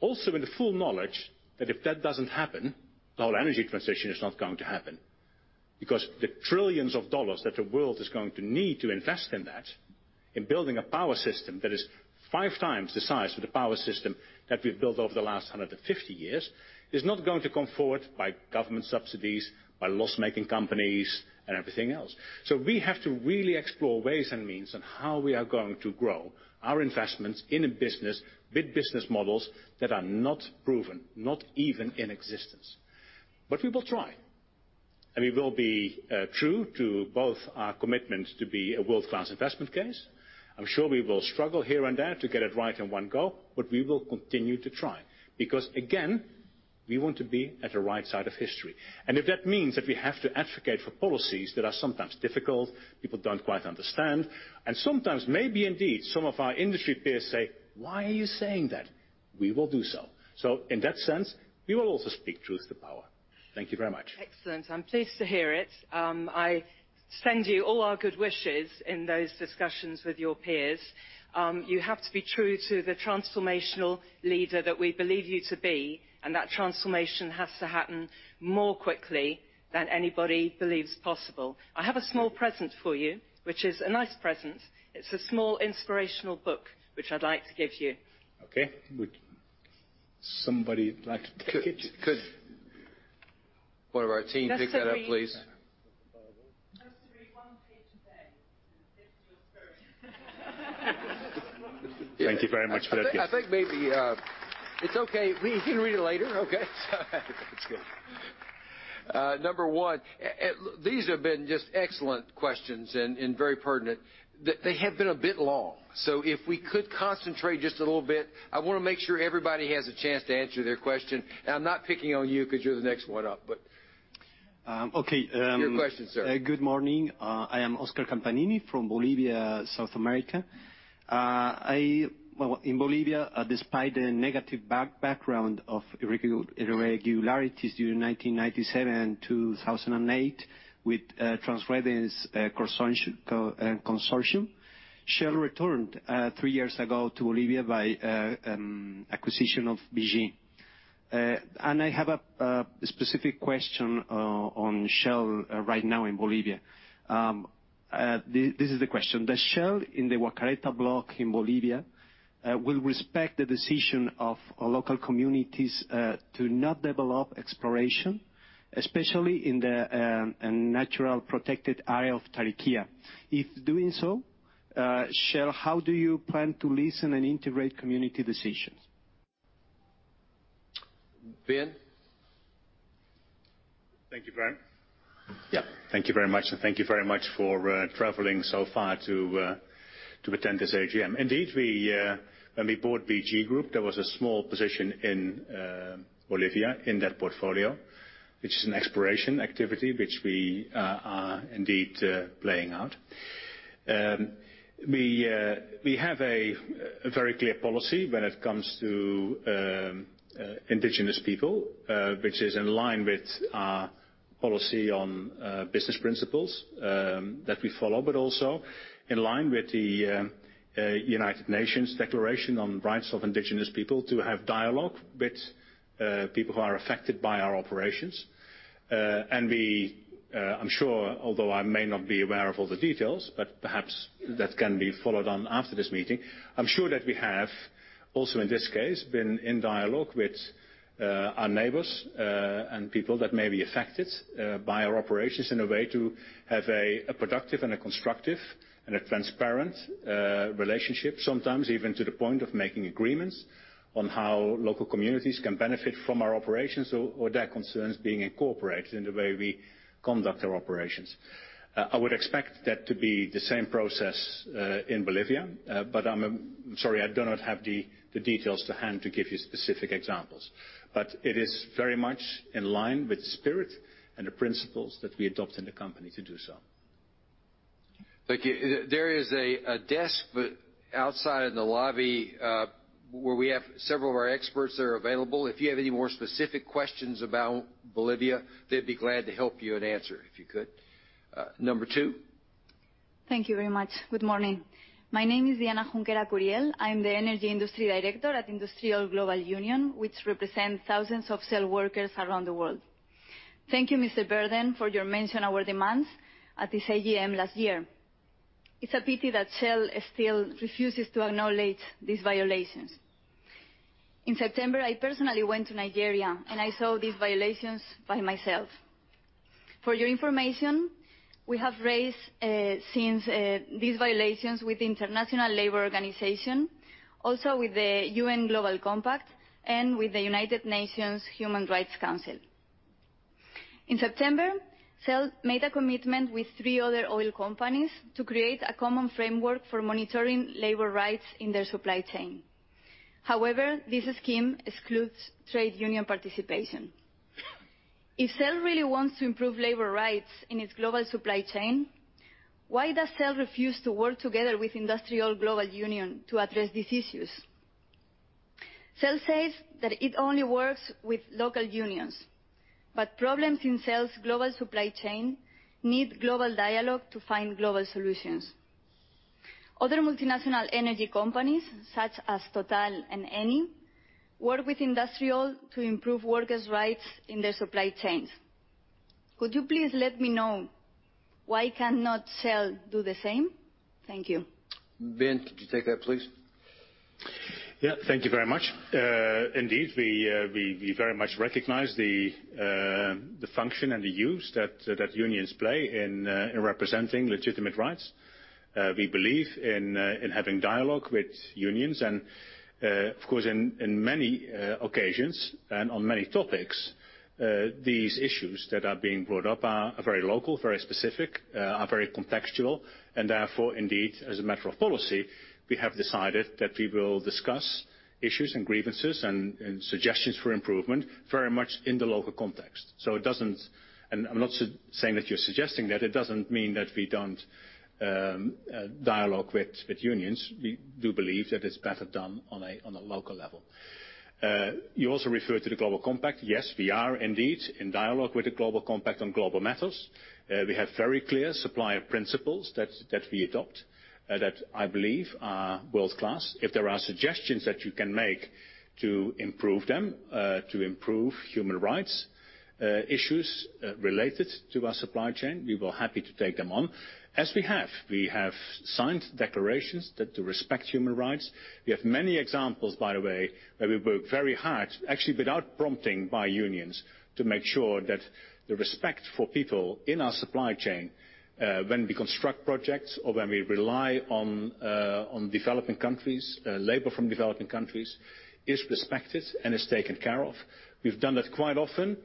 also in the full knowledge that if that doesn't happen, the whole energy transition is not going to happen. The trillions of dollars that the world is going to need to invest in that, in building a power system that is five times the size of the power system that we've built over the last 150 years, is not going to come forward by government subsidies, by loss-making companies, and everything else. We have to really explore ways and means on how we are going to grow our investments in a business with business models that are not proven, not even in existence. We will try, and we will be true to both our commitments to be a world-class investment case. I'm sure we will struggle here and there to get it right in one go, but we will continue to try. Again, we want to be at the right side of history. If that means that we have to advocate for policies that are sometimes difficult, people don't quite understand, and sometimes, maybe indeed, some of our industry peers say, "Why are you saying that?" We will do so. In that sense, we will also speak truth to power. Thank you very much. Excellent. I'm pleased to hear it. I send you all our good wishes in those discussions with your peers. You have to be true to the transformational leader that we believe you to be, and that transformation has to happen more quickly than anybody believes possible. I have a small present for you, which is a nice present. It's a small, inspirational book, which I'd like to give you. Okay. Would somebody like to take it? Could one of our team pick that up, please? Just to read one page a day. It looks very Thank you very much for that gift. I think maybe it's okay. He can read it later, okay? That's good. Number one, these have been just excellent questions and very pertinent. They have been a bit long. If we could concentrate just a little bit, I want to make sure everybody has a chance to answer their question. I'm not picking on you because you're the next one up. Okay. Your question, sir. Good morning. I am Oscar Campanini from Bolivia, South America. In Bolivia, despite the negative background of irregularities during 1997 and 2008 with Transredes consortium, Shell returned three years ago to Bolivia by acquisition of BG. I have a specific question on Shell right now in Bolivia. This is the question. Does Shell in the Guacareta block in Bolivia will respect the decision of local communities to not develop exploration, especially in the natural protected area of Tariquía? If doing so, Shell, how do you plan to listen and integrate community decisions? Ben? Thank you, Chad. Yeah. Thank you very much, and thank you very much for traveling so far to attend this AGM. Indeed, when we bought BG Group, there was a small position in Bolivia in that portfolio, which is an exploration activity, which we are indeed playing out. We have a very clear policy when it comes to indigenous people, which is in line with our policy on business principles that we follow, but also in line with the United Nations Declaration on the Rights of Indigenous Peoples to have dialogue with people who are affected by our operations. I'm sure, although I may not be aware of all the details, but perhaps that can be followed on after this meeting. I'm sure that we have also in this case, been in dialogue with our neighbors and people that may be affected by our operations in a way to have a productive and a constructive and a transparent relationship, sometimes even to the point of making agreements on how local communities can benefit from our operations or their concerns being incorporated in the way we conduct our operations. I would expect that to be the same process in Bolivia. I'm sorry, I do not have the details to hand to give you specific examples. It is very much in line with spirit and the principles that we adopt in the company to do so. Thank you. There is a desk outside in the lobby, where we have several of our experts that are available. If you have any more specific questions about Bolivia, they'd be glad to help you and answer if you could. Number 2. Thank you very much. Good morning. My name is Diana Junquera Curiel. I am the energy industry director at IndustriALL Global Union, which represents thousands of Shell workers around the world. Thank you, Mr. van Beurden, for your mention our demands at this AGM last year. It is a pity that Shell still refuses to acknowledge these violations. In September, I personally went to Nigeria, and I saw these violations by myself. For your information, we have raised these violations with International Labour Organization, also with the UN Global Compact, and with the United Nations Human Rights Council. In September, Shell made a commitment with three other oil companies to create a common framework for monitoring labor rights in their supply chain. This scheme excludes trade union participation. If Shell really wants to improve labor rights in its global supply chain, why does Shell refuse to work together with IndustriALL Global Union to address these issues? Shell says that it only works with local unions, problems in Shell's global supply chain need global dialogue to find global solutions. Other multinational energy companies such as Total and Eni work with IndustriALL to improve workers' rights in their supply chains. Could you please let me know why cannot Shell do the same? Thank you. Ben, could you take that, please? Thank you very much. Indeed, we very much recognize the function and the use that unions play in representing legitimate rights. We believe in having dialogue with unions and, of course, in many occasions and on many topics, these issues that are being brought up are very local, very specific, are very contextual. Therefore, indeed, as a matter of policy, we have decided that we will discuss issues and grievances and suggestions for improvement very much in the local context. I am not saying that you are suggesting that, it does not mean that we do not dialogue with unions. We do believe that it is better done on a local level. You also referred to the Global Compact. Yes, we are indeed in dialogue with the Global Compact on global matters. We have very clear supplier principles that we adopt that I believe are world-class. If there are suggestions that you can make to improve them, to improve human rights issues related to our supply chain, we were happy to take them on, as we have. We have signed declarations to respect human rights. We have many examples, by the way, where we work very hard, actually without prompting by unions, to make sure that the respect for people in our supply chain, when we construct projects or when we rely on labor from developing countries, is respected and is taken care of. We've done that quite often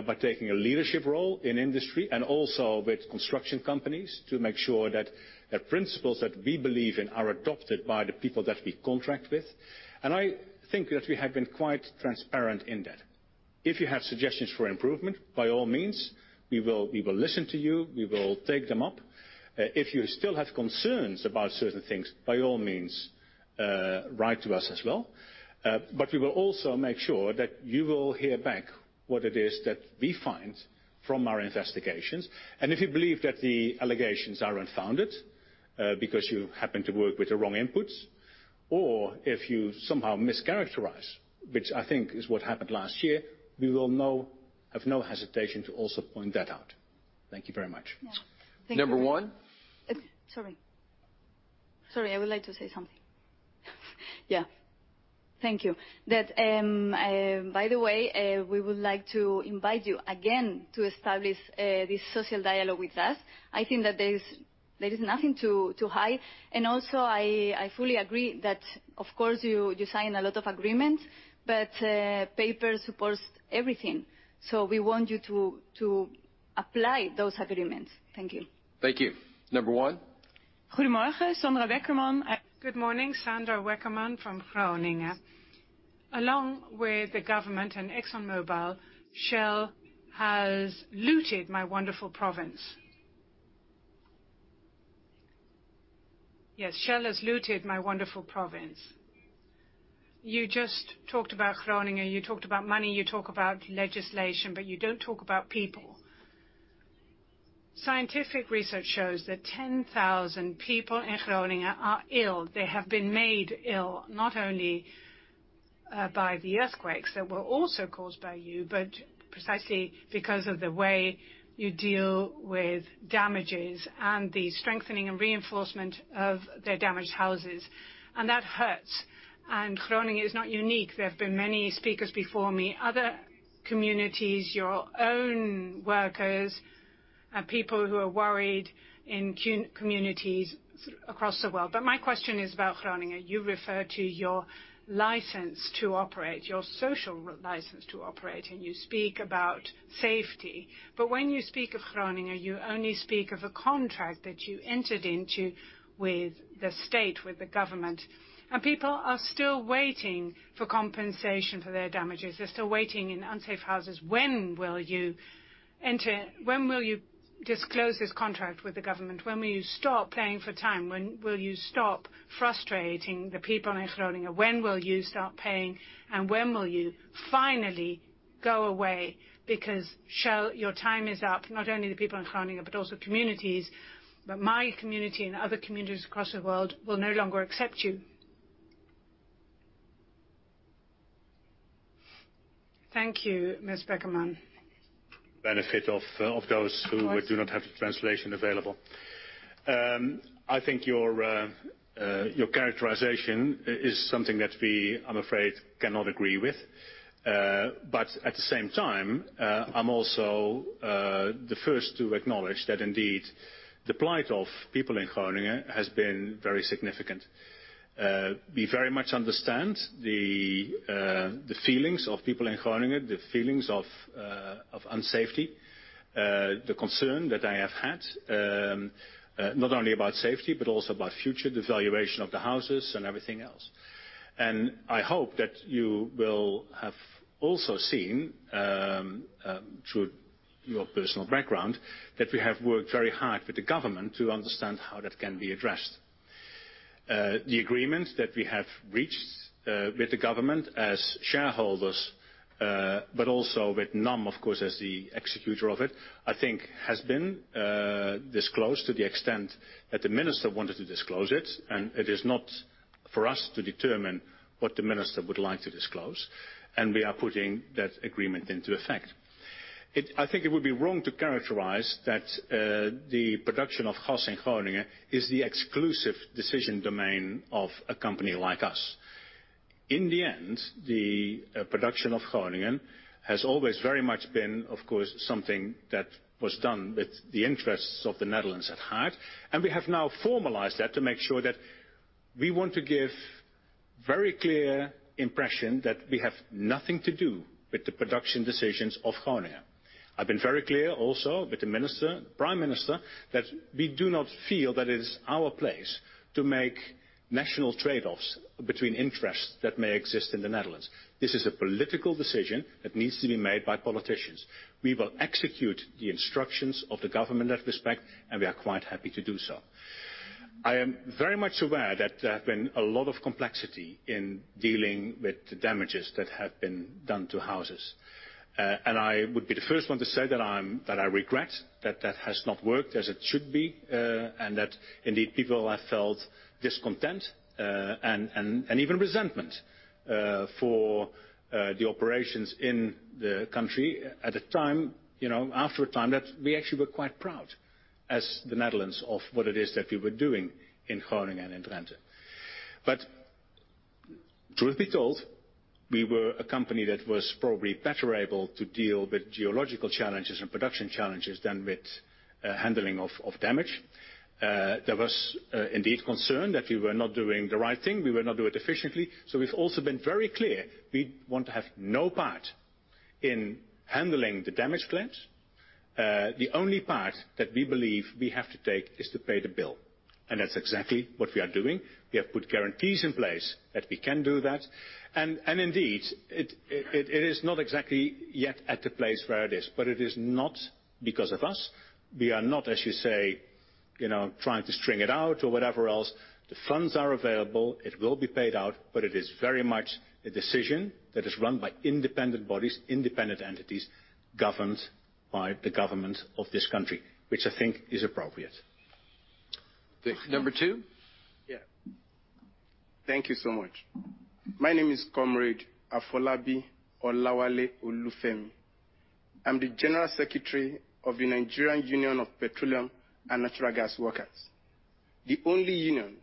by taking a leadership role in industry and also with construction companies to make sure that the principles that we believe in are adopted by the people that we contract with. I think that we have been quite transparent in that. If you have suggestions for improvement, by all means, we will listen to you. We will take them up. If you still have concerns about certain things, by all means, write to us as well. We will also make sure that you will hear back what it is that we find from our investigations. If you believe that the allegations are unfounded because you happen to work with the wrong inputs, or if you somehow mischaracterize, which I think is what happened last year, we will have no hesitation to also point that out. Thank you very much. Number one. Sorry. I would like to say something. Yeah. Thank you. By the way, we would like to invite you again to establish this social dialogue with us. I think that there is nothing to hide. Also, I fully agree that, of course, you sign a lot of agreements, paper supports everything. We want you to apply those agreements. Thank you. Thank you. Number one. Good morning, Sandra Beckerman from Groningen. Along with the government and ExxonMobil, Shell has looted my wonderful province. Yes, Shell has looted my wonderful province. You just talked about Groningen, you talked about money, you talk about legislation, but you don't talk about people. Scientific research shows that 10,000 people in Groningen are ill. They have been made ill, not only by the earthquakes that were also caused by you, but precisely because of the way you deal with damages and the strengthening and reinforcement of their damaged houses, and that hurts. Groningen is not unique. There have been many speakers before me. Communities, your own workers, and people who are worried in communities across the world. My question is about Groningen. You refer to your license to operate, your social license to operate, and you speak about safety. When you speak of Groningen, you only speak of a contract that you entered into with the state, with the government. People are still waiting for compensation for their damages. They're still waiting in unsafe houses. When will you disclose this contract with the government? When will you stop playing for time? When will you stop frustrating the people in Groningen? When will you start paying, and when will you finally go away? Shell, your time is up. Not only the people in Groningen, but also communities, my community and other communities across the world will no longer accept you. Thank you, Ms. Beckerman. Benefit of those who do not have the translation available. I think your characterization is something that we, I'm afraid, cannot agree with. At the same time, I'm also the first to acknowledge that indeed, the plight of people in Groningen has been very significant. We very much understand the feelings of people in Groningen, the feelings of unsafety, the concern that they have had, not only about safety, but also about future devaluation of the houses and everything else. I hope that you will have also seen, through your personal background, that we have worked very hard with the government to understand how that can be addressed. The agreements that we have reached with the government as shareholders, but also with NAM, of course, as the executor of it, I think has been disclosed to the extent that the minister wanted to disclose it. It is not for us to determine what the minister would like to disclose. We are putting that agreement into effect. I think it would be wrong to characterize that the production of gas in Groningen is the exclusive decision domain of a company like us. In the end, the production of Groningen has always very much been, of course, something that was done with the interests of the Netherlands at heart. We have now formalized that to make sure that we want to give very clear impression that we have nothing to do with the production decisions of Groningen. I've been very clear also with the minister, prime minister, that we do not feel that it is our place to make national trade-offs between interests that may exist in the Netherlands. This is a political decision that needs to be made by politicians. We will execute the instructions of the government in that respect. We are quite happy to do so. I am very much aware that there have been a lot of complexity in dealing with the damages that have been done to houses. I would be the first one to say that I regret that that has not worked as it should be. Indeed, people have felt discontent, even resentment for the operations in the country at the time, after a time that we actually were quite proud as the Netherlands of what it is that we were doing in Groningen and in Drenthe. Truth be told, we were a company that was probably better able to deal with geological challenges and production challenges than with handling of damage. There was indeed concern that we were not doing the right thing, we were not doing it efficiently. We've also been very clear we want to have no part in handling the damage claims. The only part that we believe we have to take is to pay the bill. That's exactly what we are doing. We have put guarantees in place that we can do that. Indeed, it is not exactly yet at the place where it is, it is not because of us. We are not, as you say, trying to string it out or whatever else. The funds are available, it will be paid out, it is very much a decision that is run by independent bodies, independent entities, governed by the government of this country, which I think is appropriate. Number two? Thank you so much. My name is Comrade Afolabi Olawale Olufemi. I'm the General Secretary of the Nigeria Union of Petroleum and Natural Gas Workers, the only union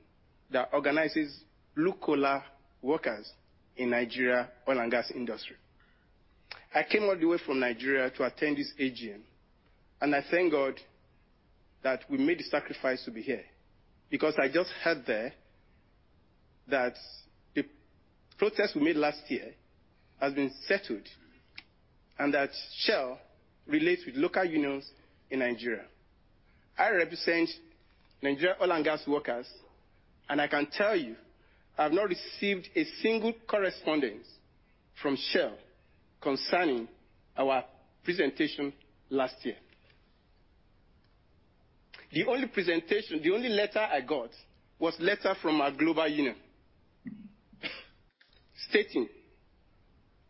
that organizes blue-collar workers in Nigeria oil and gas industry. I came all the way from Nigeria to attend this AGM. I thank God that we made the sacrifice to be here. I just heard there that the protest we made last year has been settled, Shell relates with local unions in Nigeria. I represent Nigeria oil and gas workers, I can tell you, I've not received a single correspondence from Shell concerning our presentation last year. The only letter I got was letter from our global union stating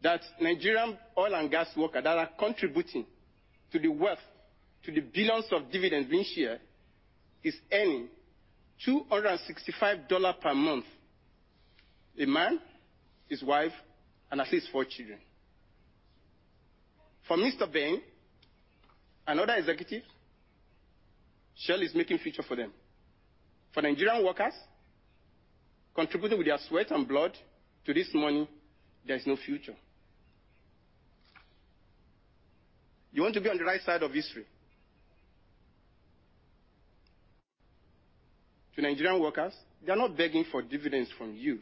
that Nigerian oil and gas worker that are contributing to the wealth, to the billions of dividends being shared, is earning $265 per month. A man, his wife, and at least four children. For Mr. Ben, another executive, Shell is making future for them. For Nigerian workers, contributing with their sweat and blood to this money, there's no future. You want to be on the right side of history. To Nigerian workers, they're not begging for dividends from you.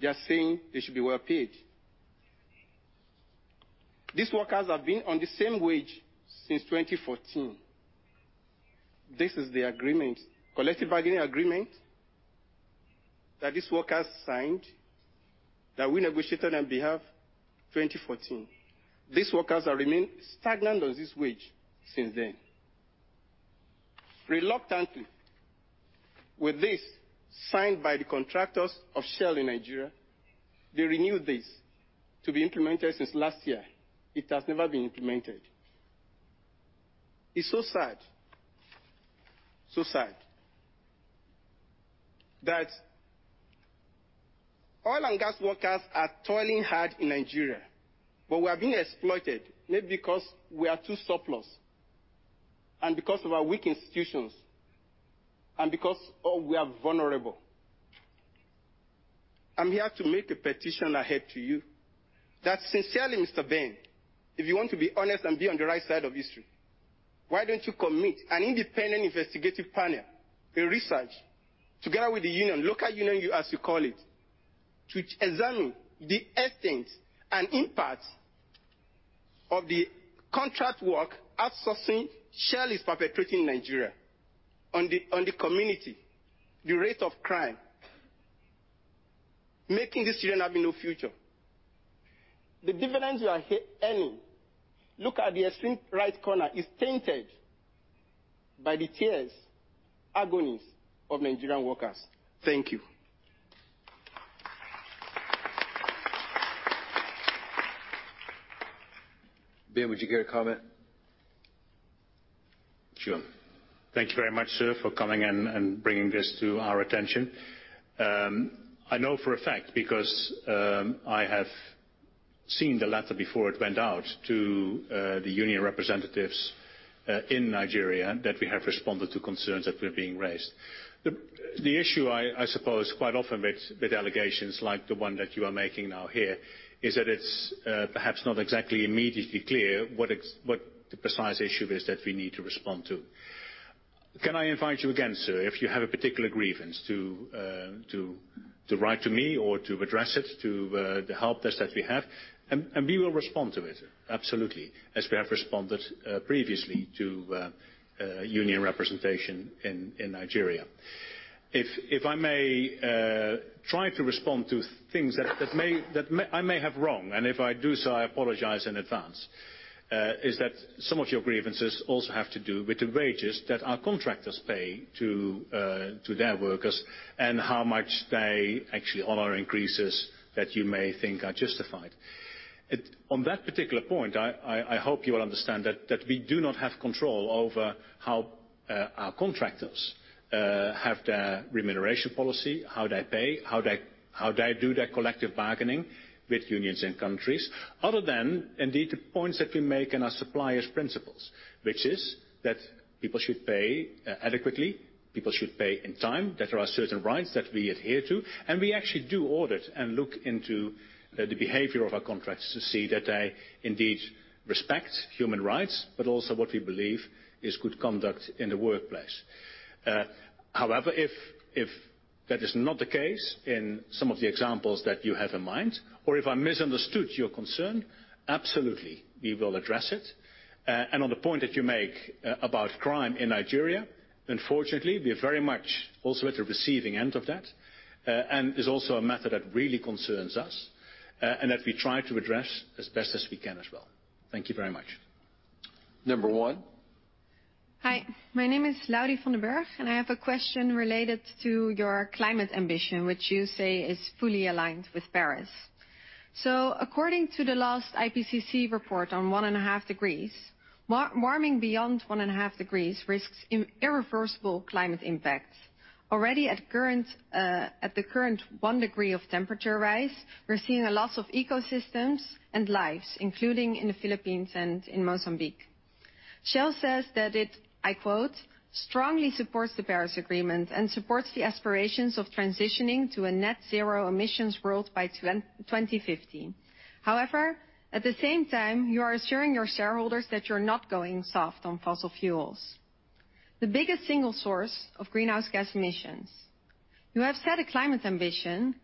They're saying they should be well paid. These workers have been on the same wage since 2014. This is the agreement, collective bargaining agreement, that these workers signed, that we negotiated on behalf, 2014. These workers have remained stagnant on this wage since then. Reluctantly, with this signed by the contractors of Shell in Nigeria, they renewed this to be implemented since last year. It has never been implemented. It's so sad, so sad that oil and gas workers are toiling hard in Nigeria, but we are being exploited maybe because we are too surplus, and because of our weak institutions, and because we are vulnerable. I'm here to make a petition ahead to you that sincerely, Mr. Ben, if you want to be honest and be on the right side of history, why don't you commit an independent investigative panel, a research, together with the union, local union, as you call it, to examine the essence and impact of the contract work outsourcing Shell is perpetrating Nigeria on the community, the rate of crime, making these children have no future. The dividends you are here earning, look at the extreme right corner, is tainted by the tears, agonies of Nigerian workers. Thank you. Ben, would you give a comment? Sure. Thank you very much, sir, for coming and bringing this to our attention. I know for a fact because, I have seen the letter before it went out to the union representatives in Nigeria that we have responded to concerns that were being raised. The issue, I suppose, quite often with allegations like the one that you are making now here is that it's perhaps not exactly immediately clear what the precise issue is that we need to respond to. Can I invite you again, sir, if you have a particular grievance to write to me or to address it to the helpdesk that we have, and we will respond to it, absolutely, as we have responded previously to union representation in Nigeria. If I may, try to respond to things that I may have wrong, and if I do so, I apologize in advance. Is that some of your grievances also have to do with the wages that our contractors pay to their workers and how much they actually honor increases that you may think are justified. On that particular point, I hope you will understand that we do not have control over how our contractors have their remuneration policy, how they pay, how they do their collective bargaining with unions and countries, other than indeed, the points that we make in our suppliers principles, which is that people should pay adequately, people should pay in time, that there are certain rights that we adhere to. We actually do audit and look into the behavior of our contracts to see that they indeed respect human rights, but also what we believe is good conduct in the workplace. However, if that is not the case in some of the examples that you have in mind, or if I misunderstood your concern, absolutely, we will address it. On the point that you make about crime in Nigeria, unfortunately, we are very much also at the receiving end of that. It is also a matter that really concerns us, and that we try to address as best as we can as well. Thank you very much. Number 1. Hi. My name is Laurie von Berg, and I have a question related to your climate ambition, which you say is fully aligned with Paris. According to the last IPCC report on one and a half degrees, warming beyond one and a half degrees risks irreversible climate impacts. Already at the current one degree of temperature rise, we're seeing a loss of ecosystems and lives, including in the Philippines and in Mozambique. Shell says that it, I quote, "Strongly supports the Paris Agreement and supports the aspirations of transitioning to a net zero emissions world by 2015." However, at the same time, you are assuring your shareholders that you're not going soft on fossil fuels. The biggest single source of greenhouse gas emissions. You have set a climate ambition,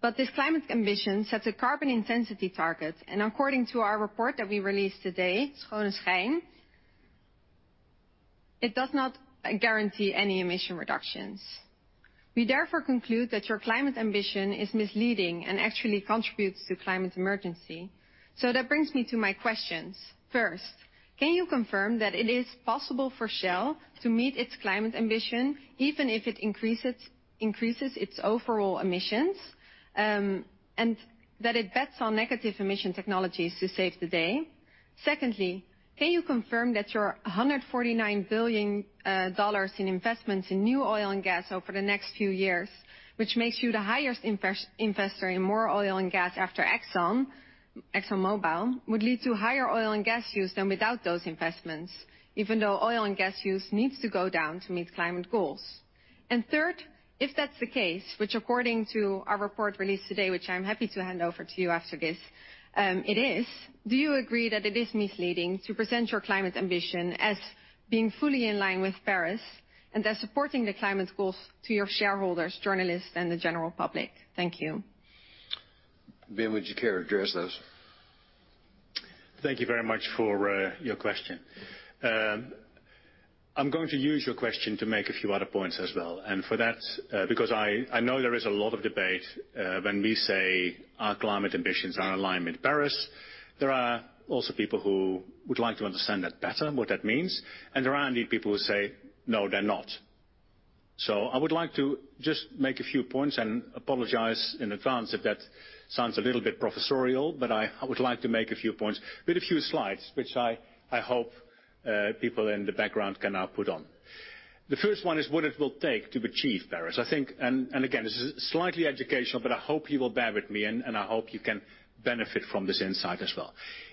but this climate ambition sets a carbon intensity target. According to our report that we released today, "Schone Schijn", it does not guarantee any emission reductions. We therefore conclude that your climate ambition is misleading and actually contributes to climate emergency. That brings me to my questions. First, can you confirm that it is possible for Shell to meet its climate ambition, even if it increases its overall emissions, and that it bets on negative emission technologies to save the day? Secondly, can you confirm that your $149 billion in investments in new oil and gas over the next few years, which makes you the highest investor in more oil and gas after ExxonMobil, would lead to higher oil and gas use than without those investments, even though oil and gas use needs to go down to meet climate goals? Third, if that's the case, which according to our report released today, which I'm happy to hand over to you after this, it is, do you agree that it is misleading to present your climate ambition as being fully in line with Paris, and as supporting the climate goals to your shareholders, journalists, and the general public? Thank you. Ben, would you care to address those? Thank you very much for your question. I'm going to use your question to make a few other points as well. For that, because I know there is a lot of debate when we say our climate ambitions are in line with Paris. There are also people who would like to understand that better, what that means, and there are indeed people who say, "No, they're not." I would like to just make a few points and apologize in advance if that sounds a little bit professorial, but I would like to make a few points with a few slides, which I hope people in the background can now put on. The first one is what it will take to achieve Paris. Again, this is slightly educational, but I hope you will bear with me, and I hope you can benefit from this insight as well.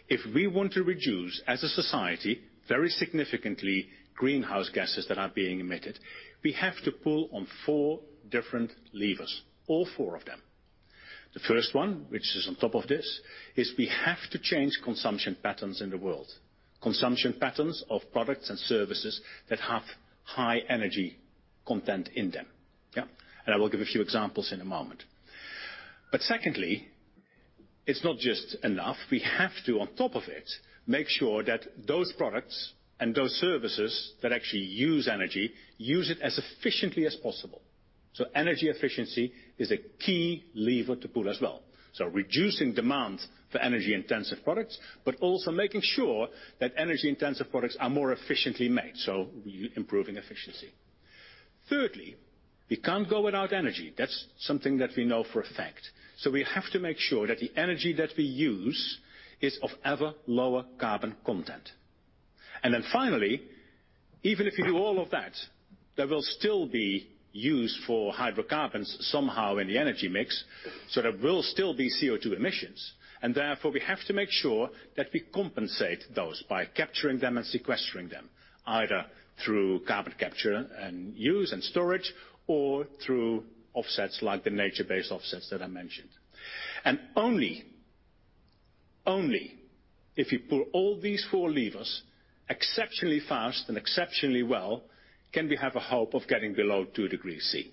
If we want to reduce, as a society, very significantly greenhouse gases that are being emitted, we have to pull on four different levers, all four of them. The first one, which is on top of this, is we have to change consumption patterns in the world, consumption patterns of products and services that have high energy content in them. Yeah. I will give a few examples in a moment. Secondly, it's not just enough. We have to, on top of it, make sure that those products and those services that actually use energy use it as efficiently as possible. Energy efficiency is a key lever to pull as well. Reducing demand for energy-intensive products, but also making sure that energy-intensive products are more efficiently made, so improving efficiency. Thirdly, we can't go without energy. That's something that we know for a fact. We have to make sure that the energy that we use is of ever lower carbon content. Finally, even if you do all of that, there will still be use for hydrocarbons somehow in the energy mix, so there will still be CO2 emissions. Therefore, we have to make sure that we compensate those by capturing them and sequestering them, either through carbon capture and use and storage, or through offsets like the nature-based offsets that I mentioned. Only if you pull all these four levers exceptionally fast and exceptionally well can we have a hope of getting below two degrees C.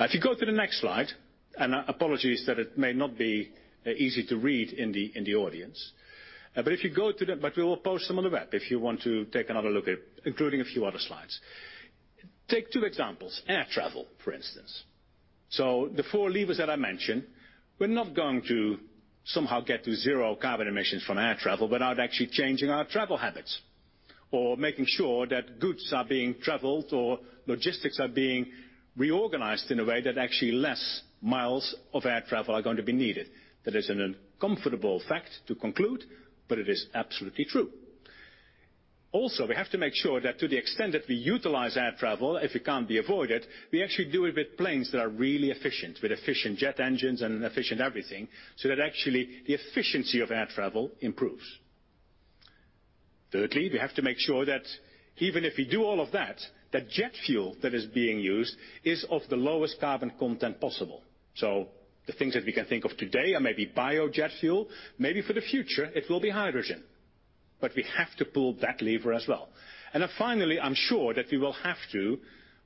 If you go to the next slide, and apologies that it may not be easy to read in the audience. We will post them on shell.com if you want to take another look at, including a few other slides. Take two examples. Air travel, for instance. The four levers that I mentioned, we're not going to somehow get to zero carbon emissions from air travel without actually changing our travel habits or making sure that goods are being traveled or logistics are being reorganized in a way that actually less miles of air travel are going to be needed. That is an uncomfortable fact to conclude, but it is absolutely true. Also, we have to make sure that to the extent that we utilize air travel, if it can't be avoided, we actually do it with planes that are really efficient, with efficient jet engines and efficient everything, so that actually the efficiency of air travel improves. Thirdly, we have to make sure that even if we do all of that, the jet fuel that is being used is of the lowest carbon content possible. The things that we can think of today are maybe biojet fuel, maybe for the future it will be hydrogen. We have to pull that lever as well. Finally, I'm sure that we will have to,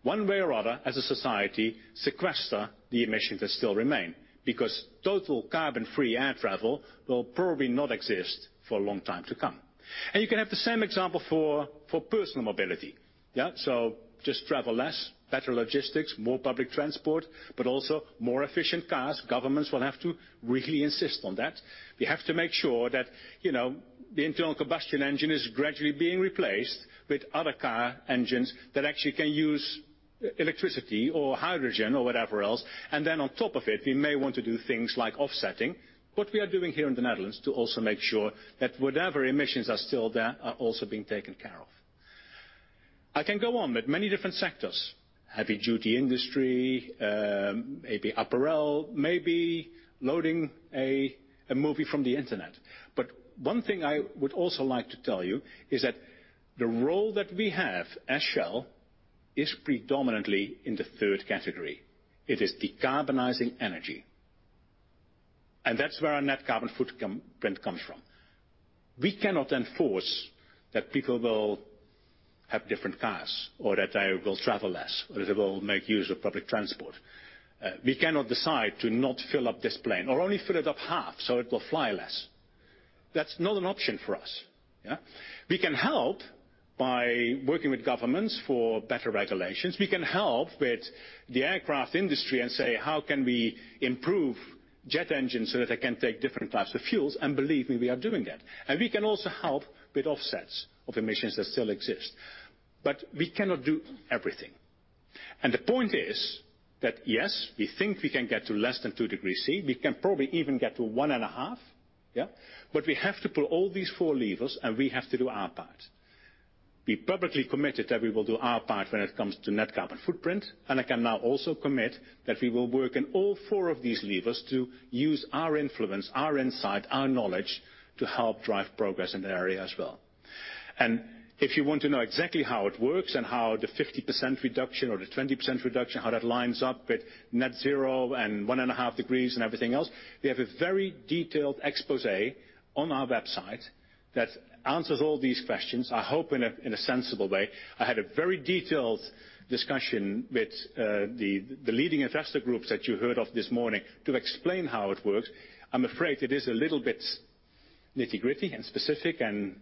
one way or other, as a society, sequester the emissions that still remain because total carbon-free air travel will probably not exist for a long time to come. You can have the same example for personal mobility. Yeah. Just travel less, better logistics, more public transport, but also more efficient cars. Governments will have to really insist on that. We have to make sure that the internal combustion engine is gradually being replaced with other car engines that actually can use electricity or hydrogen or whatever else. On top of it, we may want to do things like offsetting, what we are doing here in the Netherlands to also make sure that whatever emissions are still there are also being taken care of. I can go on with many different sectors, heavy-duty industry, maybe apparel, maybe loading a movie from the internet. One thing I would also like to tell you is that the role that we have as Shell is predominantly in the third category. It is decarbonizing energy. That's where our net carbon footprint comes from. We cannot enforce that people will have different cars or that they will travel less, or that they will make use of public transport. We cannot decide to not fill up this plane or only fill it up half so it will fly less. That's not an option for us. Yeah. We can help by working with governments for better regulations. We can help with the aircraft industry and say, "How can we improve jet engines, so that they can take different types of fuels. Believe me, we are doing that. We can also help with offsets of emissions that still exist. We cannot do everything. The point is that, yes, we think we can get to less than two degrees C. We can probably even get to one and a half. We have to pull all these four levers, and we have to do our part. We publicly committed that we will do our part when it comes to net carbon footprint, and I can now also commit that we will work in all four of these levers to use our influence, our insight, our knowledge to help drive progress in the area as well. If you want to know exactly how it works and how the 50% reduction or the 20% reduction, how that lines up with net zero and one and a half degrees and everything else, we have a very detailed exposé on our website that answers all these questions, I hope in a sensible way. I had a very detailed discussion with the leading investor groups that you heard of this morning to explain how it works. I'm afraid it is a little bit nitty-gritty and specific and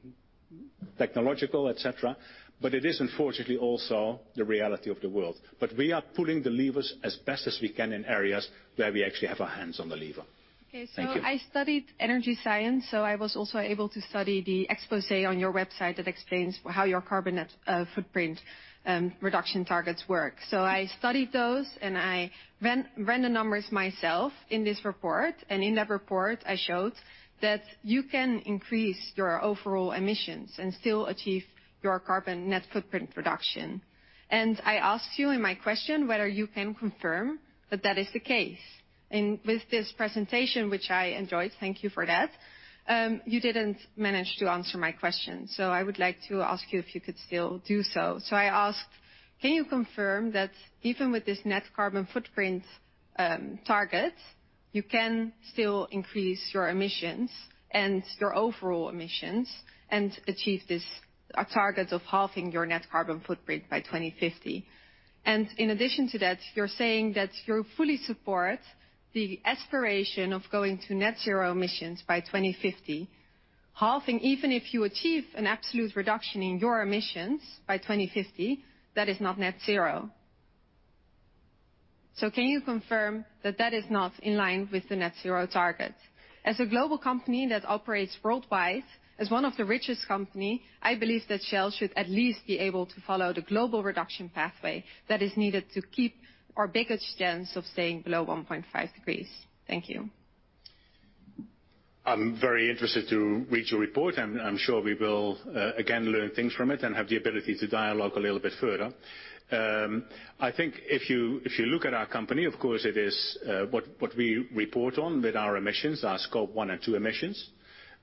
technological, et cetera, but it is unfortunately also the reality of the world. We are pulling the levers as best as we can in areas where we actually have our hands on the lever. Thank you. Okay. I studied energy science, I was also able to study the exposé on your website that explains how your carbon footprint reduction targets work. I studied those, and I ran the numbers myself in this report, and in that report, I showed that you can increase your overall emissions and still achieve your carbon net footprint reduction. I asked you in my question whether you can confirm that that is the case. With this presentation, which I enjoyed, thank you for that, you didn't manage to answer my question. I would like to ask you if you could still do so. I asked, can you confirm that even with this net carbon footprint target, you can still increase your emissions and your overall emissions and achieve this target of halving your net carbon footprint by 2050? In addition to that, you're saying that you fully support the aspiration of going to net zero emissions by 2050. Halving, even if you achieve an absolute reduction in your emissions by 2050, that is not net zero. Can you confirm that that is not in line with the net zero target? As a global company that operates worldwide, as one of the richest company, I believe that Shell should at least be able to follow the global reduction pathway that is needed to keep our biggest chance of staying below 1.5 degrees. Thank you. I'm very interested to read your report. I'm sure we will, again, learn things from it and have the ability to dialogue a little bit further. I think if you look at our company, of course it is what we report on with our emissions, our Scope 1 and 2 emissions.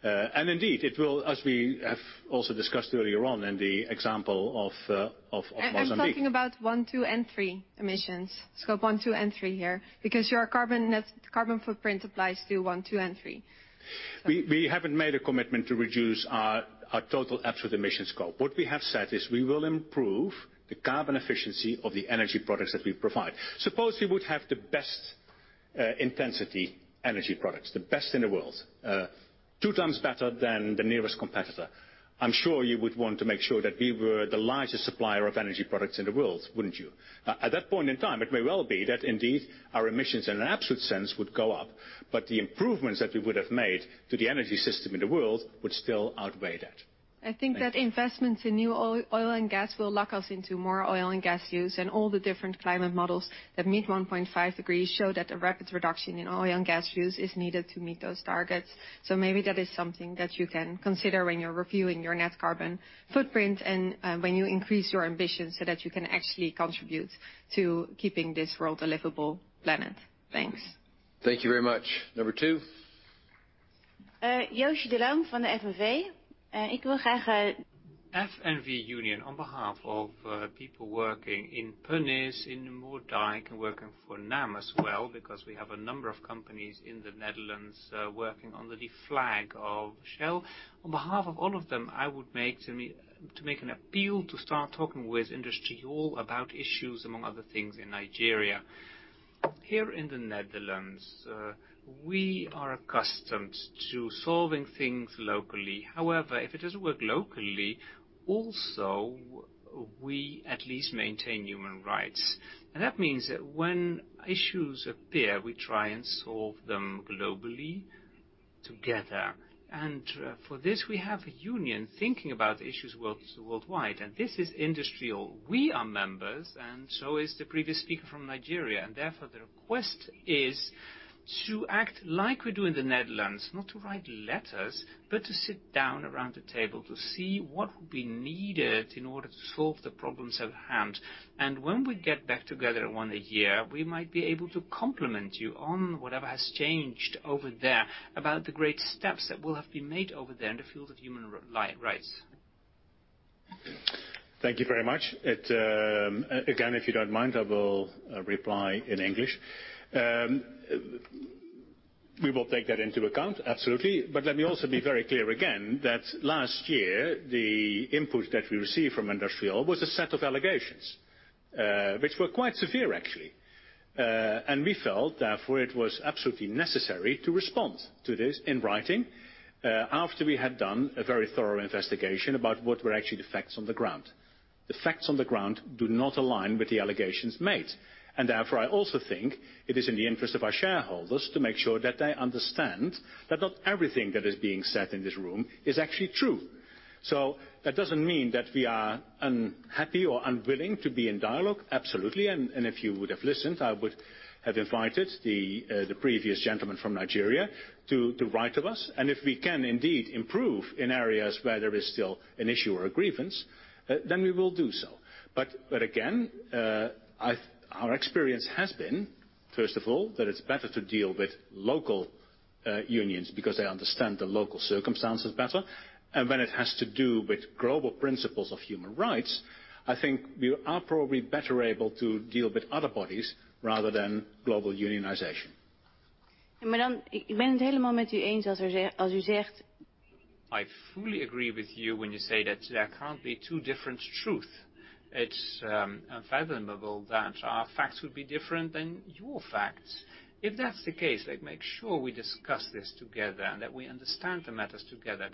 Indeed, it will, as we have also discussed earlier on in the example of Mozambique- I'm talking about Scope 1, 2, and 3 emissions. Scope 1, 2, and 3 here, because your Net Carbon Footprint applies to Scope 1, 2, and 3. We haven't made a commitment to reduce our total absolute emissions Scope. What we have said is we will improve the carbon efficiency of the energy products that we provide. Suppose we would have the best intensity energy products, the best in the world. 2 times better than the nearest competitor. I'm sure you would want to make sure that we were the largest supplier of energy products in the world, wouldn't you? At that point in time, it may well be that indeed, our emissions in an absolute sense would go up. The improvements that we would have made to the energy system in the world would still outweigh that. I think that investments in new oil and gas will lock us into more oil and gas use. All the different climate models that meet 1.5 degrees show that a rapid reduction in oil and gas use is needed to meet those targets. Maybe that is something that you can consider when you're reviewing your Net Carbon Footprint and when you increase your ambition so that you can actually contribute to keeping this world a livable planet. Thanks. Thank you very much. Number 2. Jooshi Delaum from the FNV. I would to make an appeal on behalf of people working in Pernis, in Moerdijk, and working for NAM as well, because we have a number of companies in the Netherlands working under the flag of Shell. On behalf of all of them, I would to make an appeal to start talking with IndustriALL about issues, among other things, in Nigeria. Here in the Netherlands, we are accustomed to solving things locally. However, if it doesn't work locally, also, we at least maintain human rights. That means that when issues appear, we try and solve them globally, together. For this, we have a union thinking about issues worldwide. This is IndustriALL. We are members, and so is the previous speaker from Nigeria. Therefore, the request is to act like we do in the Netherlands, not to write letters, but to sit down around the table to see what would be needed in order to solve the problems at hand. When we get back together in one a year, we might be able to compliment you on whatever has changed over there about the great steps that will have been made over there in the field of human rights. Thank you very much. Again, if you don't mind, I will reply in English. We will take that into account, absolutely. Let me also be very clear again that last year, the input that we received from IndustriALL was a set of allegations, which were quite severe, actually. We felt, therefore, it was absolutely necessary to respond to this in writing after we had done a very thorough investigation about what were actually the facts on the ground. The facts on the ground do not align with the allegations made. Therefore, I also think it is in the interest of our shareholders to make sure that they understand that not everything that is being said in this room is actually true. That doesn't mean that we are unhappy or unwilling to be in dialogue. Absolutely. If you would have listened, I would have invited the previous gentleman from Nigeria to write to us. If we can indeed improve in areas where there is still an issue or a grievance, then we will do so. Again, our experience has been, first of all, that it's better to deal with local unions because they understand the local circumstances better. When it has to do with global principles of human rights, I think we are probably better able to deal with other bodies rather than global unionization. I fully agree with you when you say that there can't be two different truth. It's unfathomable that our facts would be different than your facts. If that's the case, let make sure we discuss this together and that we understand the matters together.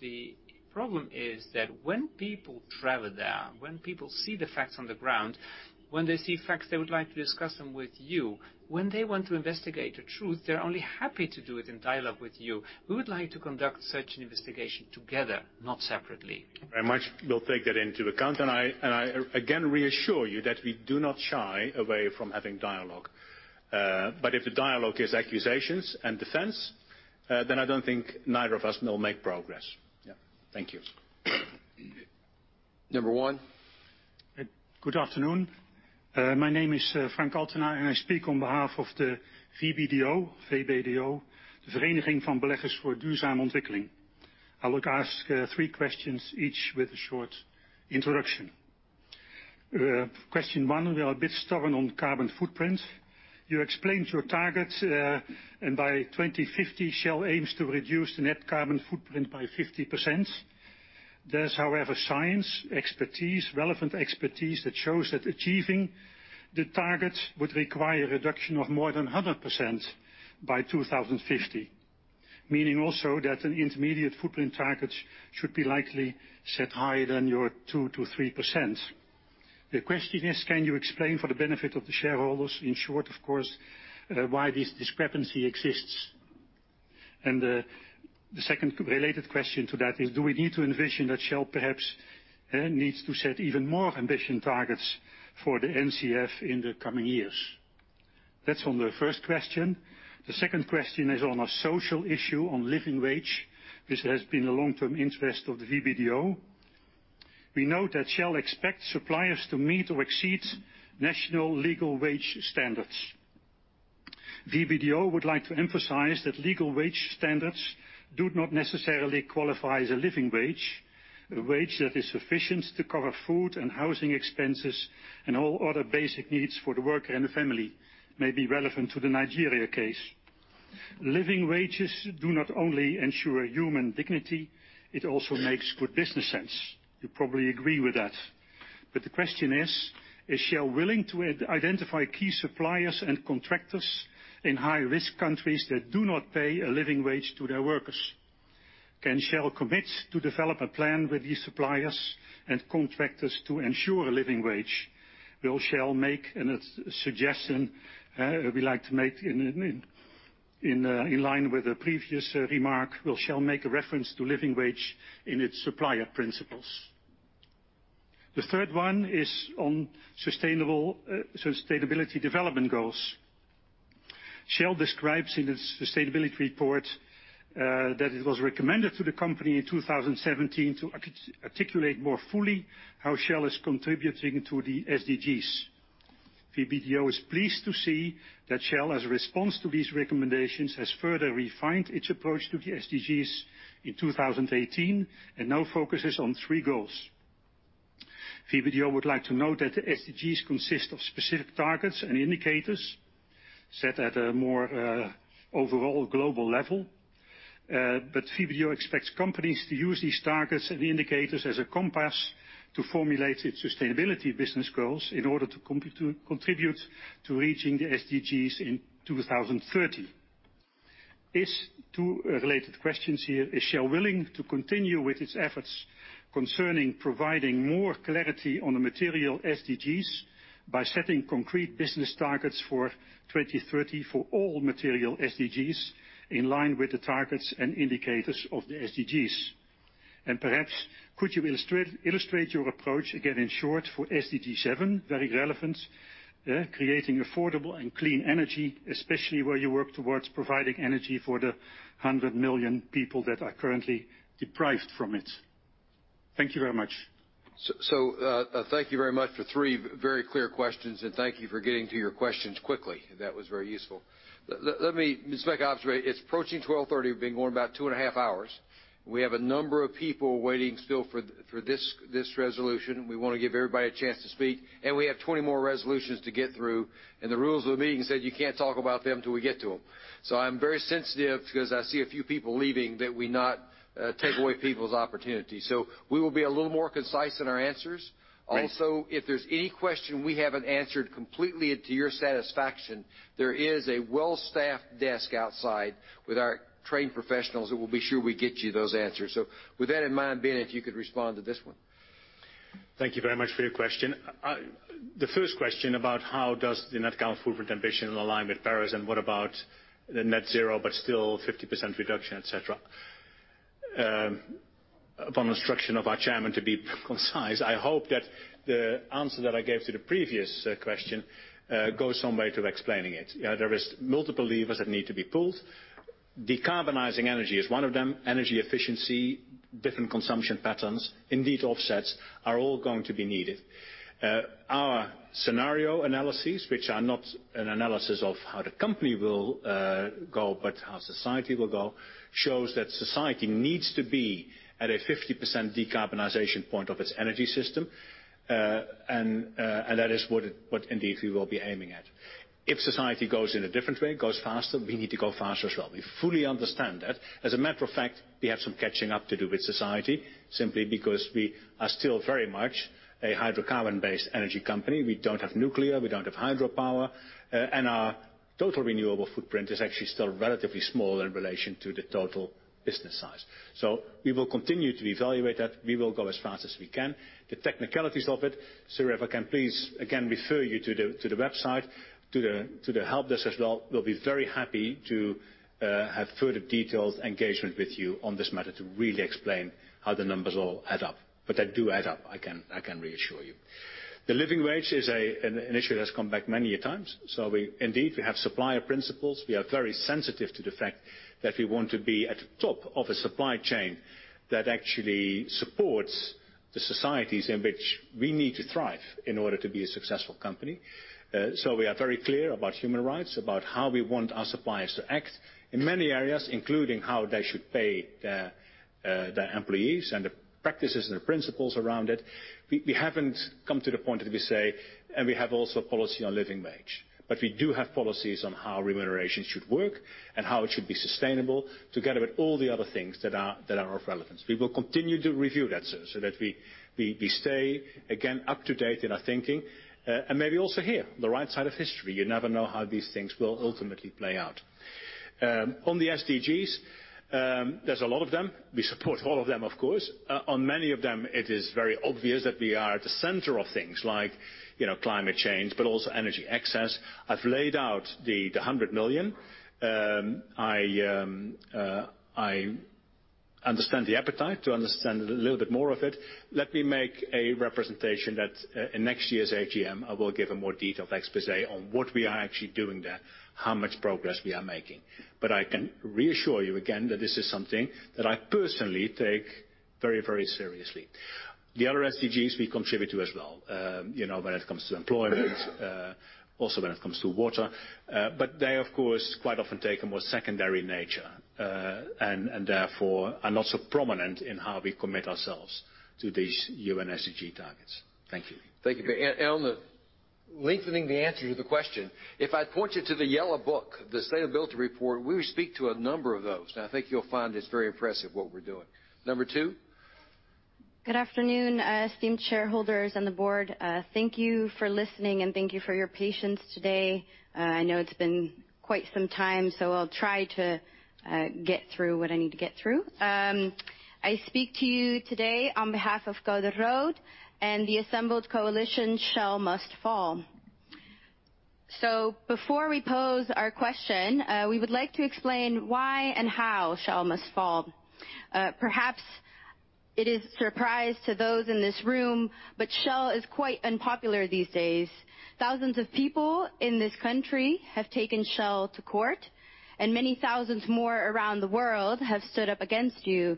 The problem is that when people travel there, when people see the facts on the ground, when they see facts they would like to discuss them with you. When they want to investigate the truth, they're only happy to do it in dialogue with you. We would like to conduct such an investigation together, not separately. Very much. We'll take that into account. I, again, reassure you that we do not shy away from having dialogue. If the dialogue is accusations and defense, then I don't think neither of us will make progress. Yeah. Thank you. Number one. Good afternoon. My name is Frank Altena, and I speak on behalf of the VBDO. VBDO, the Vereniging van Beleggers voor Duurzame Ontwikkeling. I would ask three questions, each with a short introduction. Question one, we are a bit stubborn on carbon footprint. You explained your target, by 2050, Shell aims to reduce the net carbon footprint by 50%. There is, however, science expertise, relevant expertise that shows that achieving the target would require a reduction of more than 100% by 2050. Meaning also that an intermediate footprint target should be likely set higher than your 2%-3%. The question is, can you explain for the benefit of the shareholders, in short, of course, why this discrepancy exists? The second related question to that is, do we need to envision that Shell perhaps needs to set even more ambition targets for the NCF in the coming years? That is on the first question. The second question is on a social issue on living wage. This has been a long-term interest of the VBDO. We note that Shell expects suppliers to meet or exceed national legal wage standards. VBDO would like to emphasize that legal wage standards do not necessarily qualify as a living wage. A wage that is sufficient to cover food and housing expenses and all other basic needs for the worker and the family may be relevant to the Nigeria case. Living wages do not only ensure human dignity, it also makes good business sense. You probably agree with that. The question is Shell willing to identify key suppliers and contractors in high-risk countries that do not pay a living wage to their workers? Can Shell commit to develop a plan with these suppliers and contractors to ensure a living wage? Will Shell make a reference to living wage in its supplier principles? The third one is on Sustainable Development Goals. Shell describes in its sustainability report, that it was recommended to the company in 2017 to articulate more fully how Shell is contributing to the SDGs. VBDO is pleased to see that Shell, as a response to these recommendations, has further refined its approach to the SDGs in 2018 and now focuses on three goals. VBDO would like to note that the SDGs consist of specific targets and indicators set at a more overall global level, VBDO expects companies to use these targets and indicators as a compass to formulate its sustainability business goals in order to contribute to reaching the SDGs in 2030. It is two related questions here. Is Shell willing to continue with its efforts concerning providing more clarity on the material SDGs by setting concrete business targets for 2030 for all material SDGs in line with the targets and indicators of the SDGs? Perhaps could you illustrate your approach again in short for SDG 7, very relevant, creating affordable and clean energy, especially where you work towards providing energy for the 100 million people that are currently deprived from it. Thank you very much. Thank you very much for three very clear questions, thank you for getting to your questions quickly. That was very useful. Let me, [Ms. McOpte], it's approaching 12:30. We've been going about two and a half hours. We have a number of people waiting still for this resolution. We want to give everybody a chance to speak, and we have 20 more resolutions to get through. The rules of the meeting said you can't talk about them till we get to them. I'm very sensitive, because I see a few people leaving, that we not take away people's opportunities. We will be a little more concise in our answers. Right. If there's any question we haven't answered completely to your satisfaction, there is a well-staffed desk outside with our trained professionals that will be sure we get you those answers. With that in mind, Ben, if you could respond to this one. Thank you very much for your question. The first question about how does the net carbon footprint ambition align with Paris, and what about the net zero but still 50% reduction, et cetera. Upon instruction of our Chairman to be concise, I hope that the answer that I gave to the previous question goes some way to explaining it. There is multiple levers that need to be pulled. Decarbonizing energy is one of them. Energy efficiency, different consumption patterns, indeed offsets, are all going to be needed. Our scenario analyses, which are not an analysis of how the company will go, but how society will go, shows that society needs to be at a 50% decarbonization point of its energy system. That is what indeed we will be aiming at. If society goes in a different way, goes faster, we need to go faster as well. We fully understand that. As a matter of fact, we have some catching up to do with society, simply because we are still very much a hydrocarbon-based energy company. We don't have nuclear, we don't have hydropower, our total renewable footprint is actually still relatively small in relation to the total business size. We will continue to evaluate that. We will go as fast as we can. The technicalities of it, sir, if I can please again refer you to the website, to the help desk as well. We'll be very happy to have further detailed engagement with you on this matter to really explain how the numbers all add up. They do add up, I can reassure you. The living wage is an issue that's come back many a times. Indeed, we have supplier principles. We are very sensitive to the fact that we want to be at the top of a supply chain that actually supports the societies in which we need to thrive in order to be a successful company. We are very clear about human rights, about how we want our suppliers to act in many areas, including how they should pay their employees and the practices and the principles around it. We haven't come to the point that we say, we have also a policy on living wage. We do have policies on how remuneration should work and how it should be sustainable, together with all the other things that are of relevance. We will continue to review that, sir, that we stay again, up to date in our thinking, and maybe also here on the right side of history. You never know how these things will ultimately play out. On the SDGs, there's a lot of them. We support all of them, of course. On many of them, it is very obvious that we are at the center of things like climate change, but also energy access. I've laid out the $100 million. I understand the appetite to understand a little bit more of it. Let me make a representation that in next year's AGM, I will give a more detailed exposé on what we are actually doing there, how much progress we are making. I can reassure you again that this is something that I personally take very seriously. The other SDGs we contribute to as well, when it comes to employment, also when it comes to water. They, of course, quite often take a more secondary nature, and therefore, are not so prominent in how we commit ourselves to these UN SDG targets. Thank you. Thank you. On the lengthening the answer to the question, if I point you to the yellow book, the sustainability report, we speak to a number of those, and I think you'll find it's very impressive what we're doing. Number 2? Good afternoon, esteemed shareholders and the board. Thank you for listening, and thank you for your patience today. I know it's been quite some time, I'll try to get through what I need to get through. I speak to you today on behalf of Code Rood and the assembled coalition, Shell Must Fall. Before we pose our question, we would like to explain why and how Shell Must Fall. Perhaps it is surprise to those in this room, but Shell is quite unpopular these days. Thousands of people in this country have taken Shell to court, and many thousands more around the world have stood up against you.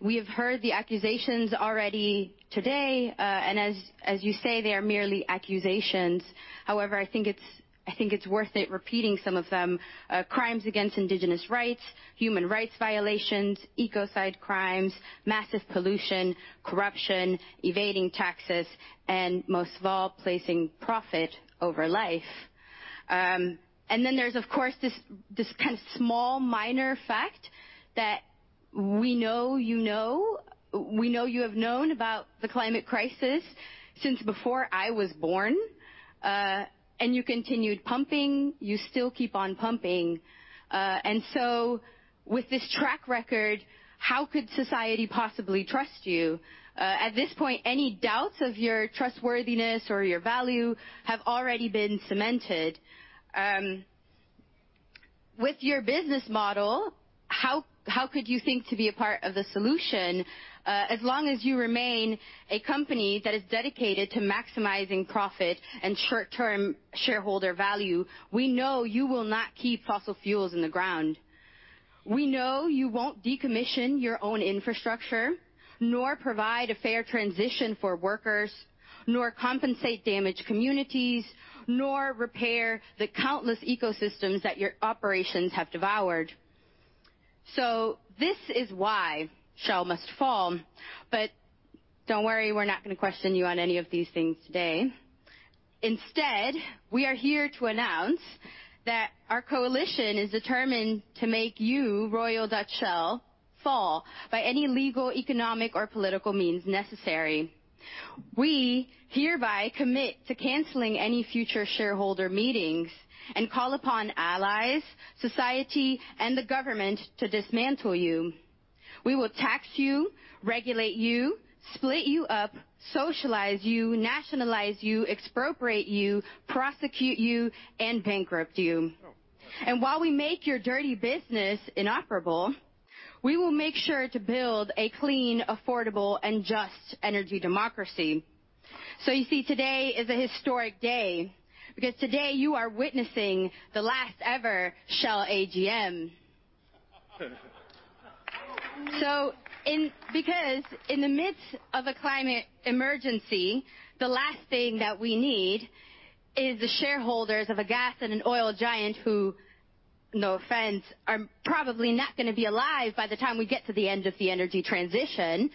We have heard the accusations already today, and as you say, they are merely accusations. However, I think it's worth it repeating some of them. Crimes against indigenous rights, human rights violations, ecocide crimes, massive pollution, corruption, evading taxes, and most of all, placing profit over life. Then there's, of course, this kind of small, minor fact that we know you know, we know you have known about the climate crisis since before I was born, and you continued pumping. You still keep on pumping. With this track record, how could society possibly trust you? At this point, any doubts of your trustworthiness or your value have already been cemented. With your business model, how could you think to be a part of the solution? As long as you remain a company that is dedicated to maximizing profit and short-term shareholder value, we know you will not keep fossil fuels in the ground. We know you won't decommission your own infrastructure, nor provide a fair transition for workers, nor compensate damaged communities, nor repair the countless ecosystems that your operations have devoured. This is why Shell Must Fall. Don't worry, we're not going to question you on any of these things today. Instead, we are here to announce that our coalition is determined to make you, Royal Dutch Shell, fall by any legal, economic, or political means necessary. We hereby commit to canceling any future shareholder meetings and call upon allies, society, and the government to dismantle you. We will tax you, regulate you, split you up, socialize you, nationalize you, expropriate you, prosecute you, and bankrupt you. Oh, boy. While we make your dirty business inoperable, we will make sure to build a clean, affordable, and just energy democracy. You see, today is a historic day because today you are witnessing the last-ever Shell AGM. In the midst of a climate emergency, the last thing that we need is the shareholders of a gas and an oil giant who, no offense, are probably not going to be alive by the time we get to the end of the energy transition.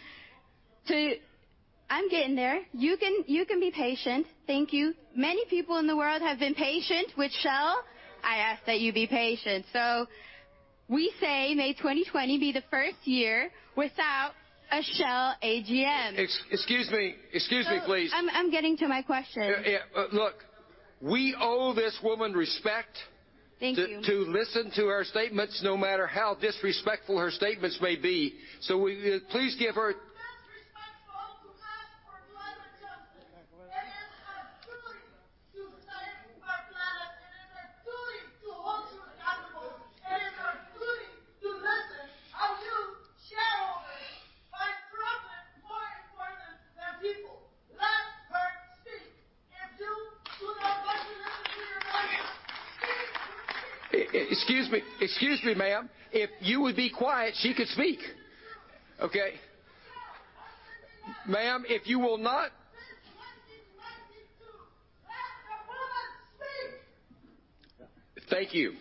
I'm getting there. You can be patient. Thank you. Many people in the world have been patient with Shell. I ask that you be patient. We say may 2020 be the first year without a Shell AGM. Excuse me. Excuse me, please. I'm getting to my question. Look, we owe this woman respect. Thank you to listen to her statements, no matter how disrespectful her statements may be. It's disrespectful to us for 200 years. It is our duty to save our planet. It is our duty to hold you accountable. It is our duty to listen how you shareholders are putting profit more important than people. Let her speak. If you do not like to listen to her. Excuse me. Excuse me, ma'am. If you would be quiet, she could speak. Okay? Shell, listen to us. Ma'am, if you will not- Since 1992. Let the woman speak. Thank you.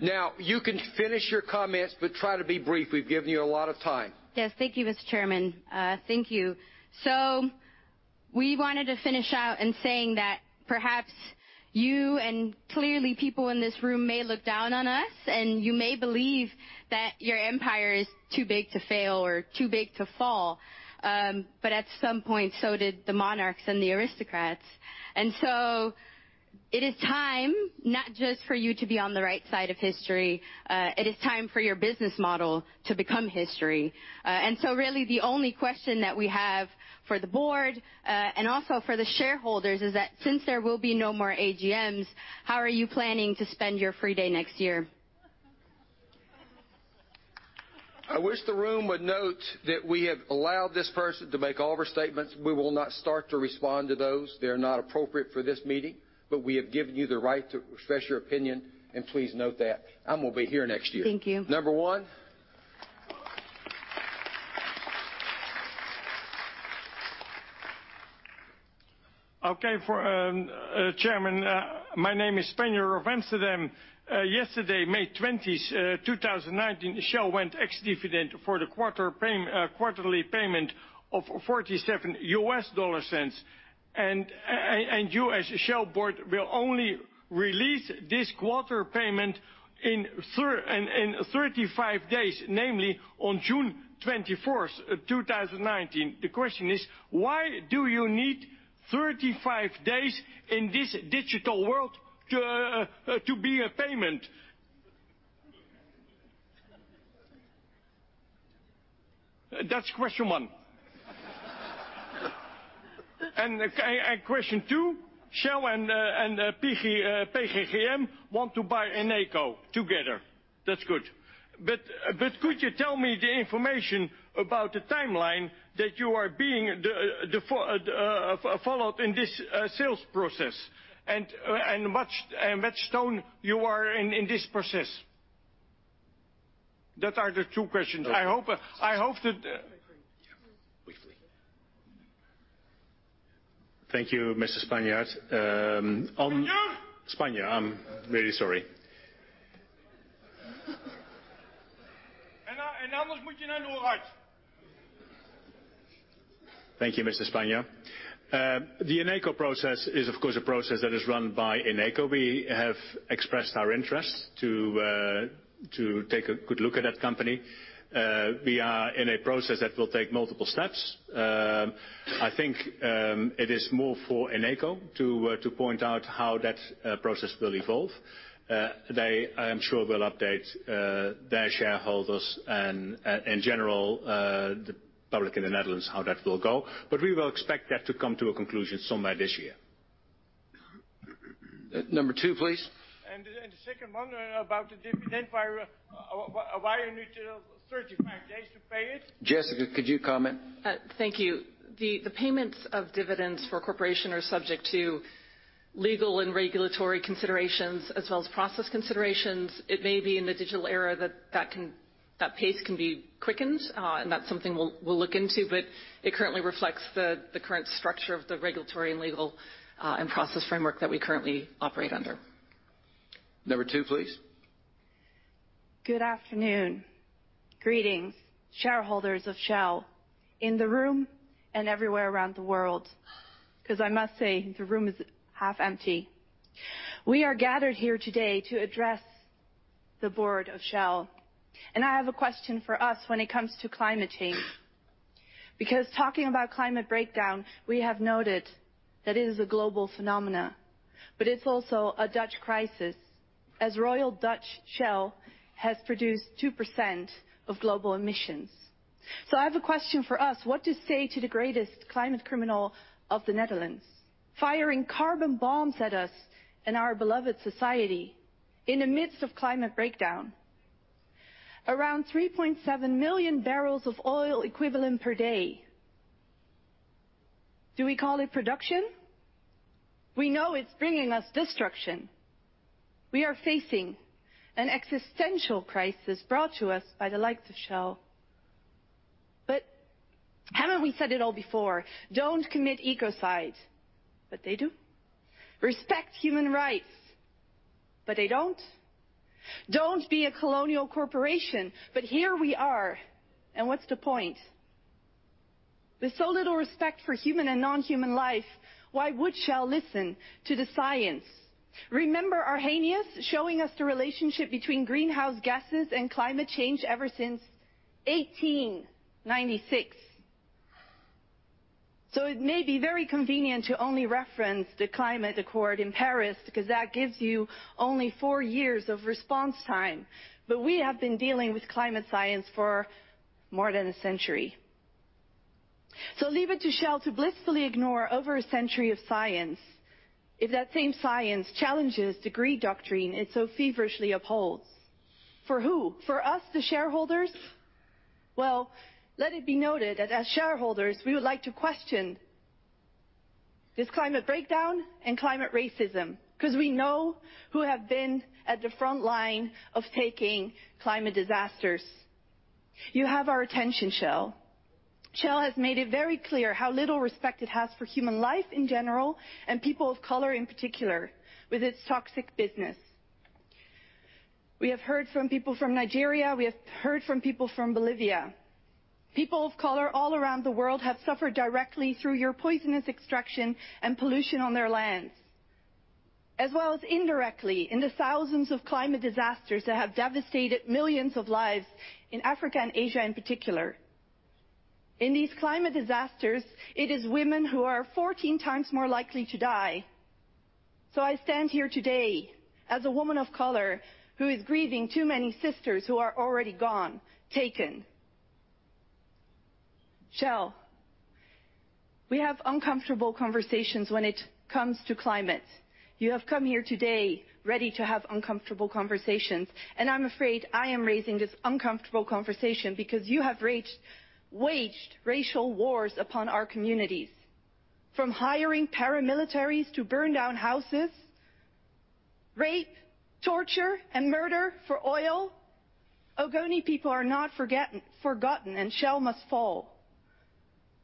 Now, you can finish your comments, but try to be brief. We've given you a lot of time. Yes. Thank you, Mr. Chairman. Thank you. We wanted to finish out in saying that perhaps you and clearly people in this room may look down on us, and you may believe that your empire is too big to fail or too big to fall, but at some point, so did the monarchs and the aristocrats. Really the only question that we have for the board, and also for the shareholders, is that since there will be no more AGMs, how are you planning to spend your free day next year? I wish the room would note that we have allowed this person to make all of her statements. We will not start to respond to those. They're not appropriate for this meeting. We have given you the right to express your opinion, and please note that. I'm going to be here next year. Thank you. Number one. Okay, Chairman. My name is Spanjer of Amsterdam. Yesterday, May 20, 2019, Shell went ex-dividend for the quarterly payment of $0.47. You as Shell board will only release this quarter payment in 35 days, namely on June 24, 2019. The question is, why do you need 35 days in this digital world to be a payment? That's question one. Question two, Shell and PGGM want to buy Eneco together. That's good. Could you tell me the information about the timeline that you are being followed in this sales process? Which stone you are in in this process? That are the two questions. Yeah. Briefly. Thank you, Mr. Spanjer. Spanjer! Spanjer. I'm very sorry. Thank you, Mr. Spanjer. The Eneco process is, of course, a process that is run by Eneco. We have expressed our interest to take a good look at that company. We are in a process that will take multiple steps. I think it is more for Eneco to point out how that process will evolve. They, I am sure, will update their shareholders and, in general, the public in the Netherlands how that will go. We will expect that to come to a conclusion somewhere this year. Number two, please. The second one about the dividend, why you need 35 days to pay it? Jessica, could you comment? Thank you. The payments of dividends for a corporation are subject to legal and regulatory considerations as well as process considerations. It may be in the digital era that pace can be quickened, and that's something we'll look into, but it currently reflects the current structure of the regulatory and legal and process framework that we currently operate under. Number two, please. Good afternoon. Greetings, shareholders of Shell, in the room and everywhere around the world, because I must say, the room is half empty. We are gathered here today to address the board of Shell. I have a question for us when it comes to climate change. Talking about climate breakdown, we have noted that it is a global phenomena, but it's also a Dutch crisis, as Royal Dutch Shell has produced 2% of global emissions. I have a question for us. What to say to the greatest climate criminal of the Netherlands, firing carbon bombs at us and our beloved society in the midst of climate breakdown? Around 3.7 million barrels of oil equivalent per day. Do we call it production? We know it's bringing us destruction. We are facing an existential crisis brought to us by the likes of Shell. Haven't we said it all before? "Don't commit ecocide." They do. "Respect human rights." They don't. "Don't be a colonial corporation." Here we are, and what's the point? With so little respect for human and non-human life, why would Shell listen to the science? Remember Arrhenius showing us the relationship between greenhouse gases and climate change ever since 1896. It may be very convenient to only reference the climate accord in Paris because that gives you only four years of response time. We have been dealing with climate science for more than a century. Leave it to Shell to blissfully ignore over a century of science if that same science challenges the greed doctrine it so feverishly upholds. For who? For us, the shareholders? Well, let it be noted that as shareholders, we would like to question this climate breakdown and climate racism, we know who have been at the front line of taking climate disasters. You have our attention, Shell. Shell has made it very clear how little respect it has for human life in general, and people of color in particular, with its toxic business. We have heard from people from Nigeria, we have heard from people from Bolivia. People of color all around the world have suffered directly through your poisonous extraction and pollution on their lands, as well as indirectly in the thousands of climate disasters that have devastated millions of lives in Africa and Asia in particular. In these climate disasters, it is women who are 14 times more likely to die. I stand here today as a woman of color who is grieving too many sisters who are already gone, taken. Shell, we have uncomfortable conversations when it comes to climate. You have come here today ready to have uncomfortable conversations, I am afraid I am raising this uncomfortable conversation because you have waged racial wars upon our communities. From hiring paramilitaries to burn down houses, rape, torture, and murder for oil. Ogoni people are not forgotten, Shell Must Fall.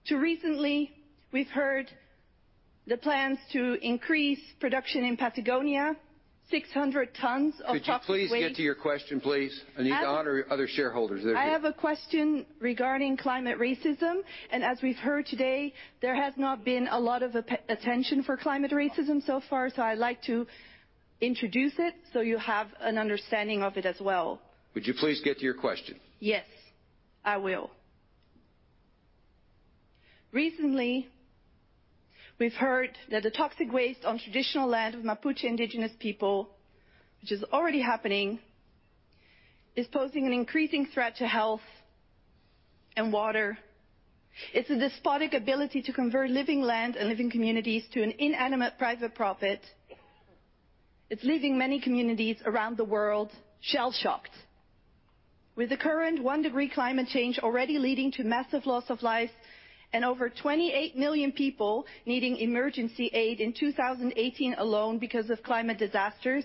To recently, we've heard the plans to increase production in Patagonia, 600 tons of toxic waste- Could you please get to your question, please? Um- I need to honor other shareholders. They're here. I have a question regarding climate racism, as we've heard today, there has not been a lot of attention for climate racism so far, so I'd like to introduce it so you have an understanding of it as well. Would you please get to your question? Yes. I will. Recently, we've heard that the toxic waste on traditional land with Mapuche indigenous people, which is already happening, is posing an increasing threat to health and water. It's a despotic ability to convert living land and living communities to an inanimate private profit. It's leaving many communities around the world Shell-shocked. With the current one degree climate change already leading to massive loss of life and over 28 million people needing emergency aid in 2018 alone because of climate disasters,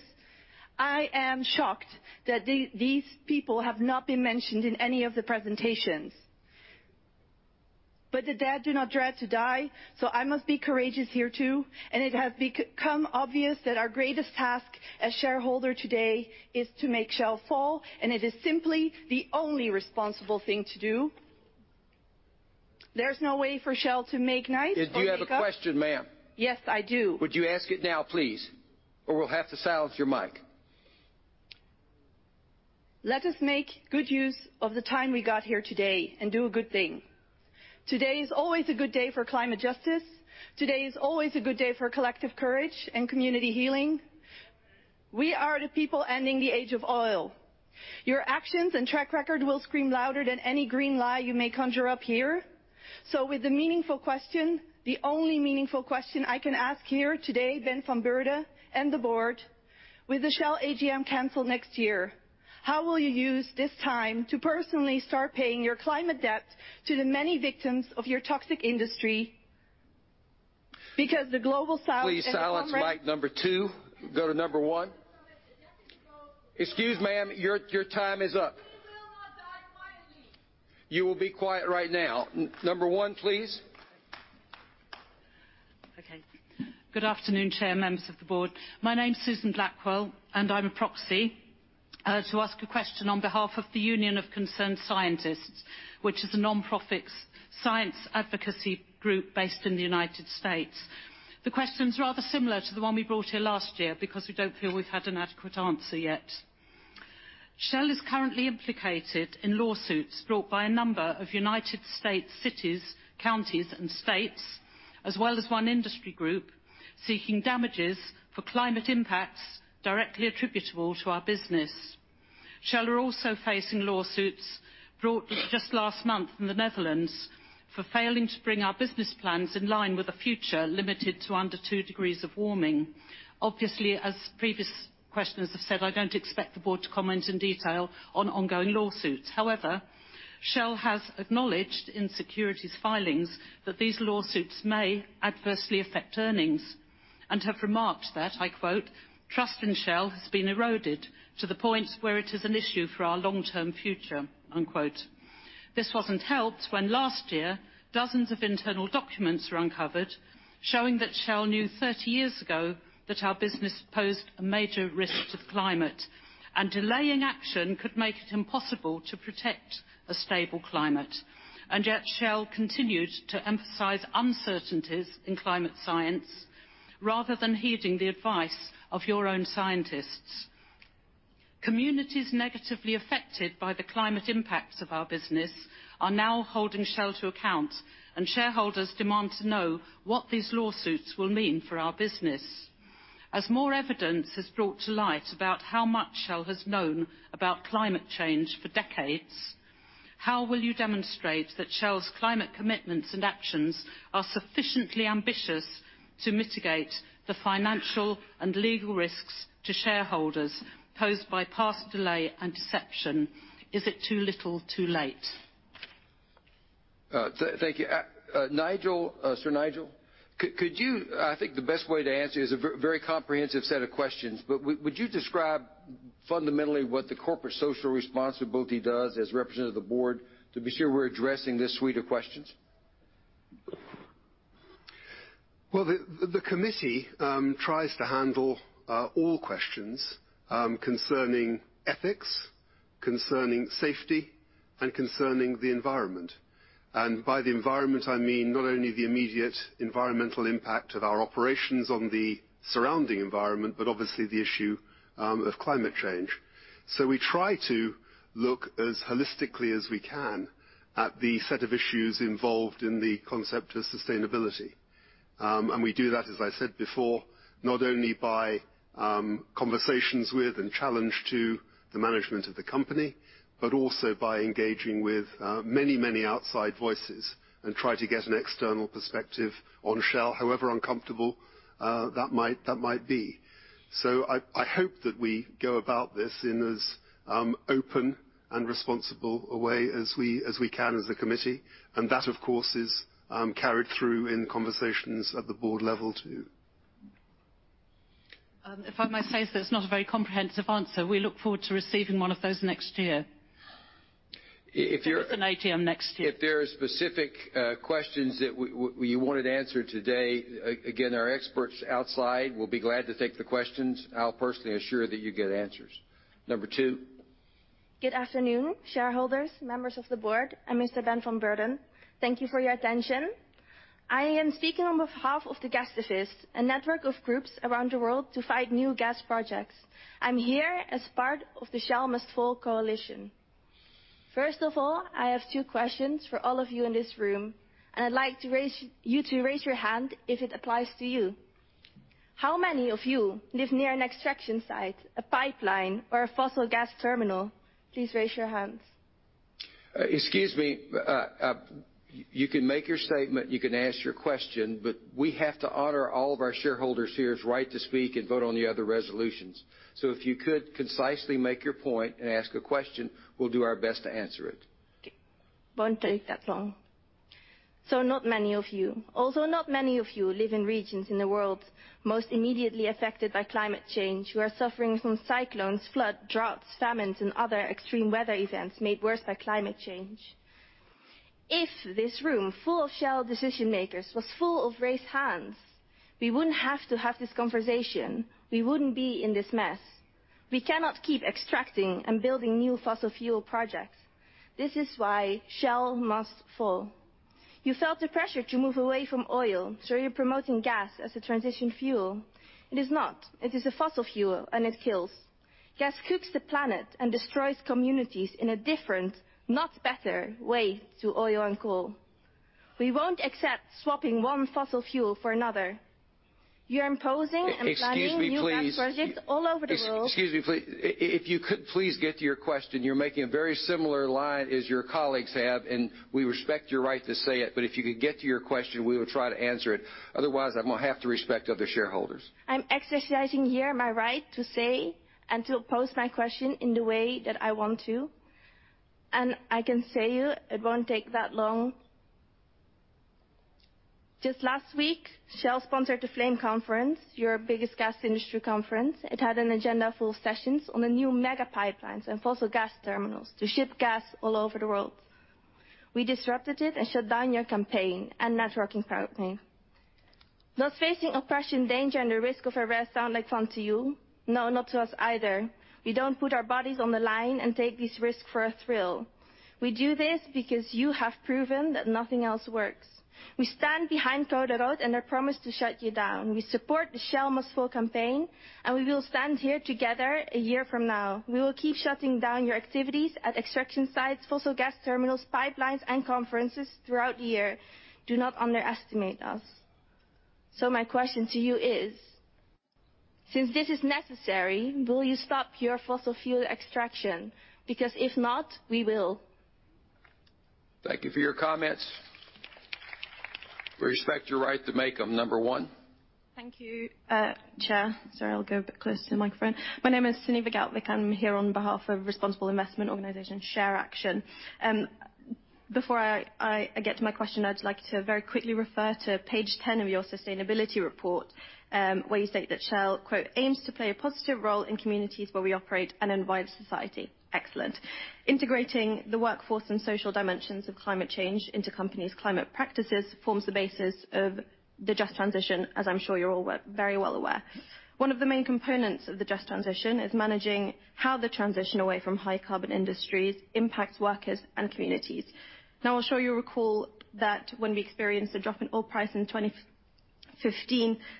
I am shocked that these people have not been mentioned in any of the presentations. The dead do not dread to die, so I must be courageous here too, and it has become obvious that our greatest task as shareholder today is to make Shell fall, and it is simply the only responsible thing to do. There's no way for Shell to make nice or make up. Do you have a question, ma'am? Yes, I do. Would you ask it now, please? We'll have to silence your mic. Let us make good use of the time we got here today and do a good thing. Today is always a good day for climate justice. Today is always a good day for collective courage and community healing. We are the people ending the age of oil. Your actions and track record will scream louder than any green lie you may conjure up here. With the meaningful question, the only meaningful question I can ask here today, Ben van Beurden and the board With the Shell AGM canceled next year, how will you use this time to personally start paying your climate debt to the many victims of your toxic industry? Please silence mic 2. Go to 1. Excuse, ma'am, your time is up. We will not die quietly. You will be quiet right now. 1, please. Okay. Good afternoon, Chair, members of the board. My name's Susan Blackwell, and I'm a proxy, to ask a question on behalf of the Union of Concerned Scientists, which is a nonprofit science advocacy group based in the United States. The question's rather similar to the one we brought here last year because we don't feel we've had an adequate answer yet. Shell is currently implicated in lawsuits brought by a number of United States cities, counties, and states, as well as one industry group, seeking damages for climate impacts directly attributable to our business. Shell are also facing lawsuits brought just last month from the Netherlands for failing to bring our business plans in line with a future limited to under two degrees of warming. Obviously, as previous questioners have said, I don't expect the board to comment in detail on ongoing lawsuits. Shell has acknowledged in securities filings that these lawsuits may adversely affect earnings and have remarked that, I quote, "Trust in Shell has been eroded to the point where it is an issue for our long-term future." Unquote. This wasn't helped when last year, dozens of internal documents were uncovered showing that Shell knew 30 years ago that our business posed a major risk to the climate, and delaying action could make it impossible to protect a stable climate. Yet Shell continued to emphasize uncertainties in climate science rather than heeding the advice of your own scientists. Communities negatively affected by the climate impacts of our business are now holding Shell to account, and shareholders demand to know what these lawsuits will mean for our business. As more evidence is brought to light about how much Shell has known about climate change for decades, how will you demonstrate that Shell's climate commitments and actions are sufficiently ambitious to mitigate the financial and legal risks to shareholders posed by past delay and deception? Is it too little too late? Thank you. Sir Nigel, I think the best way to answer is a very comprehensive set of questions. Would you describe fundamentally what the corporate social responsibility does as representative of the board to be sure we are addressing this suite of questions? Well, the committee tries to handle all questions concerning ethics, concerning safety, and concerning the environment. By the environment, I mean not only the immediate environmental impact of our operations on the surrounding environment, but obviously the issue of climate change. We try to look as holistically as we can at the set of issues involved in the concept of sustainability. We do that, as I said before, not only by conversations with and challenge to the management of the company, but also by engaging with many outside voices and try to get an external perspective on Shell, however uncomfortable that might be. I hope that we go about this in as open and responsible a way as we can as a committee. That, of course, is carried through in conversations at the board level, too. If I may say so, it's not a very comprehensive answer. We look forward to receiving one of those next year. If there- There is an AGM next year. If there are specific questions that you wanted answered today, again, our experts outside will be glad to take the questions. I'll personally ensure that you get answers. Number 2. Good afternoon, shareholders, members of the board, and Mr. Ben van Beurden. Thank you for your attention. I am speaking on behalf of the Gas Resistance, a network of groups around the world to fight new gas projects. I am here as part of the Shell Must Fall coalition. First of all, I have two questions for all of you in this room, and I would like you to raise your hand if it applies to you. How many of you live near an extraction site, a pipeline, or a fossil gas terminal? Please raise your hands. Excuse me. You can make your statement, you can ask your question. We have to honor all of our shareholders' right to speak and vote on the other resolutions. If you could concisely make your point and ask a question, we will do our best to answer it. Won't take that long. Not many of you. Also not many of you live in regions in the world most immediately affected by climate change, who are suffering from cyclones, flood, droughts, famines, and other extreme weather events made worse by climate change. If this room full of Shell decision makers was full of raised hands, we wouldn't have to have this conversation. We wouldn't be in this mess. We cannot keep extracting and building new fossil fuel projects. This is why Shell Must Fall. You felt the pressure to move away from oil. You are promoting gas as a transition fuel. It is not. It is a fossil fuel. It kills. Gas cooks the planet and destroys communities in a different, not better way to oil and coal. We won't accept swapping one fossil fuel for another. You are imposing and planning- Excuse me, please new gas projects all over the world. Excuse me, please. If you could please get to your question. You are making a very similar line as your colleagues have, we respect your right to say it, if you could get to your question, we will try to answer it. Otherwise, I am going to have to respect other shareholders. I am exercising here my right to say and to pose my question in the way that I want to. I can say you, it won't take that long. Just last week, Shell sponsored the Flame Conference, your biggest gas industry conference. It had an agenda full of sessions on the new mega pipelines and fossil gas terminals to ship gas all over the world. We disrupted it and shut down your campaign and networking. Not facing oppression, danger, and the risk of arrest sound like fun to you? No, not to us either. We don't put our bodies on the line and take this risk for a thrill. We do this because you have proven that nothing else works. We stand behind Code Rood and their promise to shut you down. We support the Shell Must Fall campaign, and we will stand here together a year from now. We will keep shutting down your activities at extraction sites, fossil gas terminals, pipelines, and conferences throughout the year. Do not underestimate us. My question to you is, since this is necessary, will you stop your fossil fuel extraction? If not, we will. Thank you for your comments. We respect your right to make them. Number one. Thank you, Chair. Sorry, I'll go a bit closer to the microphone. My name is Sunny Bhagat, I'm here on behalf of responsible investment organization, ShareAction. Before I get to my question, I'd like to very quickly refer to page 10 of your sustainability report, where you state that Shell, quote, "Aims to play a positive role in communities where we operate and invite society." Excellent. Integrating the workforce and social dimensions of climate change into companies' climate practices forms the basis of the Just Transition, as I'm sure you're all very well aware. One of the main components of the Just Transition is managing how the transition away from high carbon industries impacts workers and communities. I'm sure you recall that when we experienced a drop in oil price in 2015,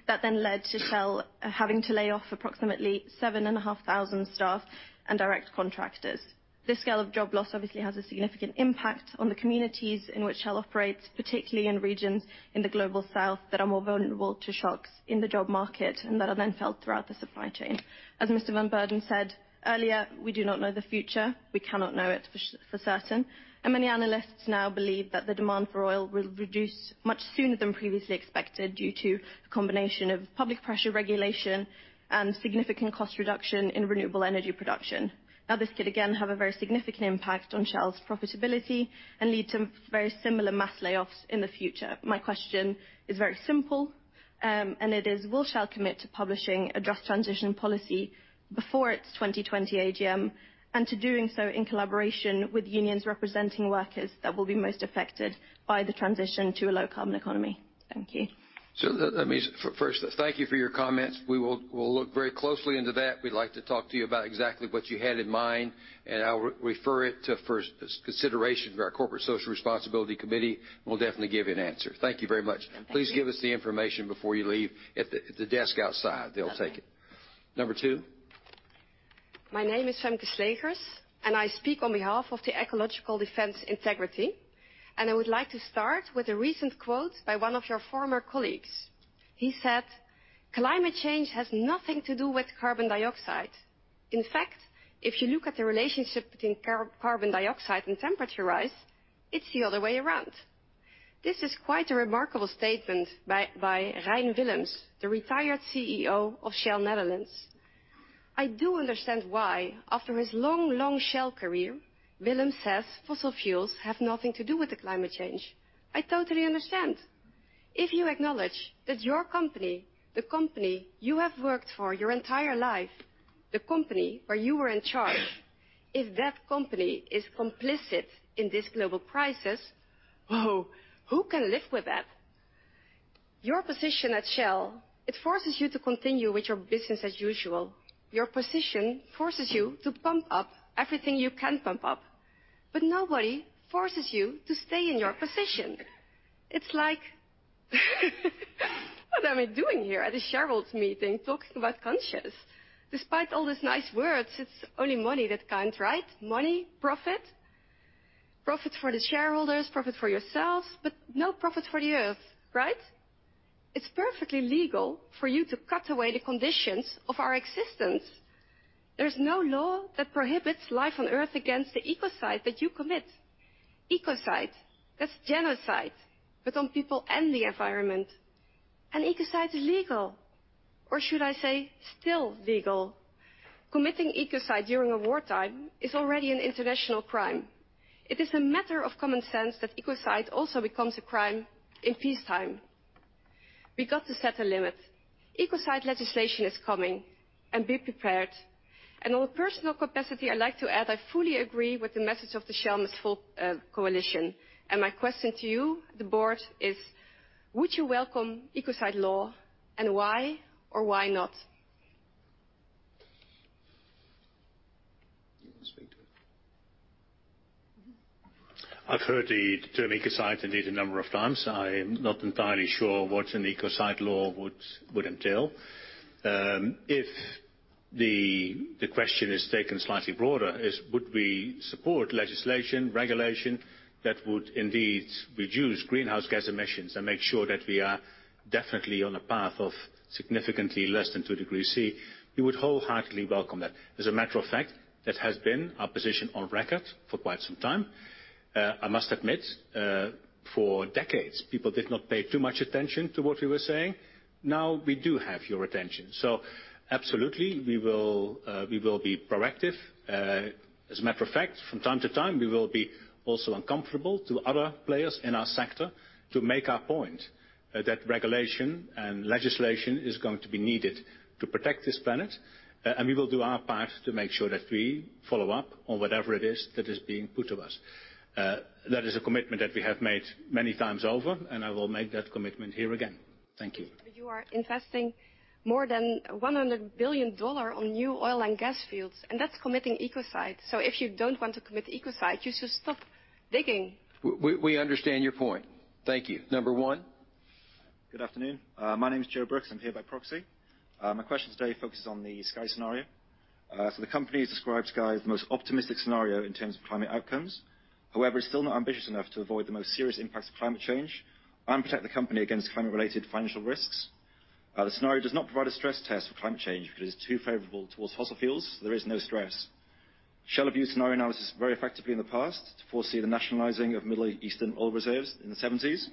that then led to Shell having to lay off approximately 7,500 staff and direct contractors. This scale of job loss obviously has a significant impact on the communities in which Shell operates, particularly in regions in the Global South that are more vulnerable to shocks in the job market and that are then felt throughout the supply chain. As Mr. Van Beurden said earlier, we do not know the future. We cannot know it for certain. Many analysts now believe that the demand for oil will reduce much sooner than previously expected due to the combination of public pressure regulation and significant cost reduction in renewable energy production. This could again have a very significant impact on Shell's profitability and lead to very similar mass layoffs in the future. My question is very simple, and it is, will Shell commit to publishing a Just Transition policy before its 2020 AGM, and to doing so in collaboration with unions representing workers that will be most affected by the transition to a low carbon economy? Thank you. Let me first thank you for your comments. We'll look very closely into that. We'd like to talk to you about exactly what you had in mind, and I'll refer it to first consideration to our Corporate and Social Responsibility Committee, and we'll definitely give you an answer. Thank you very much. Thank you. Please give us the information before you leave at the desk outside. They'll take it. Okay. Number 2. My name is Femke Sleegers, and I speak on behalf of the Ecological Defense Integrity. I would like to start with a recent quote by one of your former colleagues. He said, "Climate change has nothing to do with carbon dioxide. In fact, if you look at the relationship between carbon dioxide and temperature rise, it's the other way around." This is quite a remarkable statement by Rein Willems, the retired CEO of Shell Netherlands. I do understand why, after his long, long Shell career, Willems says fossil fuels have nothing to do with the climate change. I totally understand. If you acknowledge that your company, the company you have worked for your entire life, the company where you were in charge, if that company is complicit in this global crisis, whoa, who can live with that? Your position at Shell, it forces you to continue with your business as usual. Your position forces you to pump up everything you can pump up, Nobody forces you to stay in your position. It's like, what am I doing here at a shareholders meeting talking about conscience? Despite all these nice words, it's only money that counts, right? Money, profit. Profit for the shareholders, profit for yourselves, but no profit for the Earth, right? It's perfectly legal for you to cut away the conditions of our existence. There's no law that prohibits life on Earth against the ecocide that you commit. Ecocide, that's genocide, but on people and the environment. Ecocide is legal. Should I say still legal. Committing ecocide during a wartime is already an international crime. It is a matter of common sense that ecocide also becomes a crime in peace time. We got to set a limit. Ecocide legislation is coming, and be prepared. On a personal capacity, I'd like to add, I fully agree with the message of the Shell Must Fall coalition. My question to you, the board, is would you welcome ecocide law, and why or why not? You want to speak to it? I've heard the term ecocide indeed a number of times. I am not entirely sure what an ecocide law would entail. If the question is taken slightly broader is, would we support legislation, regulation that would indeed reduce greenhouse gas emissions and make sure that we are definitely on a path of significantly less than two degrees C? We would wholeheartedly welcome that. As a matter of fact, that has been our position on record for quite some time. I must admit, for decades people did not pay too much attention to what we were saying. Now we do have your attention. Absolutely, we will be proactive. As a matter of fact, from time to time, we will be also uncomfortable to other players in our sector to make our point that regulation and legislation is going to be needed to protect this planet. We will do our part to make sure that we follow up on whatever it is that is being put to us. That is a commitment that we have made many times over, and I will make that commitment here again. Thank you. You are investing more than $100 billion on new oil and gas fields, and that's committing ecocide. If you don't want to commit ecocide, you should stop digging. We understand your point. Thank you. Number one. Good afternoon. My name is Joe Brooks. I'm here by proxy. My question today focuses on the Sky scenario. The company has described Sky as the most optimistic scenario in terms of climate outcomes. However, it's still not ambitious enough to avoid the most serious impacts of climate change and protect the company against climate-related financial risks. The scenario does not provide a stress test for climate change because it's too favorable towards fossil fuels. There is no stress. Shell have used scenario analysis very effectively in the past to foresee the nationalizing of Middle Eastern oil reserves in the '70s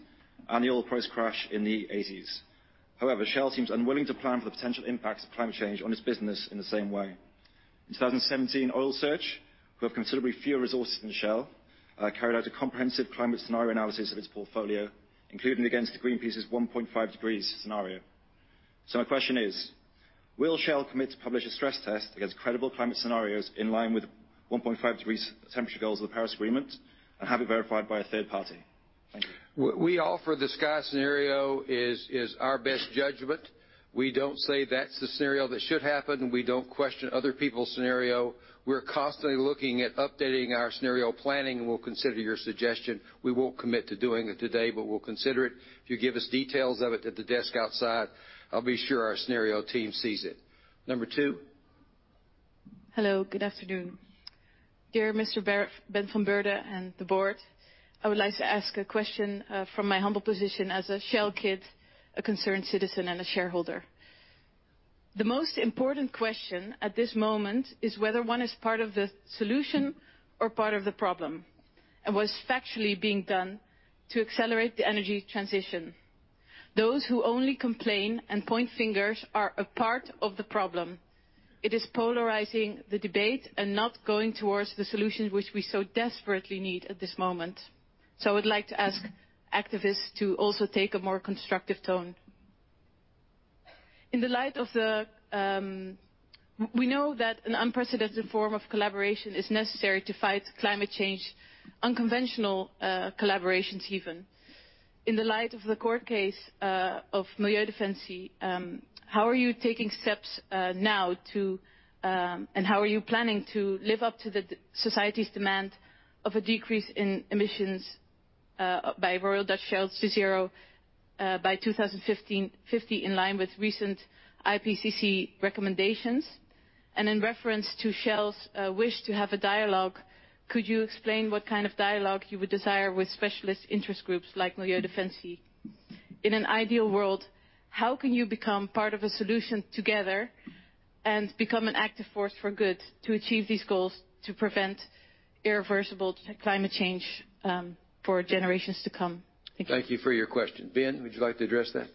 and the oil price crash in the '80s. However, Shell seems unwilling to plan for the potential impacts of climate change on its business in the same way. In 2017, Oil Search, who have considerably fewer resources than Shell, carried out a comprehensive climate scenario analysis of its portfolio, including against Greenpeace's 1.5 degrees scenario. My question is, will Shell commit to publish a stress test against credible climate scenarios in line with 1.5 degrees temperature goals of the Paris Agreement and have it verified by a third party? Thank you. What we offer the Sky scenario is our best judgment. We don't say that's the scenario that should happen. We don't question other people's scenario. We're constantly looking at updating our scenario planning, and we'll consider your suggestion. We won't commit to doing it today, but we'll consider it. If you give us details of it at the desk outside, I'll be sure our scenario team sees it. Number 2. Hello, good afternoon. Dear Mr. Ben van Beurden and the board, I would like to ask a question from my humble position as a Shell kid, a concerned citizen, and a shareholder. The most important question at this moment is whether one is part of the solution or part of the problem, and what is factually being done to accelerate the energy transition. Those who only complain and point fingers are a part of the problem. It is polarizing the debate and not going towards the solutions which we so desperately need at this moment. I would like to ask activists to also take a more constructive tone. We know that an unprecedented form of collaboration is necessary to fight climate change, unconventional collaborations even. In the light of the court case of Milieudefensie, how are you taking steps now to how are you planning to live up to the society's demand of a decrease in emissions by Royal Dutch Shell to zero by 2050, in line with recent IPCC recommendations? In reference to Shell's wish to have a dialogue, could you explain what kind of dialogue you would desire with specialist interest groups like Milieudefensie? In an ideal world, how can you become part of a solution together and become an active force for good to achieve these goals to prevent irreversible climate change for generations to come? Thank you. Thank you for your question. Ben, would you like to address that?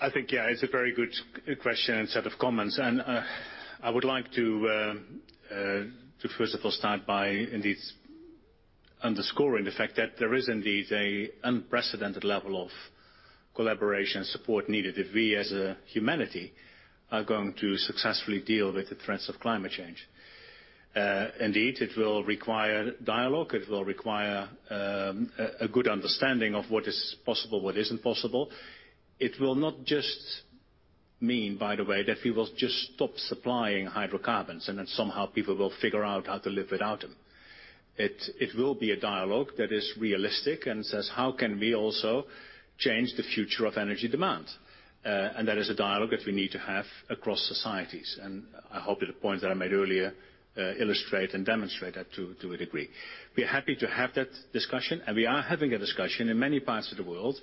I think, yeah. It's a very good question and set of comments. I would like to first of all start by indeed underscoring the fact that there is indeed a unprecedented level of collaboration support needed if we, as a humanity, are going to successfully deal with the threats of climate change. Indeed, it will require dialogue. It will require a good understanding of what is possible, what isn't possible. It will not just mean, by the way, that we will just stop supplying hydrocarbons and then somehow people will figure out how to live without them. It will be a dialogue that is realistic and says, "How can we also change the future of energy demand?" That is a dialogue that we need to have across societies. I hope that the points that I made earlier illustrate and demonstrate that to a degree. We are happy to have that discussion, we are having a discussion in many parts of the world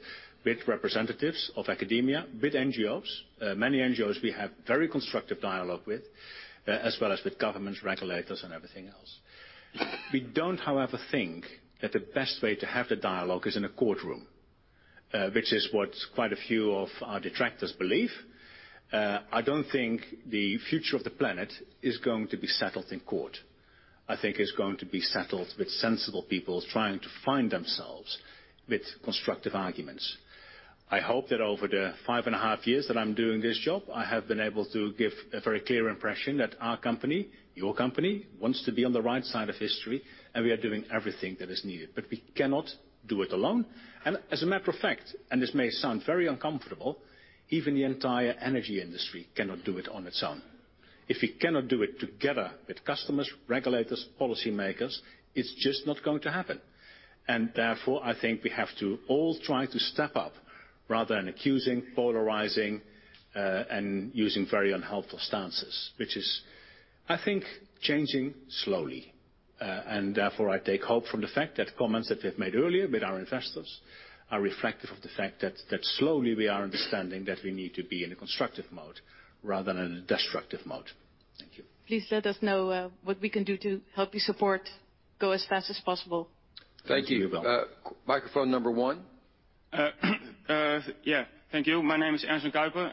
with representatives of academia, with NGOs. Many NGOs we have very constructive dialogue with, as well as with governments, regulators, and everything else. We don't, however, think that the best way to have the dialogue is in a courtroom, which is what quite a few of our detractors believe. I don't think the future of the planet is going to be settled in court. I think it's going to be settled with sensible people trying to find themselves with constructive arguments. I hope that over the five and a half years that I'm doing this job, I have been able to give a very clear impression that our company, your company, wants to be on the right side of history, and we are doing everything that is needed. We cannot do it alone. As a matter of fact, and this may sound very uncomfortable, even the entire energy industry cannot do it on its own. If we cannot do it together with customers, regulators, policymakers, it's just not going to happen. Therefore, I think we have to all try to step up rather than accusing, polarizing, and using very unhelpful stances, which is, I think, changing slowly. Therefore, I take hope from the fact that comments that we have made earlier with our investors are reflective of the fact that slowly we are understanding that we need to be in a constructive mode rather than in a destructive mode. Thank you. Please let us know what we can do to help you support go as fast as possible. Thank you. Microphone number one. Thank you. My name is Ernst Kuipers.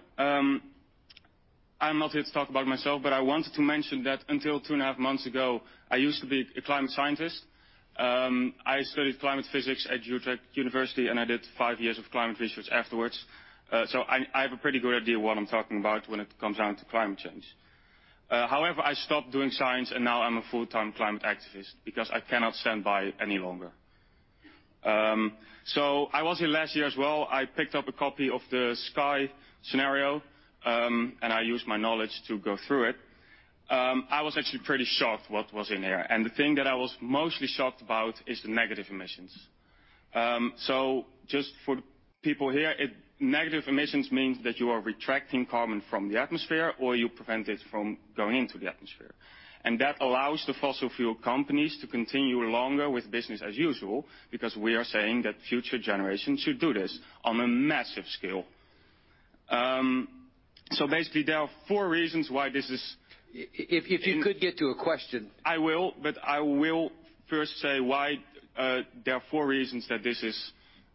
I wanted to mention that until two and a half months ago, I used to be a climate scientist. I studied climate physics at Utrecht University, and I did five years of climate research afterwards. I have a pretty good idea what I'm talking about when it comes down to climate change. However, I stopped doing science, and now I'm a full-time climate activist because I cannot stand by any longer. I was here last year as well. I picked up a copy of the Sky Scenario, and I used my knowledge to go through it. I was actually pretty shocked what was in there. The thing that I was mostly shocked about is the negative emissions. Just for the people here, negative emissions means that you are retracting carbon from the atmosphere, or you prevent it from going into the atmosphere. That allows the fossil fuel companies to continue longer with business as usual because we are saying that future generations should do this on a massive scale. Basically, there are four reasons why this is- If you could get to a question. I will, but I will first say why there are four reasons that this is,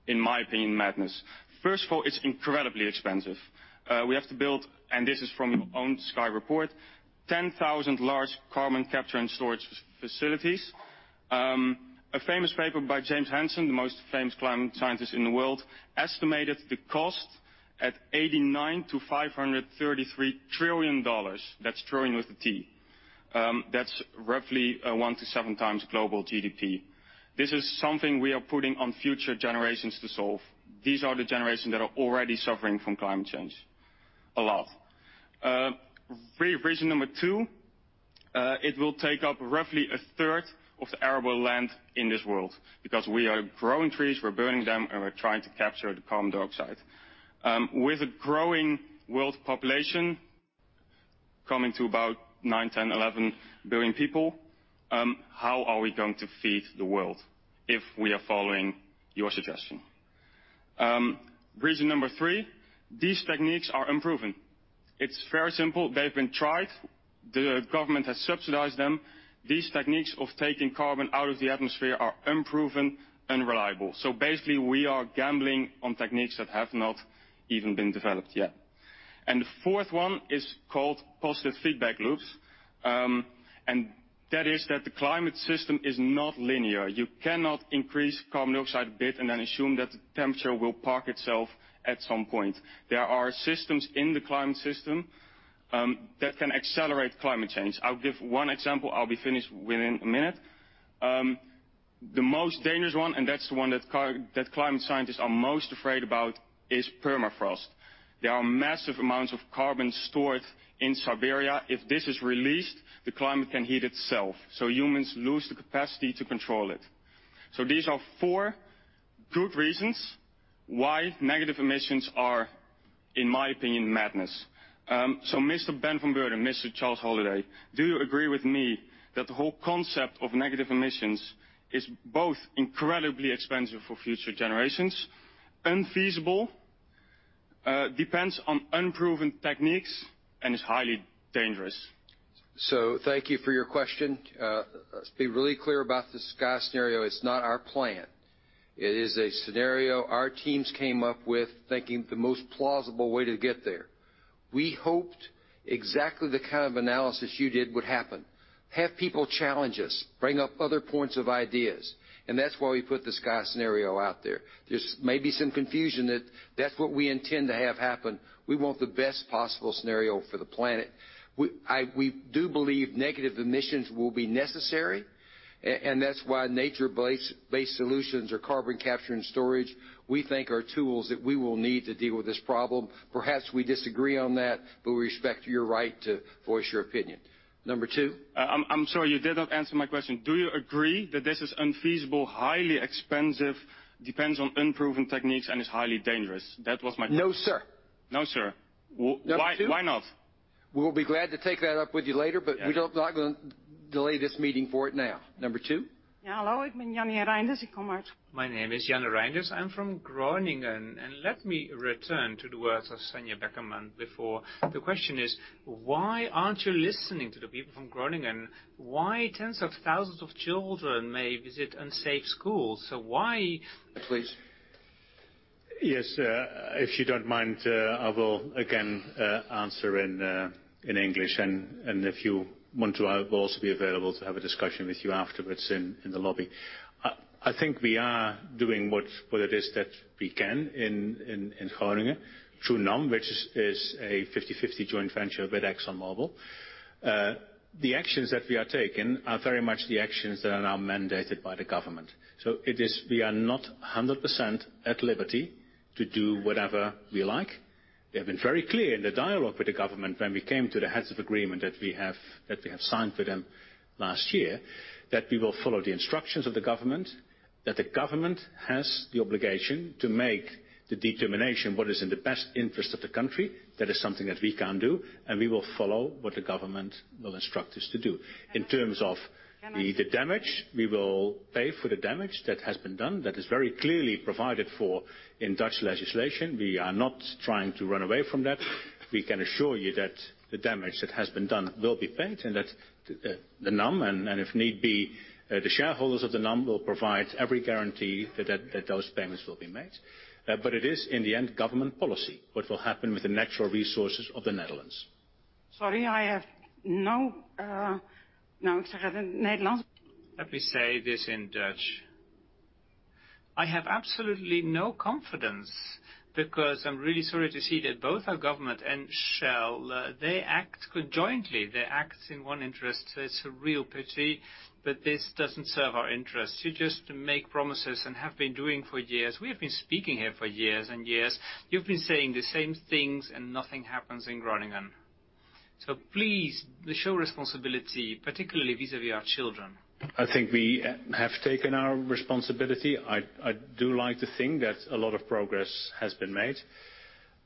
in my opinion, madness. First of all, it's incredibly expensive. We have to build, and this is from your own Sky report, 10,000 large carbon capture and storage facilities. A famous paper by James Hansen, the most famous climate scientist in the world, estimated the cost at $89 trillion to $533 trillion. That's trillion with a T. That's roughly one to seven times global GDP. This is something we are putting on future generations to solve. These are the generations that are already suffering from climate change, a lot. Reason number 2, it will take up roughly a third of the arable land in this world because we are growing trees, we're burning them, and we're trying to capture the carbon dioxide. With a growing world population coming to about nine, 10, 11 billion people, how are we going to feed the world if we are following your suggestion? Reason number 3, these techniques are unproven. It's very simple. They've been tried. The government has subsidized them. These techniques of taking carbon out of the atmosphere are unproven, unreliable. Basically, we are gambling on techniques that have not even been developed yet. The fourth one is called positive feedback loops. That is that the climate system is not linear. You cannot increase carbon dioxide a bit and then assume that the temperature will park itself at some point. There are systems in the climate system that can accelerate climate change. I'll give one example. I'll be finished within a minute. The most dangerous one, and that's the one that climate scientists are most afraid about, is permafrost. There are massive amounts of carbon stored in Siberia. If this is released, the climate can heat itself, so humans lose the capacity to control it. These are four good reasons why negative emissions are, in my opinion, madness. Mr. Ben van Beurden, Mr. Charles Holliday, do you agree with me that the whole concept of negative emissions is both incredibly expensive for future generations, unfeasible, depends on unproven techniques, and is highly dangerous? Thank you for your question. Let's be really clear about the Sky Scenario. It's not our plan. It is a scenario our teams came up with thinking the most plausible way to get there. We hoped exactly the kind of analysis you did would happen. Have people challenge us, bring up other points of ideas, and that's why we put the Sky Scenario out there. There's maybe some confusion that that's what we intend to have happen. We want the best possible scenario for the planet. We do believe negative emissions will be necessary, and that's why nature-based solutions or carbon capture and storage, we think, are tools that we will need to deal with this problem. Perhaps we disagree on that. We respect your right to voice your opinion. Number two. I'm sorry, you did not answer my question. Do you agree that this is unfeasible, highly expensive, depends on unproven techniques, and is highly dangerous? That was my question. No, sir. No, sir? Number 2 not? We'll be glad to take that up with you later. Yeah We're not going to delay this meeting for it now. Number 2. Hello, my name is Jannie Reinders. I'm from Groningen. Let me return to the words of Sandra Beckerman before. The question is, why aren't you listening to the people from Groningen? Why tens of thousands of children may visit unsafe schools? Please. Yes, if you don't mind, I will again answer in English. If you want to, I will also be available to have a discussion with you afterwards in the lobby. I think we are doing what it is that we can in Groningen through NAM, which is a 50/50 joint venture with ExxonMobil. The actions that we are taking are very much the actions that are now mandated by the government. We are not 100% at liberty to do whatever we like. We have been very clear in the dialogue with the government when we came to the heads of agreement that we have signed with them last year that we will follow the instructions of the government, that the government has the obligation to make the determination what is in the best interest of the country. That is something that we can't do, we will follow what the government will instruct us to do. In terms of the damage, we will pay for the damage that has been done. That is very clearly provided for in Dutch legislation. We are not trying to run away from that. We can assure you that the damage that has been done will be paid and that the NAM, and if need be, the shareholders of the NAM will provide every guarantee that those payments will be made. It is, in the end, government policy, what will happen with the natural resources of the Netherlands. Sorry, Let me say this in Dutch. I have absolutely no confidence because I'm really sorry to see that both our government and Shell, they act jointly. They act in one interest. It's a real pity that this doesn't serve our interest. You just make promises and have been doing for years. We have been speaking here for years and years. You've been saying the same things, nothing happens in Groningen. Please show responsibility, particularly vis-à-vis our children. I think we have taken our responsibility. I do like to think that a lot of progress has been made.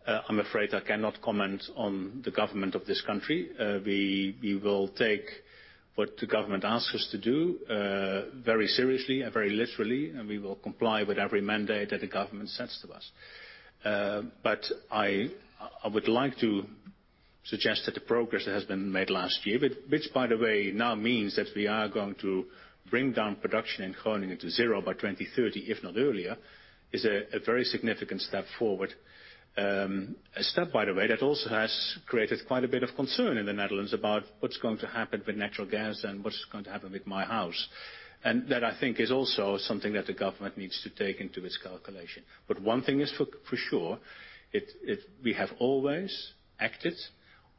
I am afraid I cannot comment on the government of this country. We will take what the government asks us to do, very seriously and very literally, and we will comply with every mandate that the government sets to us. I would like to suggest that the progress that has been made last year, which by the way, now means that we are going to bring down production in Groningen to zero by 2030, if not earlier, is a very significant step forward. A step, by the way, that also has created quite a bit of concern in the Netherlands about what is going to happen with natural gas and what is going to happen with my house. That, I think, is also something that the government needs to take into its calculation. One thing is for sure, we have always acted,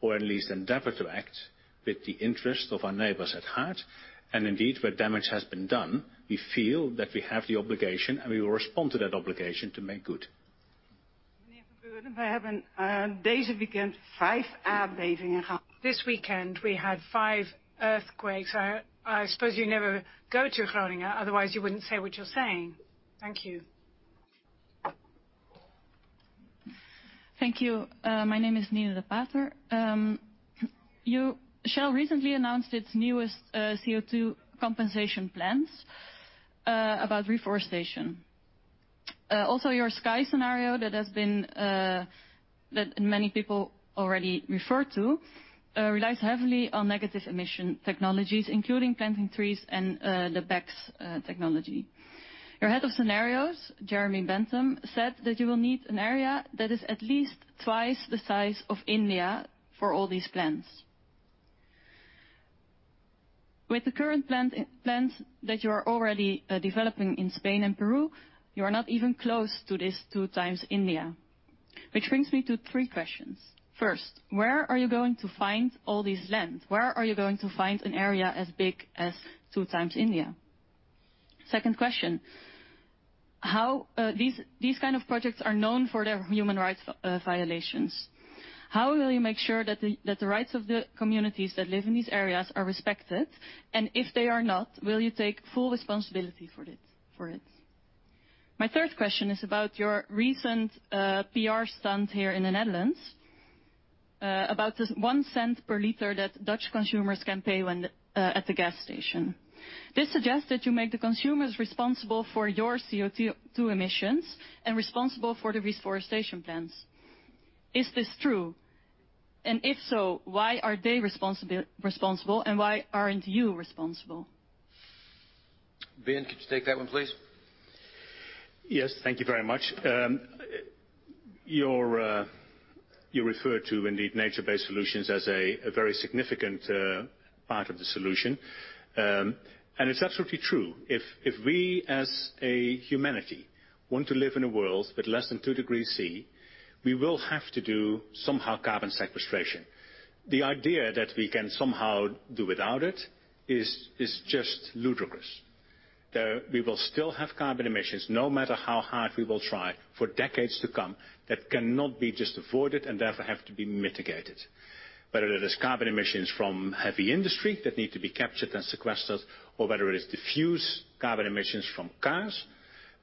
or at least endeavored to act, with the interest of our neighbors at heart. Indeed, where damage has been done, we feel that we have the obligation, and we will respond to that obligation to make good. This weekend, we had five earthquakes. I suppose you never go to Groningen, otherwise you would not say what you are saying. Thank you. Thank you. My name is Nine de Pater. Shell recently announced its newest CO2 compensation plans, about reforestation. Your Sky scenario that many people already referred to, relies heavily on negative emission technologies, including planting trees and the BECCS technology. Your head of scenarios, Jeremy Bentham, said that you will need an area that is at least twice the size of India for all these plans. With the current plans that you are already developing in Spain and Peru, you are not even close to this two times India. Which brings me to three questions. First, where are you going to find all this land? Where are you going to find an area as big as two times India? Second question, these kind of projects are known for their human rights violations. How will you make sure that the rights of the communities that live in these areas are respected? If they are not, will you take full responsibility for it? My third question is about your recent PR stunt here in the Netherlands, about this $0.01 per liter that Dutch consumers can pay at the gas station. This suggests that you make the consumers responsible for your CO2 emissions and responsible for the reforestation plans. Is this true? If so, why are they responsible, and why aren't you responsible? Ben, could you take that one, please? Yes, thank you very much. You referred to, indeed, nature-based solutions as a very significant part of the solution. It's absolutely true. If we as a humanity want to live in a world with less than two degrees C, we will have to do somehow carbon sequestration. The idea that we can somehow do without it is just ludicrous. Though we will still have carbon emissions, no matter how hard we will try for decades to come, that cannot be just avoided and therefore have to be mitigated. Whether it is carbon emissions from heavy industry that need to be captured and sequestered, or whether it is diffuse carbon emissions from cars,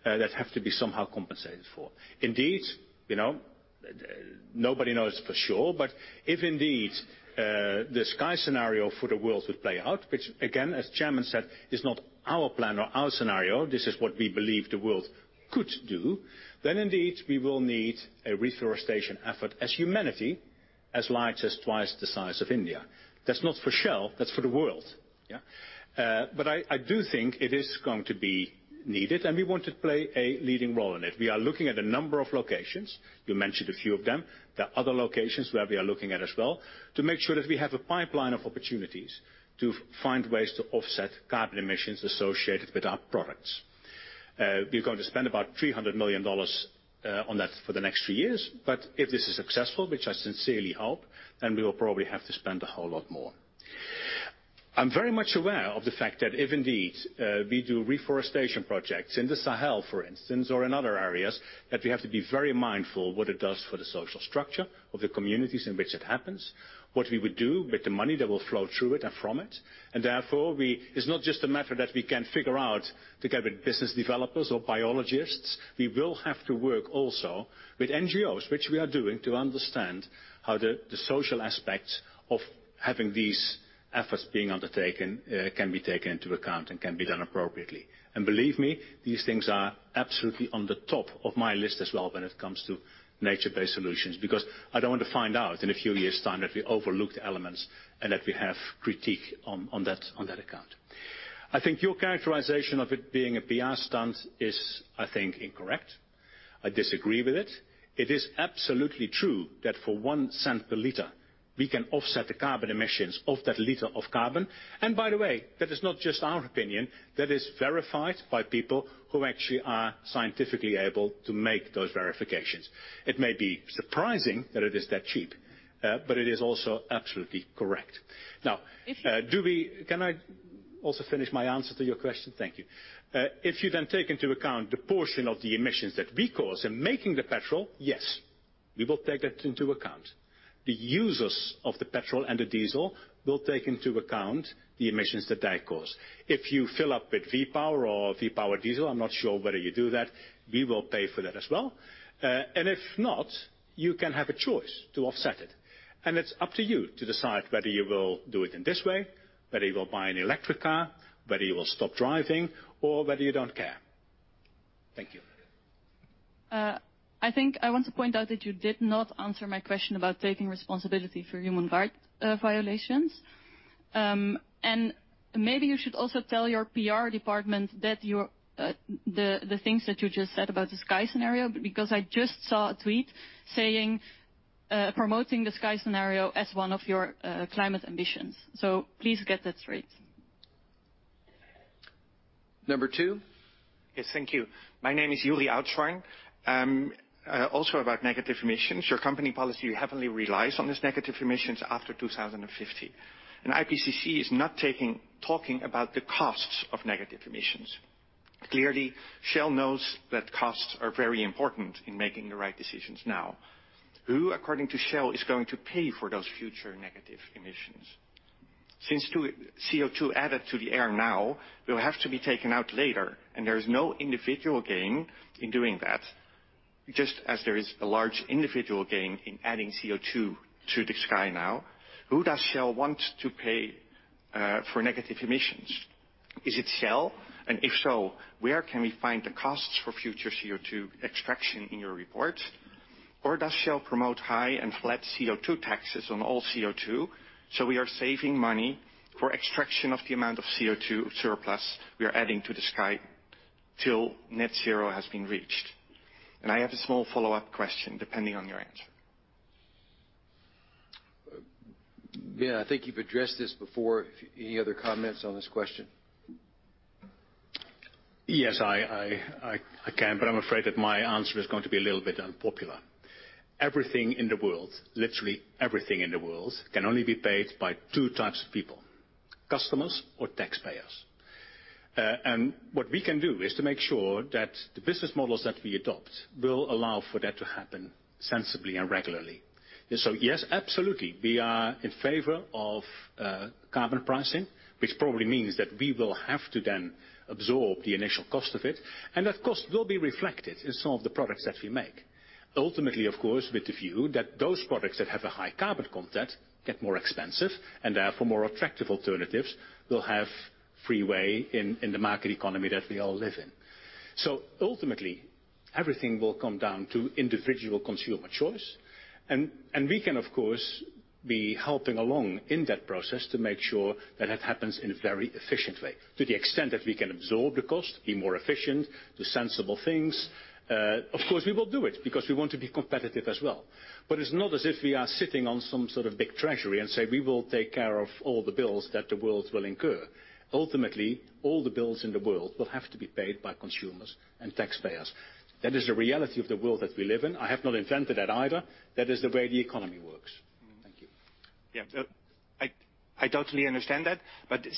that have to be somehow compensated for. Indeed, nobody knows for sure, if indeed, the Sky scenario for the world would play out, which again, as Chairman said, is not our plan or our scenario, this is what we believe the world could do, then indeed, we will need a reforestation effort as humanity as large as twice the size of India. That's not for Shell, that's for the world. I do think it is going to be needed, and we want to play a leading role in it. We are looking at a number of locations. You mentioned a few of them. There are other locations where we are looking at as well to make sure that we have a pipeline of opportunities to find ways to offset carbon emissions associated with our products. We're going to spend about $300 million on that for the next three years. If this is successful, which I sincerely hope, we will probably have to spend a whole lot more. I'm very much aware of the fact that if indeed we do reforestation projects in the Sahel, for instance, or in other areas, that we have to be very mindful what it does for the social structure of the communities in which it happens, what we would do with the money that will flow through it and from it. Therefore, it's not just a matter that we can figure out together with business developers or biologists. We will have to work also with NGOs, which we are doing to understand how the social aspects of having these efforts being undertaken can be taken into account and can be done appropriately. Believe me, these things are absolutely on the top of my list as well when it comes to nature-based solutions, because I don't want to find out in a few years' time that we overlooked elements and that we have critique on that account. I think your characterization of it being a PR stunt is incorrect. I disagree with it. It is absolutely true that for $0.01 per liter, we can offset the carbon emissions of that liter of carbon. By the way, that is not just our opinion. That is verified by people who actually are scientifically able to make those verifications. It may be surprising that it is that cheap, but it is also absolutely correct. If you- Can I also finish my answer to your question? Thank you. If you take into account the portion of the emissions that we cause in making the petrol, yes, we will take that into account. The users of the petrol and the diesel will take into account the emissions that they cause. If you fill up with V-Power or V-Power diesel, I'm not sure whether you do that, we will pay for that as well. If not, you can have a choice to offset it, and it's up to you to decide whether you will do it in this way, whether you will buy an electric car, whether you will stop driving, or whether you don't care. Thank you. I think I want to point out that you did not answer my question about taking responsibility for human rights violations. Maybe you should also tell your PR department the things that you just said about the Sky scenario, because I just saw a tweet promoting the Sky scenario as one of your climate ambitions. Please get that straight. Number two. Yes. Thank you. My name is [Yuri Outswering]. Also about negative emissions. Your company policy heavily relies on these negative emissions after 2050. IPCC is not talking about the costs of negative emissions. Clearly, Shell knows that costs are very important in making the right decisions now. Who, according to Shell, is going to pay for those future negative emissions? Since CO2 added to the air now will have to be taken out later, and there is no individual gain in doing that, just as there is a large individual gain in adding CO2 to the sky now, who does Shell want to pay for negative emissions? Is it Shell? If so, where can we find the costs for future CO2 extraction in your report? Does Shell promote high and flat CO2 taxes on all CO2, so we are saving money for extraction of the amount of CO2 surplus we are adding to the sky till net zero has been reached? I have a small follow-up question, depending on your answer. Yeah. I think you've addressed this before. Any other comments on this question? Yes, I can, I'm afraid that my answer is going to be a little bit unpopular. Everything in the world, literally everything in the world, can only be paid by 2 types of people, customers or taxpayers. What we can do is to make sure that the business models that we adopt will allow for that to happen sensibly and regularly. Yes, absolutely, we are in favor of carbon pricing, which probably means that we will have to then absorb the initial cost of it, and that cost will be reflected in some of the products that we make. Ultimately, of course, with the view that those products that have a high carbon content get more expensive and therefore more attractive alternatives will have freeway in the market economy that we all live in. Ultimately, everything will come down to individual consumer choice, we can, of course, be helping along in that process to make sure that that happens in a very efficient way. To the extent that we can absorb the cost, be more efficient, do sensible things, of course, we will do it because we want to be competitive as well. It's not as if we are sitting on some sort of big treasury and say we will take care of all the bills that the world will incur. Ultimately, all the bills in the world will have to be paid by consumers and taxpayers. That is the reality of the world that we live in. I have not invented that either. That is the way the economy works. Thank you. Yeah. I totally understand that.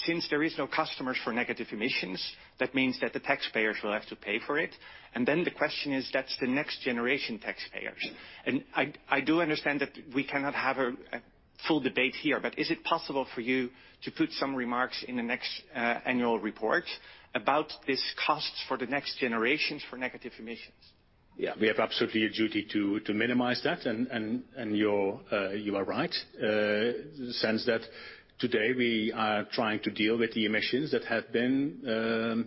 Since there is no customers for negative emissions, that means that the taxpayers will have to pay for it. Then the question is, that's the next generation taxpayers. I do understand that we cannot have a full debate here, but is it possible for you to put some remarks in the next annual report about this cost for the next generations for negative emissions? Yeah. We have absolutely a duty to minimize that. You are right in the sense that today we are trying to deal with the emissions that have been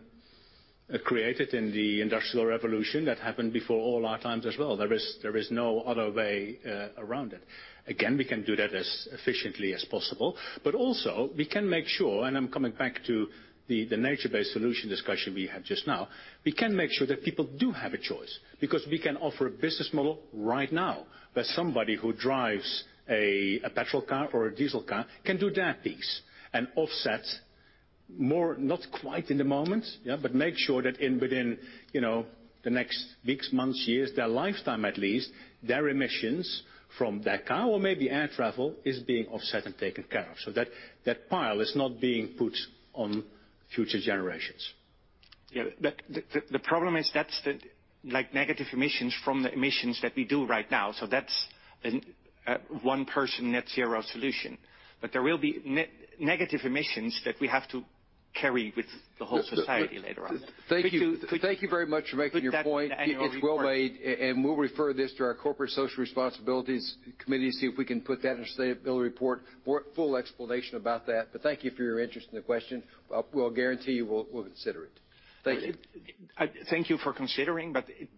created in the Industrial Revolution that happened before all our times as well. There is no other way around it. Again, we can do that as efficiently as possible. Also we can make sure, and I am coming back to the nature-based solution discussion we had just now, we can make sure that people do have a choice because we can offer a business model right now where somebody who drives a petrol car or a diesel car can do that piece and offset more, not quite in the moment, but make sure that within the next weeks, months, years, their lifetime at least, their emissions from that car or maybe air travel is being offset and taken care of. That pile is not being put on future generations. Yeah. The problem is that's the negative emissions from the emissions that we do right now. That's one person net zero solution. There will be negative emissions that we have to carry with the whole society later on. Thank you very much for making your point. Could you put that in the annual report? It's well made. We'll refer this to our Corporate and Social Responsibility Committee to see if we can put that in a sustainability report. Full explanation about that. Thank you for your interest in the question. We'll guarantee you we'll consider it. Thank you. Thank you for considering.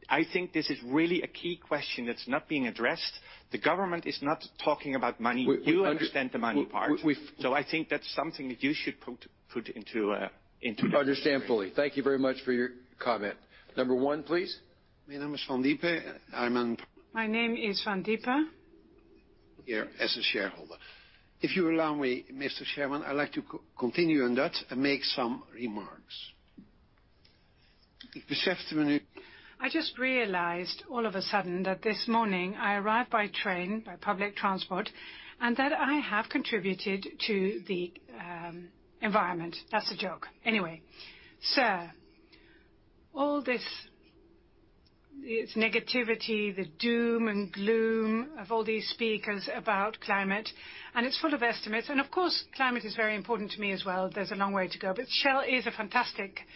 I think this is really a key question that's not being addressed. The government is not talking about money. You understand the money part. We've- I think that's something that you should put into a- Understand fully. Thank you very much for your comment. Number 1, please. My name is Van Diepen. My name is Van Diepen. Here as a shareholder. If you allow me, Mr. Chairman, I'd like to continue on that and make some remarks. I just realized all of a sudden that this morning I arrived by train, by public transport, and that I have contributed to the environment. That's a joke. Anyway. Sir, all this negativity, the doom and gloom of all these speakers about climate, and it's full of estimates, and of course, climate is very important to me as well. There's a long way to go. Shell is a fantastic company.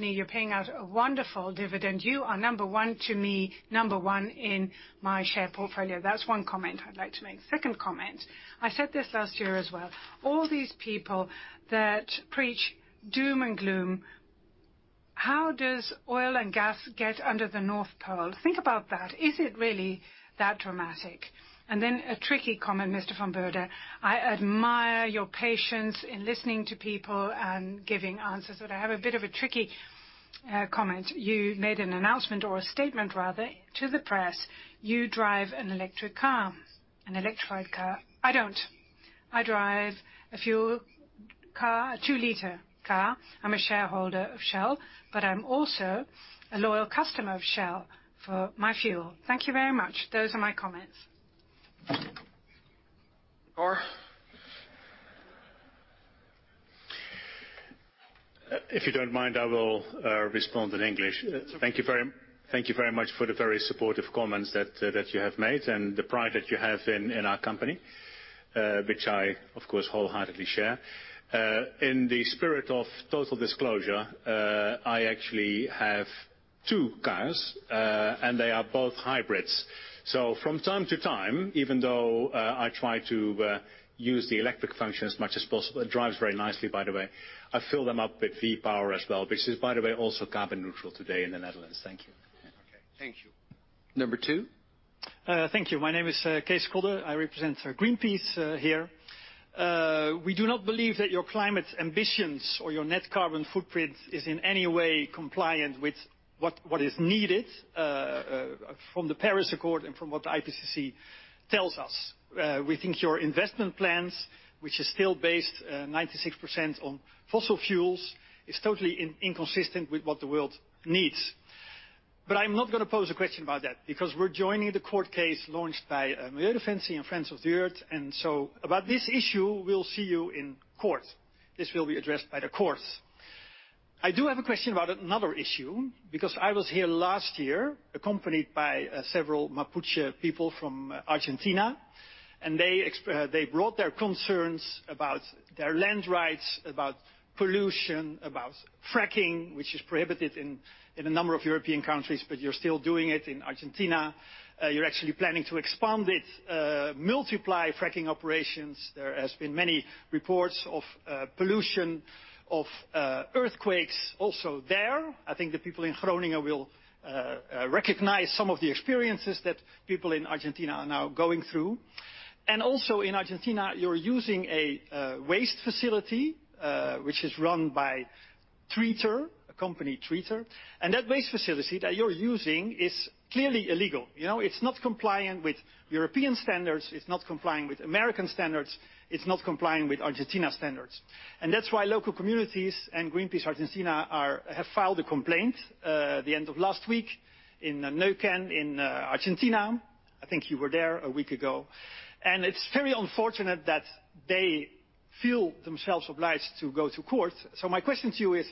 You're paying out a wonderful dividend. You are number one to me, number one in my share portfolio. That's one comment I'd like to make. Second comment. I said this last year as well. All these people that preach doom and gloom, how does oil and gas get under the North Pole? Think about that. Is it really that dramatic? Then a tricky comment, Mr. Van Beurden. I admire your patience in listening to people and giving answers. I have a bit of a tricky comment. You made an announcement or a statement rather to the press. You drive an electric car, an electrified car. I don't. I drive a fuel car, a two-liter car. I'm a shareholder of Shell. I'm also a loyal customer of Shell for my fuel. Thank you very much. Those are my comments. Or? If you don't mind, I will respond in English. It's okay. Thank you very much for the very supportive comments that you have made and the pride that you have in our company, which I, of course, wholeheartedly share. In the spirit of total disclosure, I actually have two cars, and they are both hybrids. From time to time, even though I try to use the electric function as much as possible, it drives very nicely by the way, I fill them up with V-Power as well, which is by the way also carbon neutral today in the Netherlands. Thank you. Okay. Thank you. Number two. Thank you. My name is Kees Koldenhof. I represent Greenpeace here. We do not believe that your climate ambitions or your net carbon footprint is in any way compliant with what is needed from the Paris Agreement and from what the IPCC tells us. We think your investment plans, which is still based 96% on fossil fuels, is totally inconsistent with what the world needs. I'm not going to pose a question about that because we're joining the court case launched by Milieudefensie and Friends of the Earth. About this issue, we'll see you in court. This will be addressed by the courts. I do have a question about another issue, because I was here last year accompanied by several Mapuche people from Argentina, and they brought their concerns about their land rights, about pollution, about fracking, which is prohibited in a number of European countries, but you're still doing it in Argentina. You're actually planning to expand it, multiply fracking operations. There has been many reports of pollution, of earthquakes also there. I think the people in Groningen will recognize some of the experiences that people in Argentina are now going through. Also in Argentina, you're using a waste facility, which is run by Treater, a company Treater. That waste facility that you're using is clearly illegal. It's not compliant with European standards. It's not compliant with American standards. It's not compliant with Argentina standards. That's why local communities and Greenpeace Argentina have filed a complaint, the end of last week in Neuquén in Argentina. I think you were there a week ago. It's very unfortunate that they feel themselves obliged to go to court. My question to you is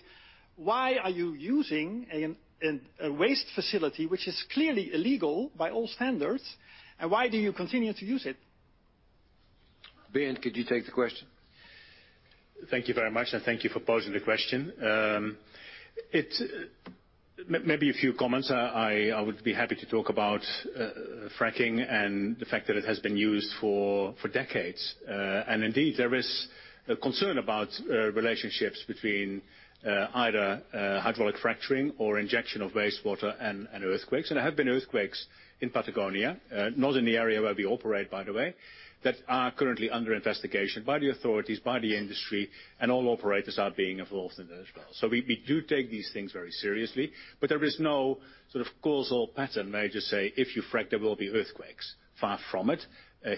why are you using a waste facility which is clearly illegal by all standards, and why do you continue to use it? Ben, could you take the question? Thank you very much, and thank you for posing the question. Maybe a few comments. I would be happy to talk about fracking and the fact that it has been used for decades. Indeed, there is a concern about relationships between either hydraulic fracturing or injection of wastewater and earthquakes. There have been earthquakes in Patagonia, not in the area where we operate, by the way, that are currently under investigation by the authorities, by the industry, and all operators are being involved in it as well. We do take these things very seriously, but there is no sort of causal pattern. I just say if you frack there will be earthquakes. Far from it.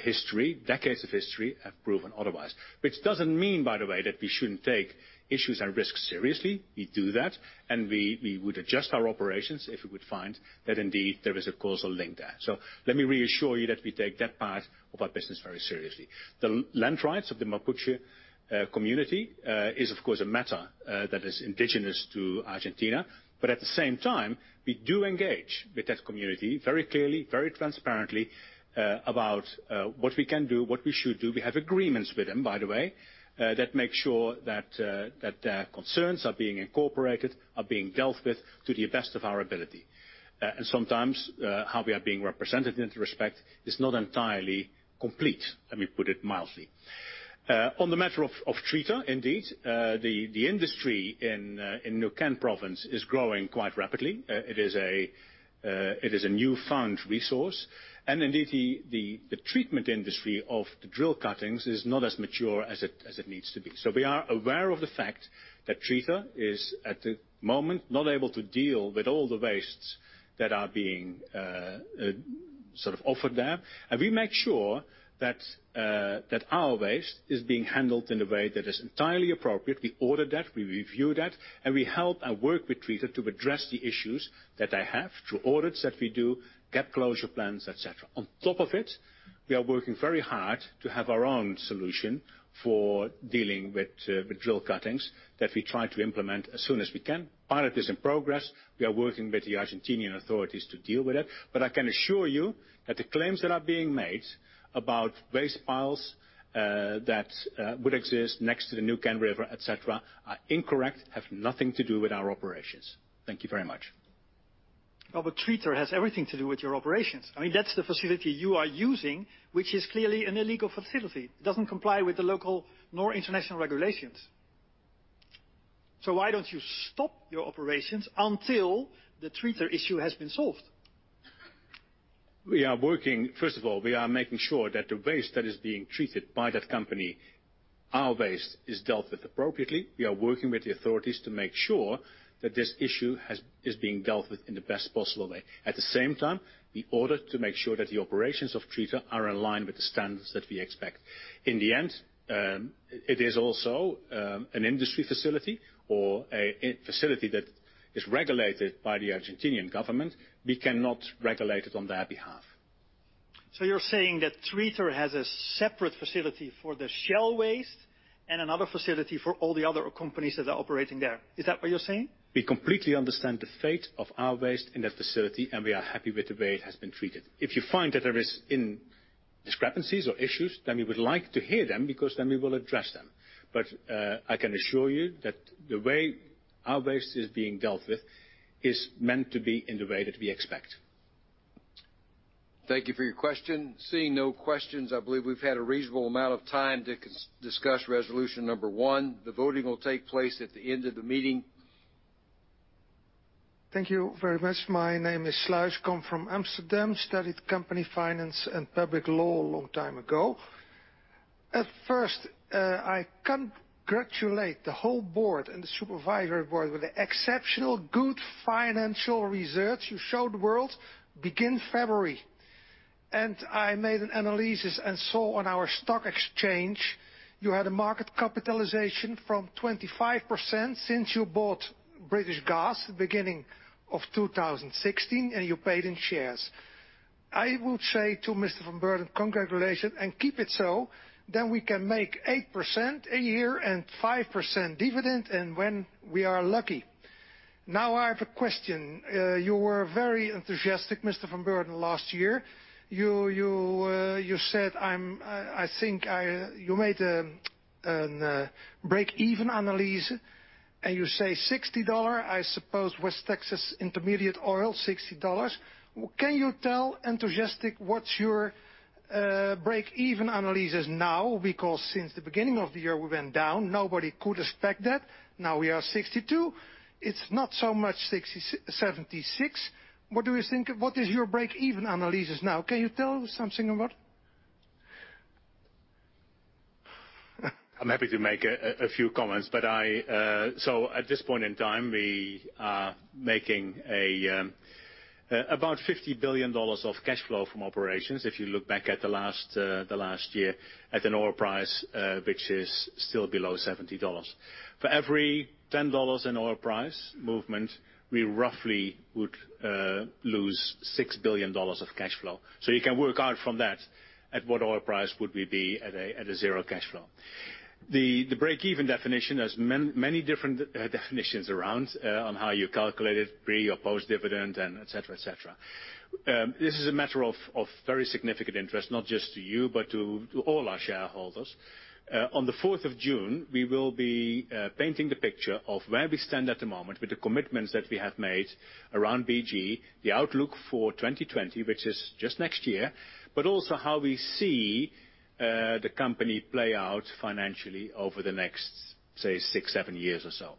History, decades of history have proven otherwise, which doesn't mean, by the way, that we shouldn't take issues and risks seriously. We do that, we would adjust our operations if we would find that indeed there is a causal link there. Let me reassure you that we take that part of our business very seriously. The land rights of the Mapuche community is, of course, a matter that is indigenous to Argentina. At the same time, we do engage with that community very clearly, very transparently about what we can do, what we should do. We have agreements with them, by the way, that make sure that their concerns are being incorporated, are being dealt with to the best of our ability. Sometimes how we are being represented in this respect is not entirely complete. Let me put it mildly. On the matter of Treater, indeed, the industry in Neuquén province is growing quite rapidly. It is a new-found resource, indeed, the treatment industry of the drill cuttings is not as mature as it needs to be. We are aware of the fact that Treater is at the moment not able to deal with all the wastes that are being offered there. We make sure that our waste is being handled in a way that is entirely appropriate. We audit that, we review that, we help and work with Treater to address the issues that they have through audits that we do, gap closure plans, et cetera. On top of it, we are working very hard to have our own solution for dealing with drill cuttings that we try to implement as soon as we can. Pilot is in progress. We are working with the Argentinian authorities to deal with it. I can assure you that the claims that are being made about waste piles that would exist next to the Neuquén River, et cetera, are incorrect, have nothing to do with our operations. Thank you very much. Treater has everything to do with your operations. That's the facility you are using, which is clearly an illegal facility. It doesn't comply with the local nor international regulations. Why don't you stop your operations until the Treater issue has been solved? First of all, we are making sure that the waste that is being treated by that company, our waste, is dealt with appropriately. We are working with the authorities to make sure that this issue is being dealt with in the best possible way. At the same time, we audit to make sure that the operations of Treater are aligned with the standards that we expect. In the end, it is also an industry facility or a facility that is regulated by the Argentinian government. We cannot regulate it on their behalf. You're saying that Treater has a separate facility for the Shell waste and another facility for all the other companies that are operating there. Is that what you're saying? We completely understand the fate of our waste in that facility, and we are happy with the way it has been treated. If you find that there is discrepancies or issues, then we would like to hear them because then we will address them. I can assure you that the way our waste is being dealt with is meant to be in the way that we expect. Thank you for your question. Seeing no questions, I believe we've had a reasonable amount of time to discuss resolution number 1. The voting will take place at the end of the meeting. Thank you very much. My name is Sluis, come from Amsterdam, studied company finance and public law a long time ago. At first, I congratulate the whole board and the supervisory board with the exceptional good financial research you show the world begin February. I made an analysis and saw on our stock exchange you had a market capitalization from 25% since you bought British Gas the beginning of 2016, and you paid in shares. I would say to Mr. Van Beurden, congratulations and keep it so. We can make 8% a year and 5% dividend, and when we are lucky. Now I have a question. You were very enthusiastic, Mr. Van Beurden, last year. You made a break-even analysis, and you say $60, I suppose West Texas Intermediate oil, $60. Can you tell, enthusiastic, what's your break-even analysis now? Because since the beginning of the year, we went down. Nobody could expect that. Now we are $62. It's not so much $76. What is your break-even analysis now? Can you tell something about? I'm happy to make a few comments. At this point in time, we are making about $50 billion of cash flow from operations, if you look back at the last year, at an oil price which is still below $70. For every $10 in oil price movement, we roughly would lose $6 billion of cash flow. You can work out from that at what oil price would we be at a zero cash flow. The break-even definition, there's many different definitions around on how you calculate it, pre or post-dividend, and et cetera. This is a matter of very significant interest, not just to you, but to all our shareholders. On the 4th of June, we will be painting the picture of where we stand at the moment with the commitments that we have made around BG, the outlook for 2020, which is just next year, but also how we see the company play out financially over the next, say, six, seven years or so.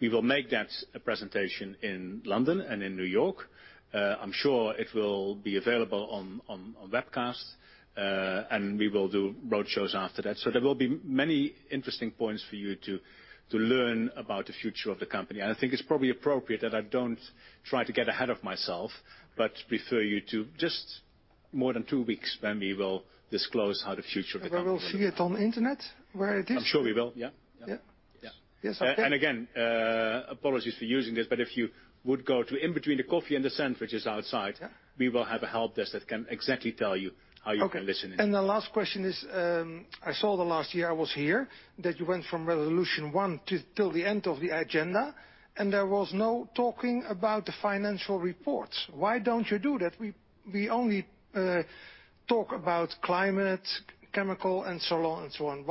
We will make that presentation in London and in New York. I'm sure it will be available on webcast, and we will do road shows after that. There will be many interesting points for you to learn about the future of the company. I think it's probably appropriate that I don't try to get ahead of myself, but refer you to just more than two weeks when we will disclose how the future of the company will look. We will see it on internet where it is? I'm sure we will, yeah. Yeah. Yeah. Yes, okay. Again, apologies for using this, but if you would go to in between the coffee and the sandwiches outside. Yeah We will have a help desk that can exactly tell you how you can listen in. Okay. The last question is, I saw the last year I was here that you went from resolution 1 till the end of the agenda, and there was no talking about the financial reports. Why don't you do that? We only talk about climate, chemical, and so on.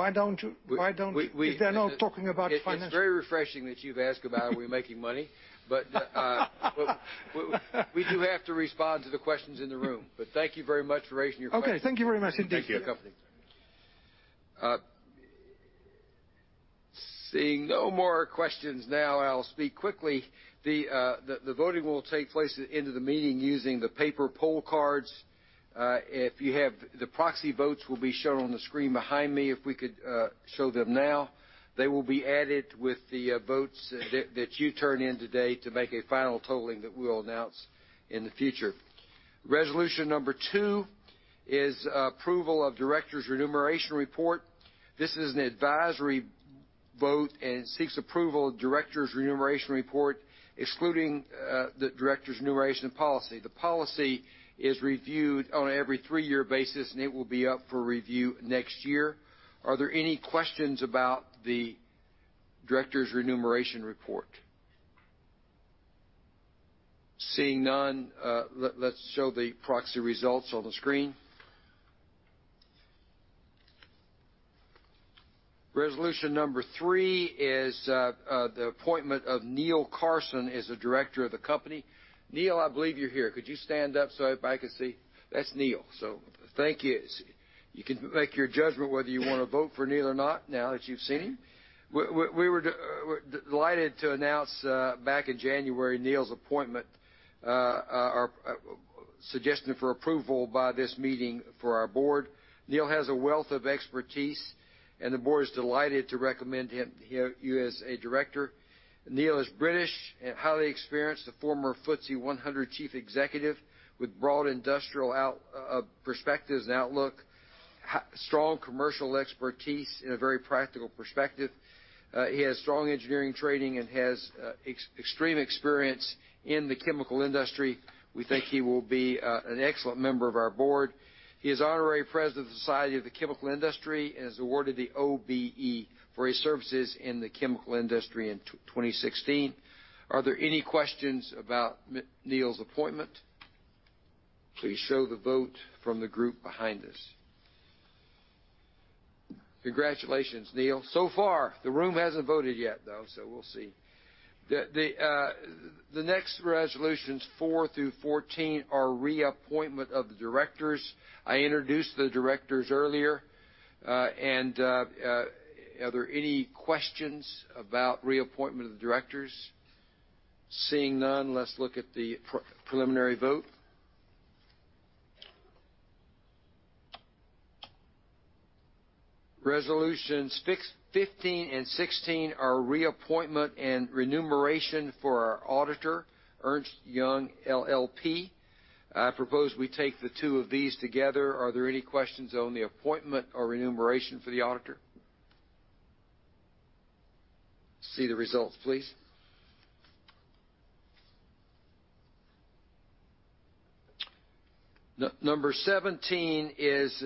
We- If they're not talking about financial. It's very refreshing that you've asked about are we making money. We do have to respond to the questions in the room. Thank you very much for raising your question. Okay. Thank you very much indeed. Thank you. Seeing no more questions now, I'll speak quickly. The voting will take place at the end of the meeting using the paper poll cards. The proxy votes will be shown on the screen behind me, if we could show them now. They will be added with the votes that you turn in today to make a final totaling that we'll announce in the future. Resolution number 2 is approval of directors' remuneration report. This is an advisory vote and seeks approval of directors' remuneration report, excluding the directors' remuneration policy. The policy is reviewed on an every three-year basis, and it will be up for review next year. Are there any questions about the directors' remuneration report? Seeing none, let's show the proxy results on the screen. Resolution number 3 is the appointment of Neil Carson as a director of the company. Neil, I believe you're here. Could you stand up so everybody can see? That's Neil. Thank you. You can make your judgment whether you want to vote for Neil or not now that you've seen him. We were delighted to announce back in January, Neil's appointment, our suggestion for approval by this meeting for our board. Neil has a wealth of expertise, and the board is delighted to recommend you as a director. Neil is British and highly experienced, a former FTSE 100 chief executive with broad industrial perspectives and outlook, strong commercial expertise in a very practical perspective. He has strong engineering training and has extreme experience in the chemical industry. We think he will be an excellent member of our board. He is Honorary President of the Society of Chemical Industry and is awarded the OBE for his services in the chemical industry in 2016. Are there any questions about Neil's appointment? Please show the vote from the group behind us. Congratulations, Neil. So far, the room hasn't voted yet, though. We'll see. The next resolutions 4 through 14 are reappointment of the directors. I introduced the directors earlier. Are there any questions about reappointment of the directors? Seeing none, let's look at the preliminary vote. Resolutions 15 and 16 are reappointment and remuneration for our auditor, Ernst & Young LLP. I propose we take the 2 of these together. Are there any questions on the appointment or remuneration for the auditor? See the results, please. Number 17 is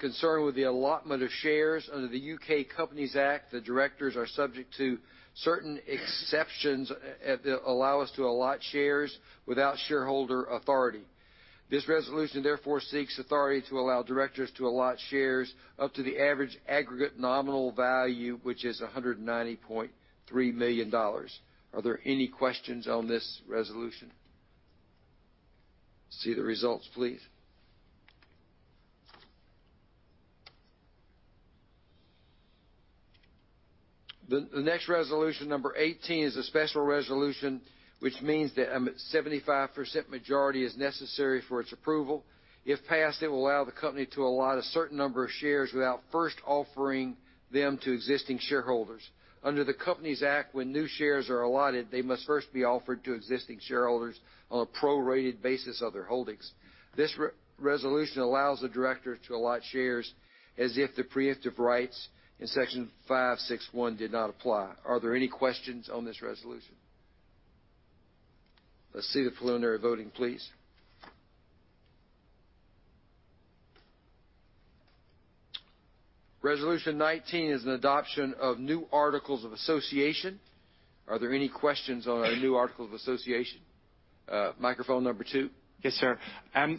concerned with the allotment of shares under the UK Companies Act. The directors are subject to certain exceptions that allow us to allot shares without shareholder authority. This resolution seeks authority to allow directors to allot shares up to the average aggregate nominal value, which is $190.3 million. Are there any questions on this resolution? See the results, please. The next resolution, number 18, is a special resolution, which means that a 75% majority is necessary for its approval. If passed, it will allow the company to allot a certain number of shares without first offering them to existing shareholders. Under the Companies Act, when new shares are allotted, they must first be offered to existing shareholders on a prorated basis of their holdings. This resolution allows the directors to allot shares as if the pre-emptive rights in Section 561 did not apply. Are there any questions on this resolution? Let's see the preliminary voting, please. Resolution 19 is an adoption of new articles of association. Are there any questions on our new articles of association? Microphone number 2. Yes, sir.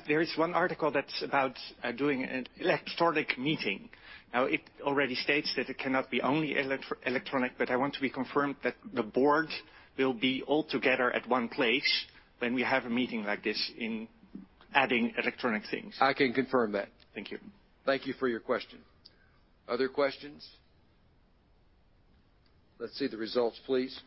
There is one article that's about doing an electronic meeting. Now, it already states that it cannot be only electronic, but I want to be confirmed that the board will be all together at one place when we have a meeting like this in adding electronic things. I can confirm that. Thank you. Thank you for your question. Other questions? Let's see the results, please.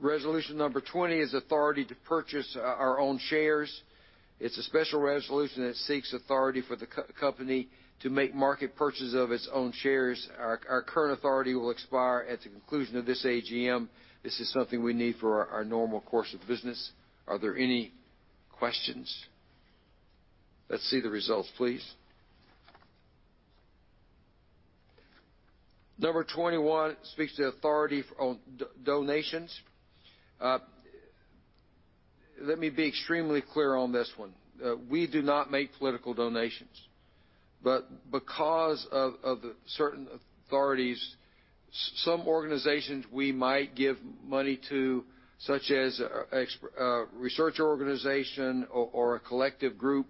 Resolution number 20 is authority to purchase our own shares. It's a special resolution that seeks authority for the company to make market purchase of its own shares. Our current authority will expire at the conclusion of this AGM. This is something we need for our normal course of business. Are there any questions? Let's see the results, please. Number 21 speaks to authority on donations. Let me be extremely clear on this one. We do not make political donations. Because of certain authorities, some organizations we might give money to, such as a research organization or a collective group,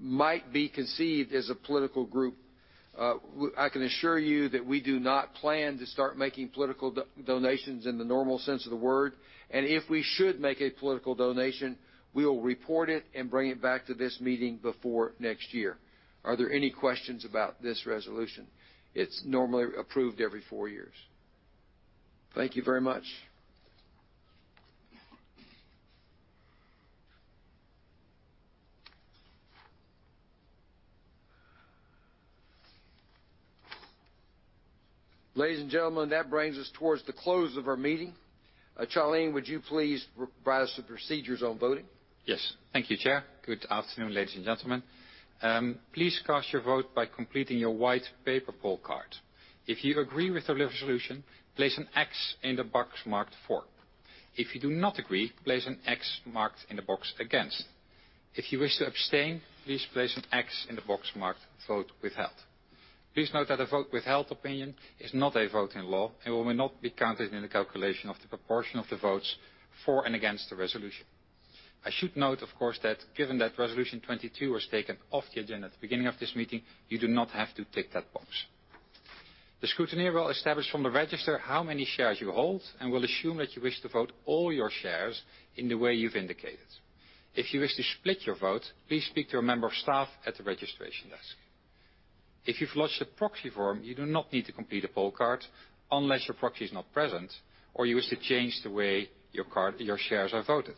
might be conceived as a political group. I can assure you that we do not plan to start making political donations in the normal sense of the word. If we should make a political donation, we will report it and bring it back to this meeting before next year. Are there any questions about this resolution? It's normally approved every four years. Thank you very much. Ladies and gentlemen, that brings us towards the close of our meeting. Charlene, would you please provide us with procedures on voting? Yes. Thank you, Chair. Good afternoon, ladies and gentlemen. Please cast your vote by completing your white paper poll card. If you agree with the resolution, place an X in the box marked for. If you do not agree, place an X marked in the box against. If you wish to abstain, please place an X in the box marked vote withheld. Please note that a vote withheld opinion is not a vote in law and will not be counted in the calculation of the proportion of the votes for and against the resolution. I should note, of course, that given that Resolution 22 was taken off the agenda at the beginning of this meeting, you do not have to tick that box. The scrutineer will establish from the register how many shares you hold and will assume that you wish to vote all your shares in the way you've indicated. If you wish to split your vote, please speak to a member of staff at the registration desk. If you've lodged a proxy form, you do not need to complete a poll card unless your proxy is not present or you wish to change the way your shares are voted.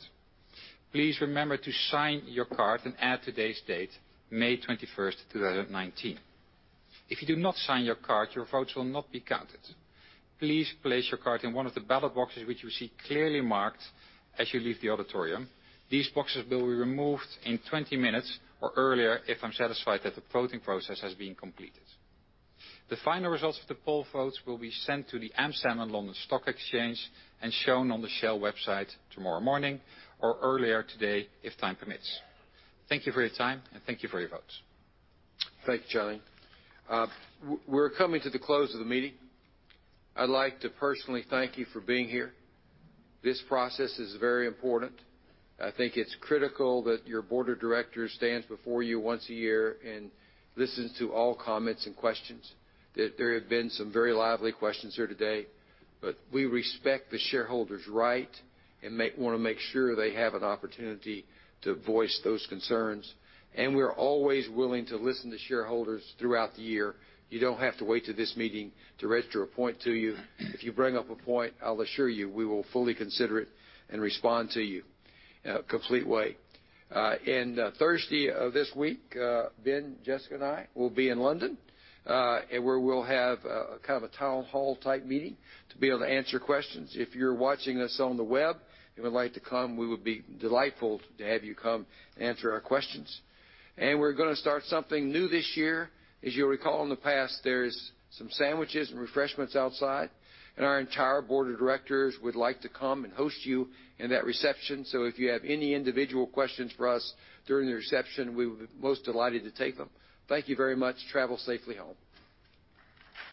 Please remember to sign your card and add today's date, May 21st, 2019. If you do not sign your card, your votes will not be counted. Please place your card in one of the ballot boxes which you will see clearly marked as you leave the auditorium. These boxes will be removed in 20 minutes or earlier if I'm satisfied that the voting process has been completed. The final results of the poll votes will be sent to the AEX and London Stock Exchange and shown on the Shell website tomorrow morning or earlier today if time permits. Thank you for your time. Thank you for your votes. Thank you, Charlene. We're coming to the close of the meeting. I'd like to personally thank you for being here. This process is very important. I think it's critical that your board of directors stands before you once a year and listens to all comments and questions. That there have been some very lively questions here today. We respect the shareholder's right and want to make sure they have an opportunity to voice those concerns. We're always willing to listen to shareholders throughout the year. You don't have to wait till this meeting to register a point to you. If you bring up a point, I'll assure you, we will fully consider it and respond to you in a complete way. Thursday of this week, Ben, Jessica, and I will be in London, where we'll have a town hall type meeting to be able to answer questions. If you're watching us on the web and would like to come, we would be delightful to have you come answer our questions. We're going to start something new this year. As you'll recall, in the past, there's some sandwiches and refreshments outside. Our entire board of directors would like to come and host you in that reception. If you have any individual questions for us during the reception, we would be most delighted to take them. Thank you very much. Travel safely home.